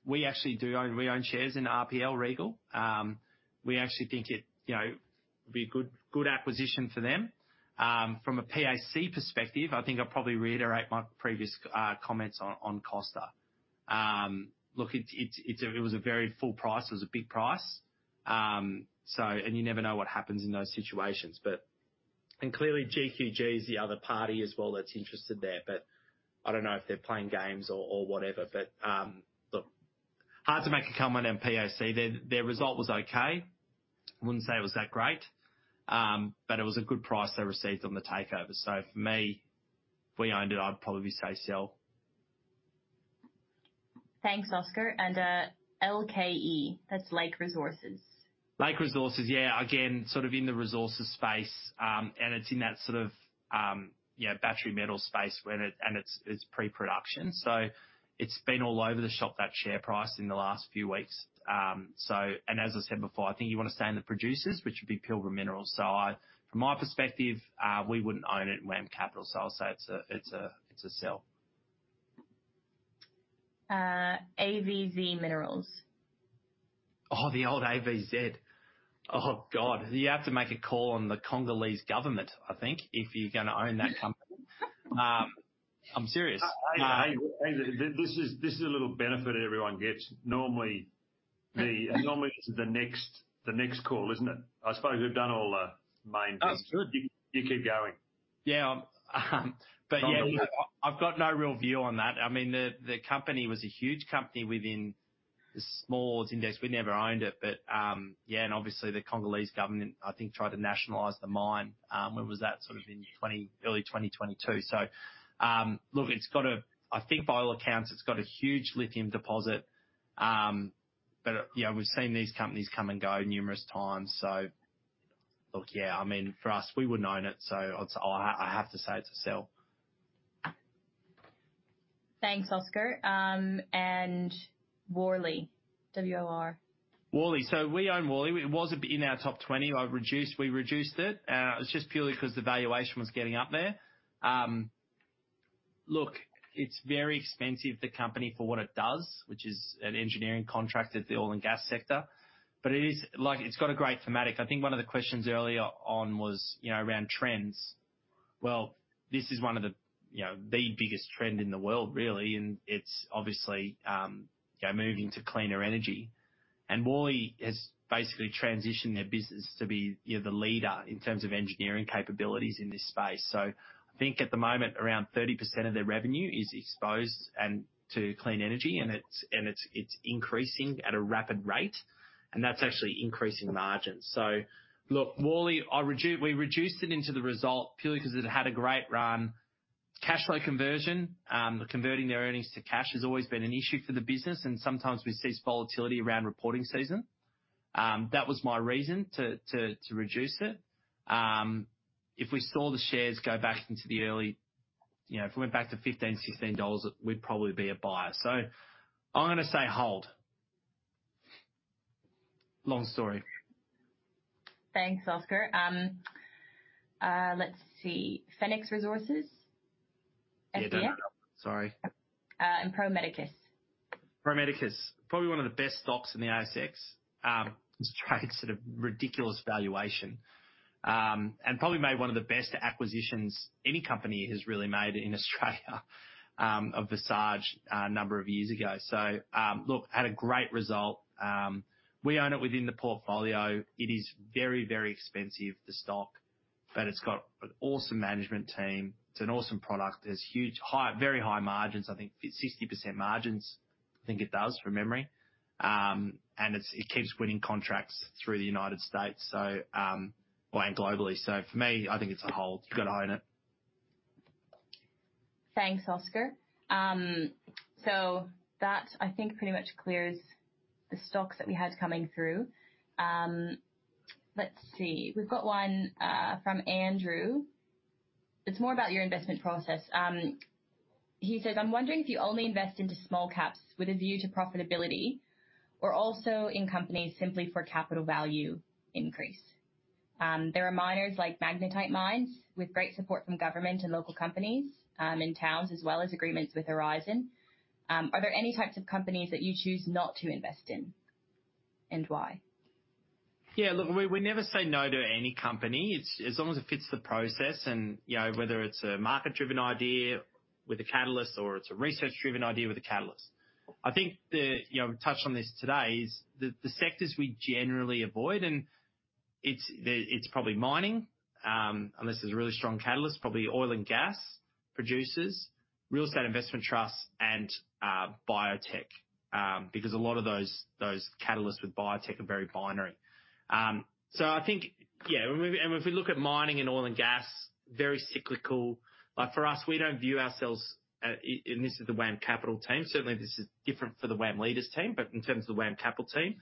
We actually do own-- we own shares in RPL Regal. We actually think it, you know, would be a good, good acquisition for them. From a PAC perspective, I think I'll probably reiterate my previous comments on, on Costa. Look, it was a very full price. It was a big price, so and you never know what happens in those situations. But clearly, GQG is the other party as well, that's interested there, but I don't know if they're playing games or, or whatever. Look, hard to make a comment on PAC. Their, their result was okay. I wouldn't say it was that great, but it was a good price they received on the takeover. For me, if we owned it, I'd probably say sell. Thanks, Oscar. LKE, that's Lake Resources. Lake Resources, yeah, again, sort of in the resources space, it's in that sort of, you know, battery metal space. It's pre-production, it's been all over the shop, that share price, in the last few weeks. As I said before, I think you want to stay in the producers, which would be Pilbara Minerals. I, from my perspective, we wouldn't own it in WAM Capital, I'll say it's a sell. AVZ Minerals. Oh, the old AVZ! Oh, God, you have to make a call on the Congolese government, I think, if you're going to own that company. I'm serious. Hey, hey, this is, this is a little benefit everyone gets. Normally, normally this is the next, the next call, isn't it? I suppose we've done all the main things. Oh, sure. You, you keep going. Yeah, I've got no real view on that. I mean, the company was a huge company within the Smalls index. We never owned it. Yeah, obviously the Congolese government, I think, tried to nationalize the mine. When was that? Sort of in early 2022. Look, it's got a, I think by all accounts, it's got a huge lithium deposit. You know, we've seen these companies come and go numerous times. Look, yeah, I mean, for us, we wouldn't own it, so I'll, I have to say it's a sell. Thanks, Oscar. Worley, W-O-R. Worley. We own Worley. It wasn't in our top 20. I've reduced, we reduced it, it's just purely because the valuation was getting up there. Look, it's very expensive, the company, for what it does, which is an engineering contract at the oil and gas sector, but it's got a great thematic. I think one of the questions earlier on was, you know, around trends. Well, this is one of the, you know, the biggest trend in the world, really, and it's obviously, you know, moving to cleaner energy. Worley has basically transitioned their business to be, you know, the leader in terms of engineering capabilities in this space. I think at the moment, around 30% of their revenue is exposed and to clean energy, and it's, and it's, it's increasing at a rapid rate, and that's actually increasing margins. Look, Worley, we reduced it into the result purely because it had a great run. Cash flow conversion, converting their earnings to cash has always been an issue for the business, and sometimes we see volatility around reporting season. That was my reason to reduce it. If we saw the shares go back into the early, you know, if we went back to 15, 16 dollars, we'd probably be a buyer. I'm gonna say hold. Long story. Thanks, Oscar. Let's see. Fenix Resources? F-E-N- Yeah, don't know. Sorry. Pro Medicus. Pro Medicus, probably one of the best stocks in the ASX. Trades at a ridiculous valuation, and probably made one of the best acquisitions any company has really made in Australia, of Visage a number of years ago. Look, had a great result. We own it within the portfolio. It is very, very expensive, the stock, but it's got an awesome management team. It's an awesome product. There's huge, high, very high margins, I think 60% margins, I think it does, from memory. And it's, it keeps winning contracts through the United States, so, well, and globally. For me, I think it's a hold. You've got to own it. Thanks, Oscar. That, I think, pretty much clears the stocks that we had coming through. Let's see. We've got one from Andrew. It's more about your investment process. He says, "I'm wondering if you only invest into small caps with a view to profitability or also in companies simply for capital value increase? There are miners, like Magnetite Mines, with great support from government and local companies in towns, as well as agreements with Aurizon. Are there any types of companies that you choose not to invest in, and why? Yeah, look, we never say no to any company. As long as it fits the process and, you know, whether it's a market-driven idea with a catalyst or it's a research-driven idea with a catalyst. I think the, you know, we've touched on this today, is the, the sectors we generally avoid, and it's the, it's probably mining, unless there's a really strong catalyst, probably oil and gas producers, real estate investment trusts, and biotech, because a lot of those, those catalysts with biotech are very binary. I think, yeah, and, and if we look at mining and oil and gas, very cyclical. Like, for us, we don't view ourselves, and this is the WAM Capital team. Certainly, this is different for the WAM Leaders team, but in terms of the WAM Capital team,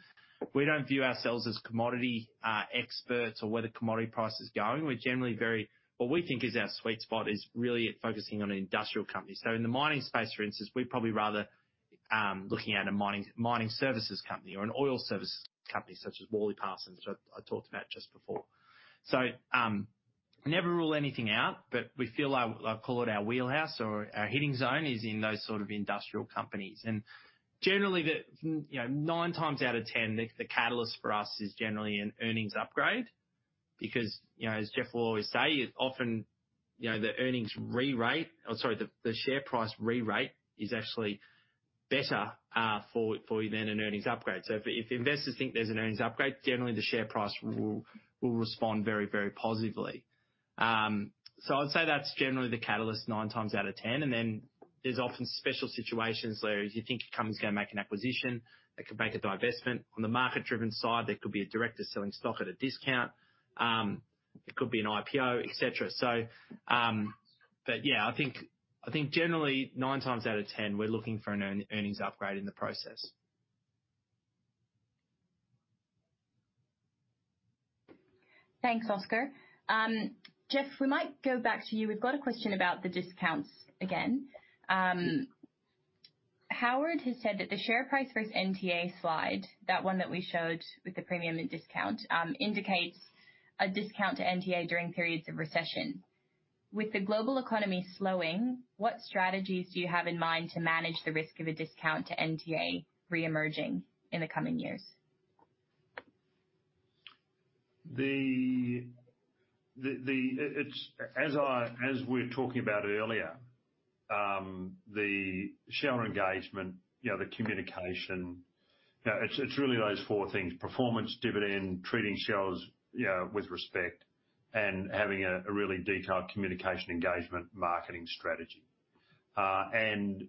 we don't view ourselves as commodity, experts or where the commodity price is going. What we think is our sweet spot is really at focusing on an industrial company. In the mining space, for instance, we're probably rather, looking at a mining, mining services company or an oil services company such as WorleyParsons, which I talked about just before. Never rule anything out, but we feel our, I call it our wheelhouse or our hitting zone, is in those sort of industrial companies. Generally, the, you know, 9x out of 10, the, the catalyst for us is generally an earnings upgrade because, you know, as Geoff will always say, it often, you know, the earnings re-rate or, sorry, the, the share price re-rate is actually better for you than an earnings upgrade. If, if investors think there's an earnings upgrade, generally the share price will, will respond very, very positively. I'd say that's generally the catalyst 9x out of 10, and then there's often special situations where you think a company's gonna make an acquisition, they could make a divestment. On the market-driven side, there could be a director selling stock at a discount, it could be an IPO, et cetera. Yeah, I think, I think generally, 9x out of 10, we're looking for an earnings upgrade in the process. Thanks, Oscar. Geoff Wilson, we might go back to you. We've got a question about the discounts again. Howard has said that the share price versus NTA slide, that one that we showed with the premium and discount, indicates a discount to NTA during periods of recession. With the global economy slowing, what strategies do you have in mind to manage the risk of a discount to NTA reemerging in the coming years? It's as we were talking about earlier, the shareholder engagement, you know, the communication, you know, it's, it's really those four things: performance, dividend, treating shareholders, you know, with respect, and having a, a really detailed communication engagement marketing strategy. I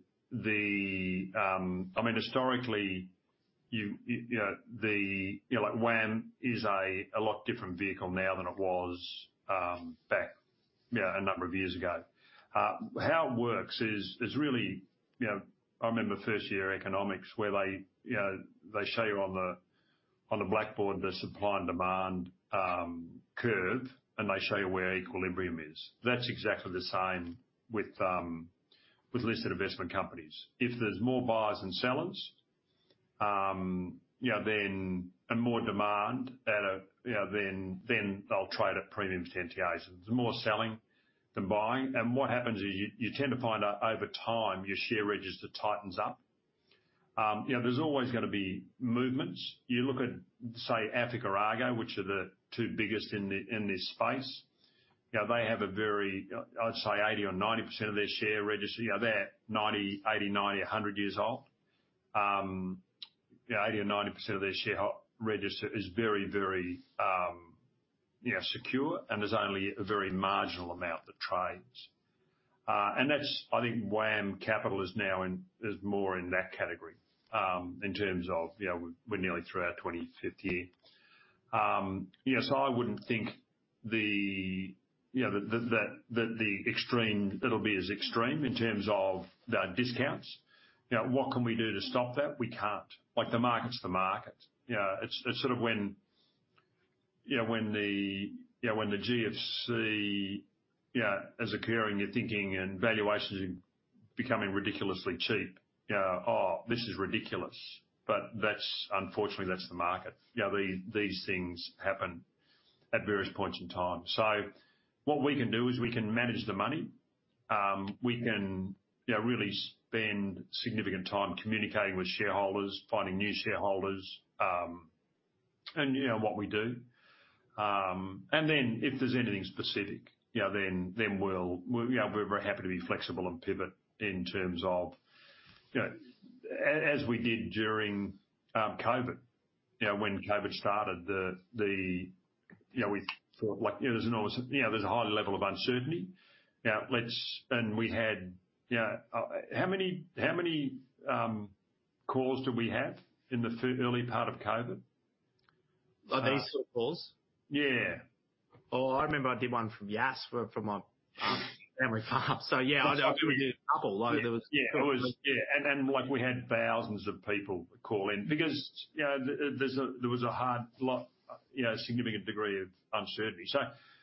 mean, historically, you know, the, you know, like, WAM is a, a lot different vehicle now than it was, back, you know, a number of years ago. How it works is, is really, you know, I remember first year economics, where they, you know, they show you on the, on the blackboard, the supply and demand, curve, and they show you where equilibrium is. That's exactly the same with, with listed investment companies. If there's more buyers than sellers, you know, and more demand at a, you know, then, then they'll trade at premium to NTAs. There's more selling than buying, and what happens is you, you tend to find out over time, your share register tightens up. You know, there's always gonna be movements. You look at, say, AFIC or Argo, which are the two biggest in the, in this space, you know, they have a very, I'd say 80% or 90% of their share registry. You know, they're 90, 80, 90, 100 years old. You know, 80% or 90% of their share register is very, very, you know, secure, and there's only a very marginal amount that trades. That's, I think WAM Capital is now in, is more in that category, in terms of, you know, we're, we're nearly through our 25th year. You know, I wouldn't think the, you know, the, the, that, that the extreme, it'll be as extreme in terms of the discounts. You know, what can we do to stop that? We can't. Like, the market's the market. You know, it's, it's sort of when, you know, when the, you know, when the GFC, you know, is occurring, you're thinking and valuations are becoming ridiculously cheap. You know, "Oh, this is ridiculous!" That's, unfortunately, that's the market. You know, these, these things happen at various points in time. What we can do is we can manage the money. We can, you know, really spend significant time communicating with shareholders, finding new shareholders, and, you know, what we do. Then if there's anything specific, you know, then, then we'll, we'll, you know, we're very happy to be flexible and pivot in terms of, you know, as we did during COVID. You know, when COVID started, the, the, you know, we thought, like, there was a high level of uncertainty. Now, we had, you know, how many, how many calls did we have in the early part of COVID? Are these sort of calls? Yeah. Oh, I remember I did one from Yass for, from my family farm. Yeah, I did a couple. Like, there was- Yeah, and like, we had thousands of people call in because, you know, there's a, there was a hard lot, you know, a significant degree of uncertainty.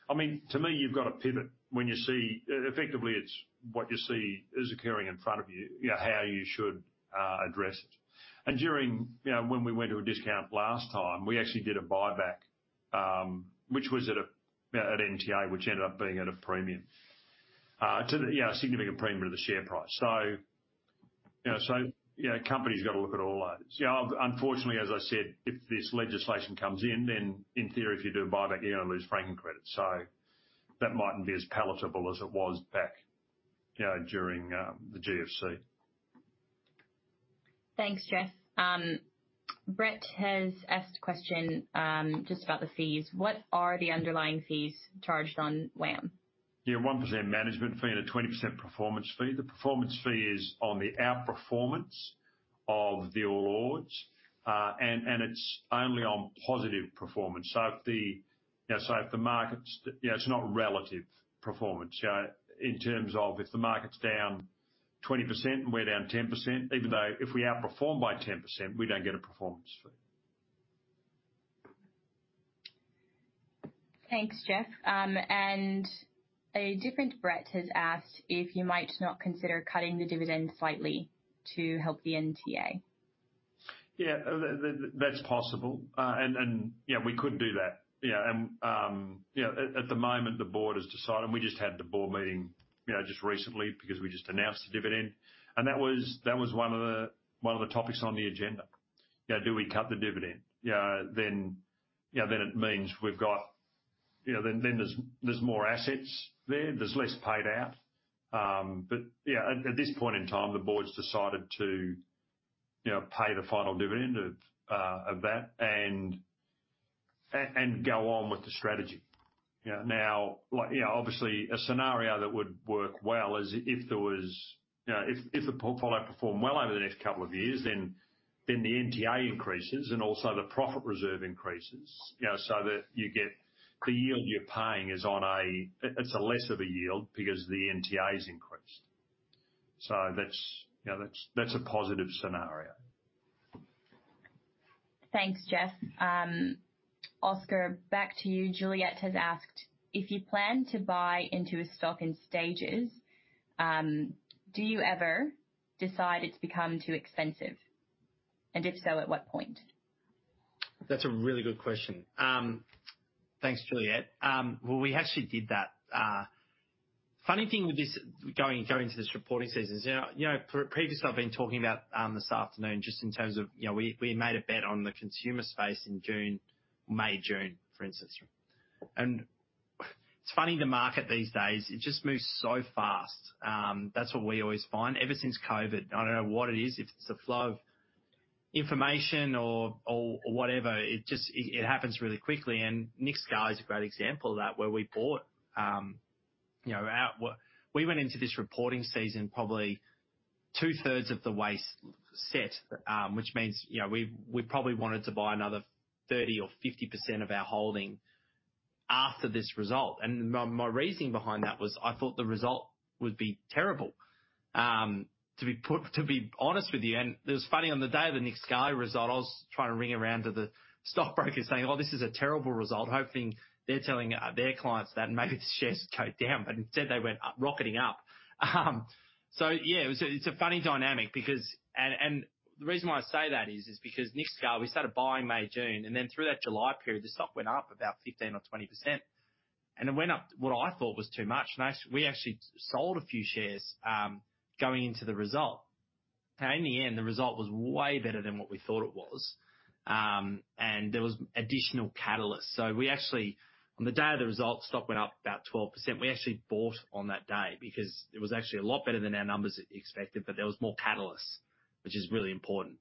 I mean, to me, you've got to pivot when you see. Effectively, it's what you see is occurring in front of you, you know, how you should address it. During, you know, when we went to a discount last time, we actually did a buyback, which was at NTA, which ended up being at a premium. To the, yeah, a significant premium to the share price. You know, so, you know, companies got to look at all those. You know, unfortunately, as I said, if this legislation comes in, then in theory, if you do a buyback, you're going to lose franking credit, so that mightn't be as palatable as it was back, you know, during the GFC. Thanks, Geoff. Brett has asked a question, just about the fees. What are the underlying fees charged on WAM? Yeah, 1% management fee and a 20% performance fee. The performance fee is on the outperformance of the All Ords, and, and it's only on positive performance. If the, you know, so if the markets, you know, it's not relative performance, you know, in terms of if the market's down 20% and we're down 10%, even though if we outperform by 10%, we don't get a performance fee. Thanks, Geoff. A different Brett has asked if you might not consider cutting the dividend slightly to help the NTA. Yeah, that, that's possible. Yeah, we could do that. Yeah, you know, at, at the moment, the board has decided. We just had the board meeting, you know, just recently because we just announced the dividend, and that was, that was one of the, one of the topics on the agenda. You know, do we cut the dividend? You know, then it means we've got. You know, then, then there's, there's more assets there. There's less paid out. Yeah, at, at this point in time, the board's decided to, you know, pay the final dividend of, of that and, and go on with the strategy. You know, now, like, you know, obviously a scenario that would work well is if there was, you know, if, if the portfolio performed well over the next couple of years, then, then the NTA increases and also the profit reserve increases. You know, so that you get the yield you're paying is on, it's a less of a yield because the NTA is increased. That's, you know, that's, that's a positive scenario. Thanks, Geoff. Oscar, back to you. Juliet has asked, "If you plan to buy into a stock in stages, do you ever decide it's become too expensive? And if so, at what point? That's a really good question. Thanks, Juliet. Well, we actually did that. Funny thing with this going, going into this reporting season is, you know, you know, previously, I've been talking about this afternoon, just in terms of, you know, we made a bet on the consumer space in June, May, June, for instance. It's funny, the market these days, it just moves so fast. That's what we always find. Ever since COVID, I don't know what it is, if it's the flow of information or, or whatever, it just, it, it happens really quickly. Nick Scali is a great example of that, where we bought, you know, We went into this reporting season probably 2/3 of the way set, which means, you know, we probably wanted to buy another 30% or 50% of our holding after this result. My, my reasoning behind that was I thought the result would be terrible, to be honest with you. It was funny, on the day of the Nick Scali result, I was trying to ring around to the stockbrokers saying, "Oh, this is a terrible result," hoping they're telling their clients that maybe the shares go down, but instead they went up, rocketing up. Yeah, it's a funny dynamic because. The reason why I say that is, is because Nick Scali, we started buying May, June, and then through that July period, the stock went up about 15%-20%, and it went up, what I thought was too much. We actually sold a few shares going into the result. In the end, the result was way better than what we thought it was, and there was additional catalysts. We actually, on the day of the results, stock went up about 12%. We actually bought on that day because it was actually a lot better than our numbers expected, but there was more catalysts, which is really important.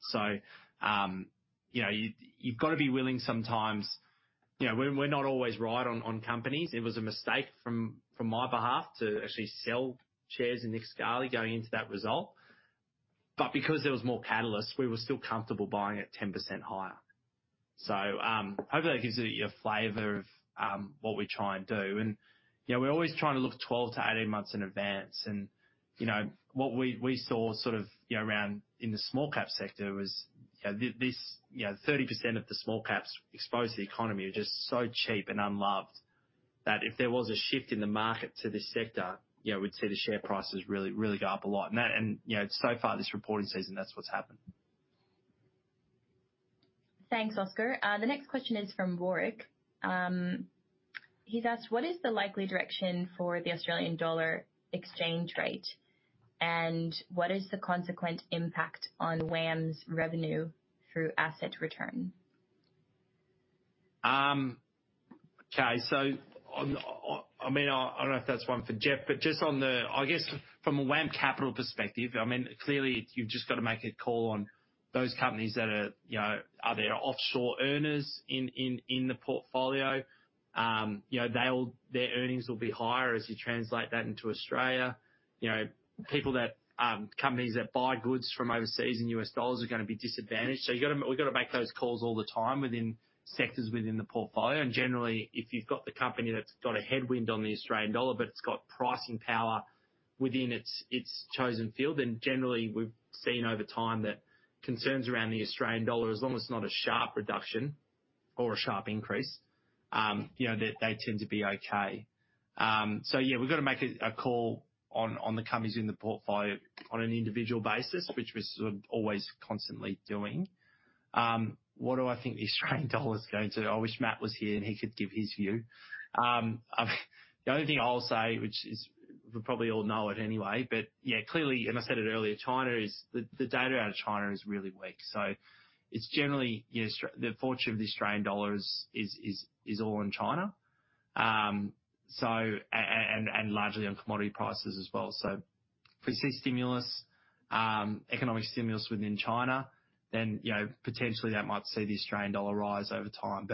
You know, you, you've got to be willing sometimes. You know, we're, we're not always right on, on companies. It was a mistake from my behalf to actually sell shares in Nick Scali going into that result. Because there was more catalysts, we were still comfortable buying at 10% higher. Hopefully, that gives you a flavor of what we try and do. We're always trying to look 12-18 months in advance. What we saw sort of, you know, around in the small cap sector was, you know, this, you know, 30% of the small caps exposed to the economy are just so cheap and unloved, that if there was a shift in the market to this sector, you know, we'd see the share prices really, really go up a lot. That, you know, so far this reporting season, that's what's happened. Thanks, Oscar. The next question is from Warwick. He's asked, "What is the likely direction for the Australian dollar exchange rate, and what is the consequent impact on WAM's revenue through asset return? Okay. On, I mean, I don't know if that's one for Geoff, but just on the. I guess from a WAM Capital perspective, I mean, clearly, you've just got to make a call on those companies that are, you know, are there offshore earners in, in, in the portfolio? You know, their earnings will be higher as you translate that into Australia. You know, people that, companies that buy goods from overseas in U.S. dollars are gonna be disadvantaged. We've got to make those calls all the time within sectors within the portfolio. Generally, if you've got the company that's got a headwind on the Australian dollar, but it's got pricing power within its, its chosen field, then generally we've seen over time that concerns around the Australian dollar, as long as it's not a sharp reduction or a sharp increase, you know, they, they tend to be okay. Yeah, we've got to make a, a call on, on the companies in the portfolio on an individual basis, which we're sort of always constantly doing. What do I think the Australian dollar is going to do? I wish Matt was here, and he could give his view. The only thing I'll say, which is, we probably all know it anyway, but yeah, clearly, and I said it earlier, China, the data out of China is really weak. It's generally, you know, the fortune of the Australian dollar is all in China. And largely on commodity prices as well. If we see stimulus, economic stimulus within China, then, you know, potentially that might see the Australian dollar rise over time.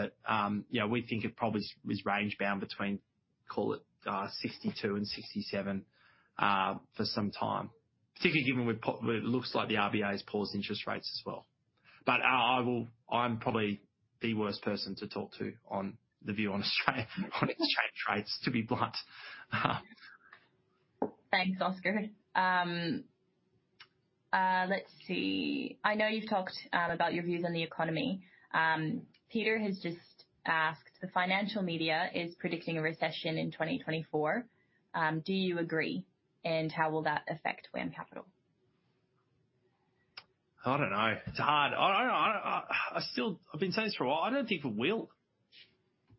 You know, we think it probably is range-bound between, call it, 0.62-0.67 for some time, particularly given we're it looks like the RBA has paused interest rates as well. I'm probably the worst person to talk to on the view on Australia, on exchange rates, to be blunt. Thanks, Oscar. let's see. I know you've talked about your views on the economy. Peter has just asked: The financial media is predicting a recession in 2024. Do you agree? How will that affect WAM Capital? I don't know. It's hard. I still I've been saying this for a while. I don't think it will.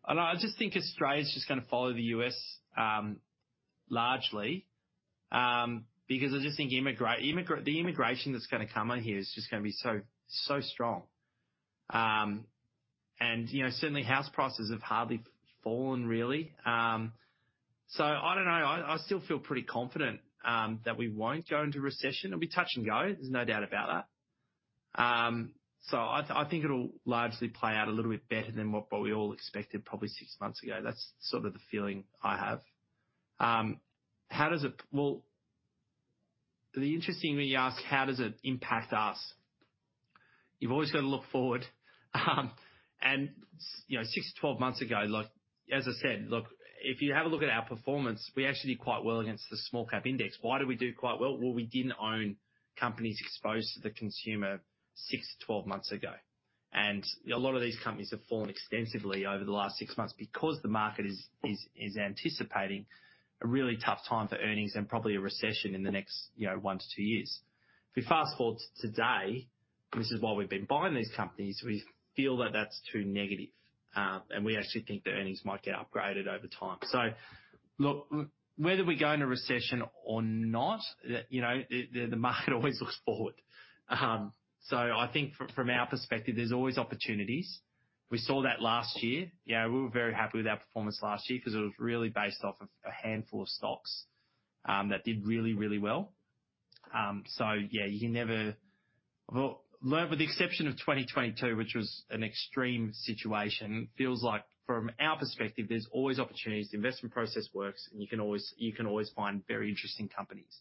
I don't know, I just think Australia's just gonna follow the US, largely, because I just think the immigration that's gonna come in here is just gonna be so, so strong. You know, certainly house prices have hardly fallen, really. I don't know. I still feel pretty confident that we won't go into recession. It'll be touch and go, there's no doubt about that. I, I think it'll largely play out a little bit better than what we all expected probably six months ago. That's sort of the feeling I have. How does it. Well, the interesting thing you ask, how does it impact us? You've always got to look forward. You know, six to 12 months ago, like, as I said, look, if you have a look at our performance, we actually did quite well against the small cap index. Why did we do quite well? Well, we didn't own companies exposed to the consumer 6 to 12 months ago, and a lot of these companies have fallen extensively over the last 6 months because the market is, is, is anticipating a really tough time for earnings and probably a recession in the next, you know, one to two years. If we fast-forward to today, this is why we've been buying these companies. We feel that that's too negative, and we actually think the earnings might get upgraded over time. Look, whether we go into recession or not, the, you know, the, the market always looks forward. I think from, from our perspective, there's always opportunities. We saw that last year. You know, we were very happy with our performance last year because it was really based off of a handful of stocks that did really, really well. Yeah, you can never. Well, learn, with the exception of 2022, which was an extreme situation, it feels like from our perspective, there's always opportunities, the investment process works, and you can always, you can always find very interesting companies.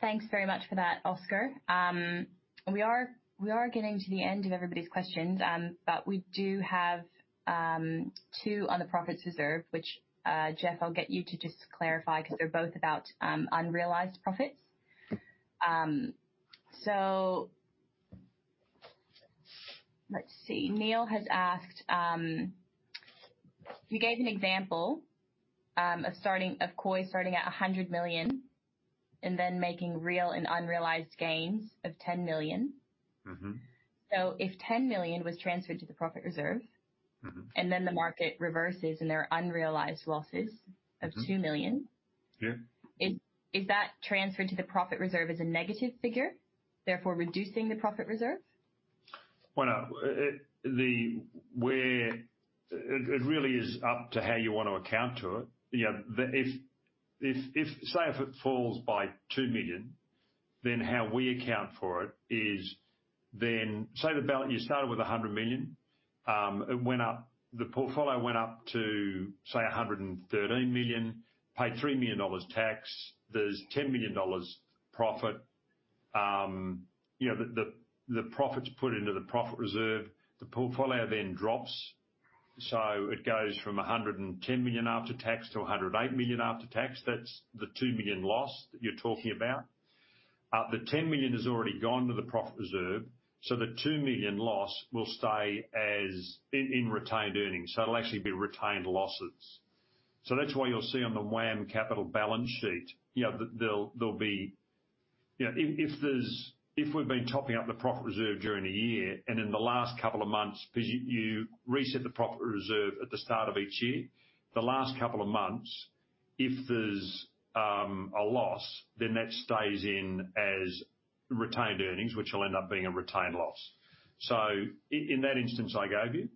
Thanks very much for that, Oscar. We are, we are getting to the end of everybody's questions. We do have two on the profits reserve, which, Geoff, I'll get you to just clarify, because they're both about unrealized profits. Let's see. Neil has asked, "You gave an example of starting, of Co. A starting at 100 million and then making real and unrealized gains of 10 million. Mm-hmm. If 10 million was transferred to the profit reserve. Mm-hmm. Then the market reverses, and there are unrealized losses of 2 million. Yeah. Is that transferred to the profit reserve as a negative figure, therefore reducing the profit reserve? Well, now, it really is up to how you want to account to it. You know, if it falls by 2 million, how we account for it is, you started with 100 million, the portfolio went up to, say, 113 million, paid 3 million dollars tax. There's 10 million dollars profit. You know, the profits put into the profit reserve, the portfolio then drops. It goes from 110 million after tax to 108 million after tax. That's the 2 million loss that you're talking about. The 10 million has already gone to the profit reserve, the 2 million loss will stay as in retained earnings. It'll actually be retained losses. That's why you'll see on the WAM Capital balance sheet, you know, if we've been topping up the profit reserve during the year and in the last couple of months, because you, you reset the profit reserve at the start of each year. The last couple of months, if there's a loss, then that stays in as retained earnings, which will end up being a retained loss. You,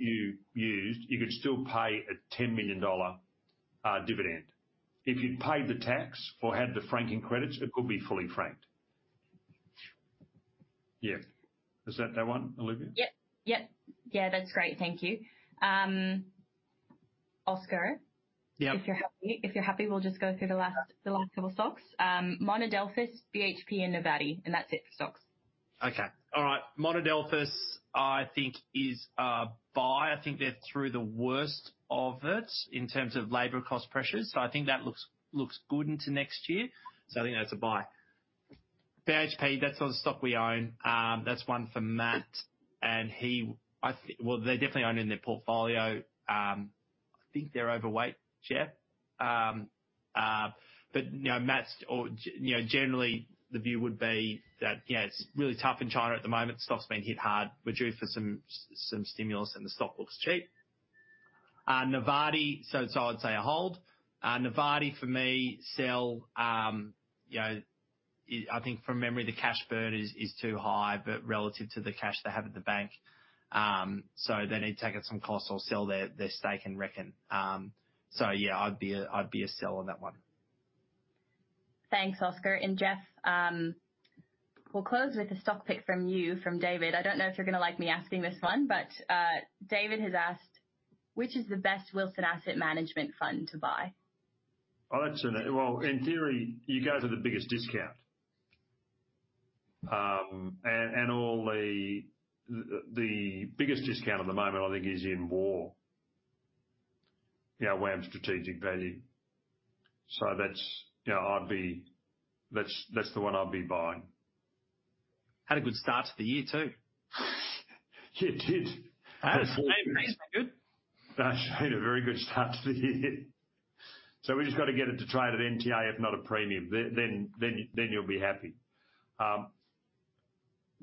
you used, you could still pay a 10 million dollar dividend. If you'd paid the tax or had the franking credits, it could be fully franked. Yeah. Is that that one, Olivia? Yep. Yep. Yeah, that's great. Thank you. Oscar? Yep. If you're happy, if you're happy, we'll just go through the last, the last couple stocks. Monadelphous, BHP, and Novatti, that's it for stocks. Okay. All right. Monadelphous, I think is a buy. I think they're through the worst of it in terms of labor cost pressures, so I think that looks, looks good into next year. I think that's a buy. BHP, that's not a stock we own. That's one for Matt, and I think. Well, they're definitely owned in their portfolio. I think they're overweight, Geoff. You know, Matt's or, you know, generally, the view would be that, you know, it's really tough in China at the moment. Stock's been hit hard, we're due for some, some stimulus, and the stock looks cheap. Novatti, I'd say a hold. Novatti, for me, sell. You know, I think from memory, the cash burn is, is too high, but relative to the cash they have at the bank. They need to take out some costs or sell their, their stake in Reckon. Yeah, I'd be a, I'd be a sell on that one. Thanks, Oscar. Geoff, we'll close with a stock pick from you, from David. I don't know if you're gonna like me asking this one, but David has asked, "Which is the best Wilson Asset Management fund to buy? Well, in theory, you guys are the biggest discount. All the biggest discount at the moment, I think, is in WAR. Yeah, WAM Strategic Value. That's, you know, I'd be. That's, that's the one I'd be buying. Had a good start to the year, too. It did. Absolutely good. That's made a very good start to the year. We've just got to get it to trade at NTA, if not a premium, then you'll be happy.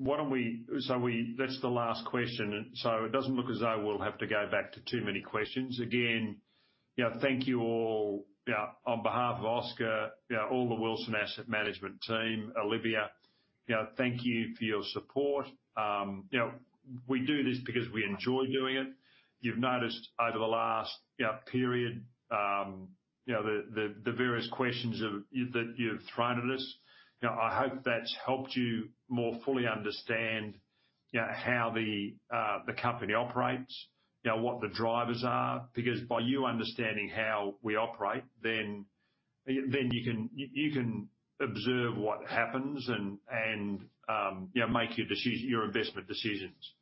That's the last question, it doesn't look as though we'll have to go back to too many questions. Again, you know, thank you, all. Yeah, on behalf of Oscar, you know, all the Wilson Asset Management team, Olivia, you know, thank you for your support. You know, we do this because we enjoy doing it. You've noticed over the last, you know, period, you know, the various questions of that you've thrown at us. You know, I hope that's helped you more fully understand, you know, how the company operates, you know, what the drivers are. By you understanding how we operate, then, then you can, you, you can observe what happens and, and, you know, make your investment decisions.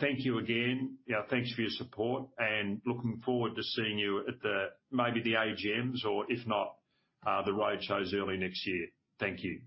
Thank you again. Yeah, thanks for your support, and looking forward to seeing you at the, maybe the AGMs, or if not, the roadshows early next year. Thank you.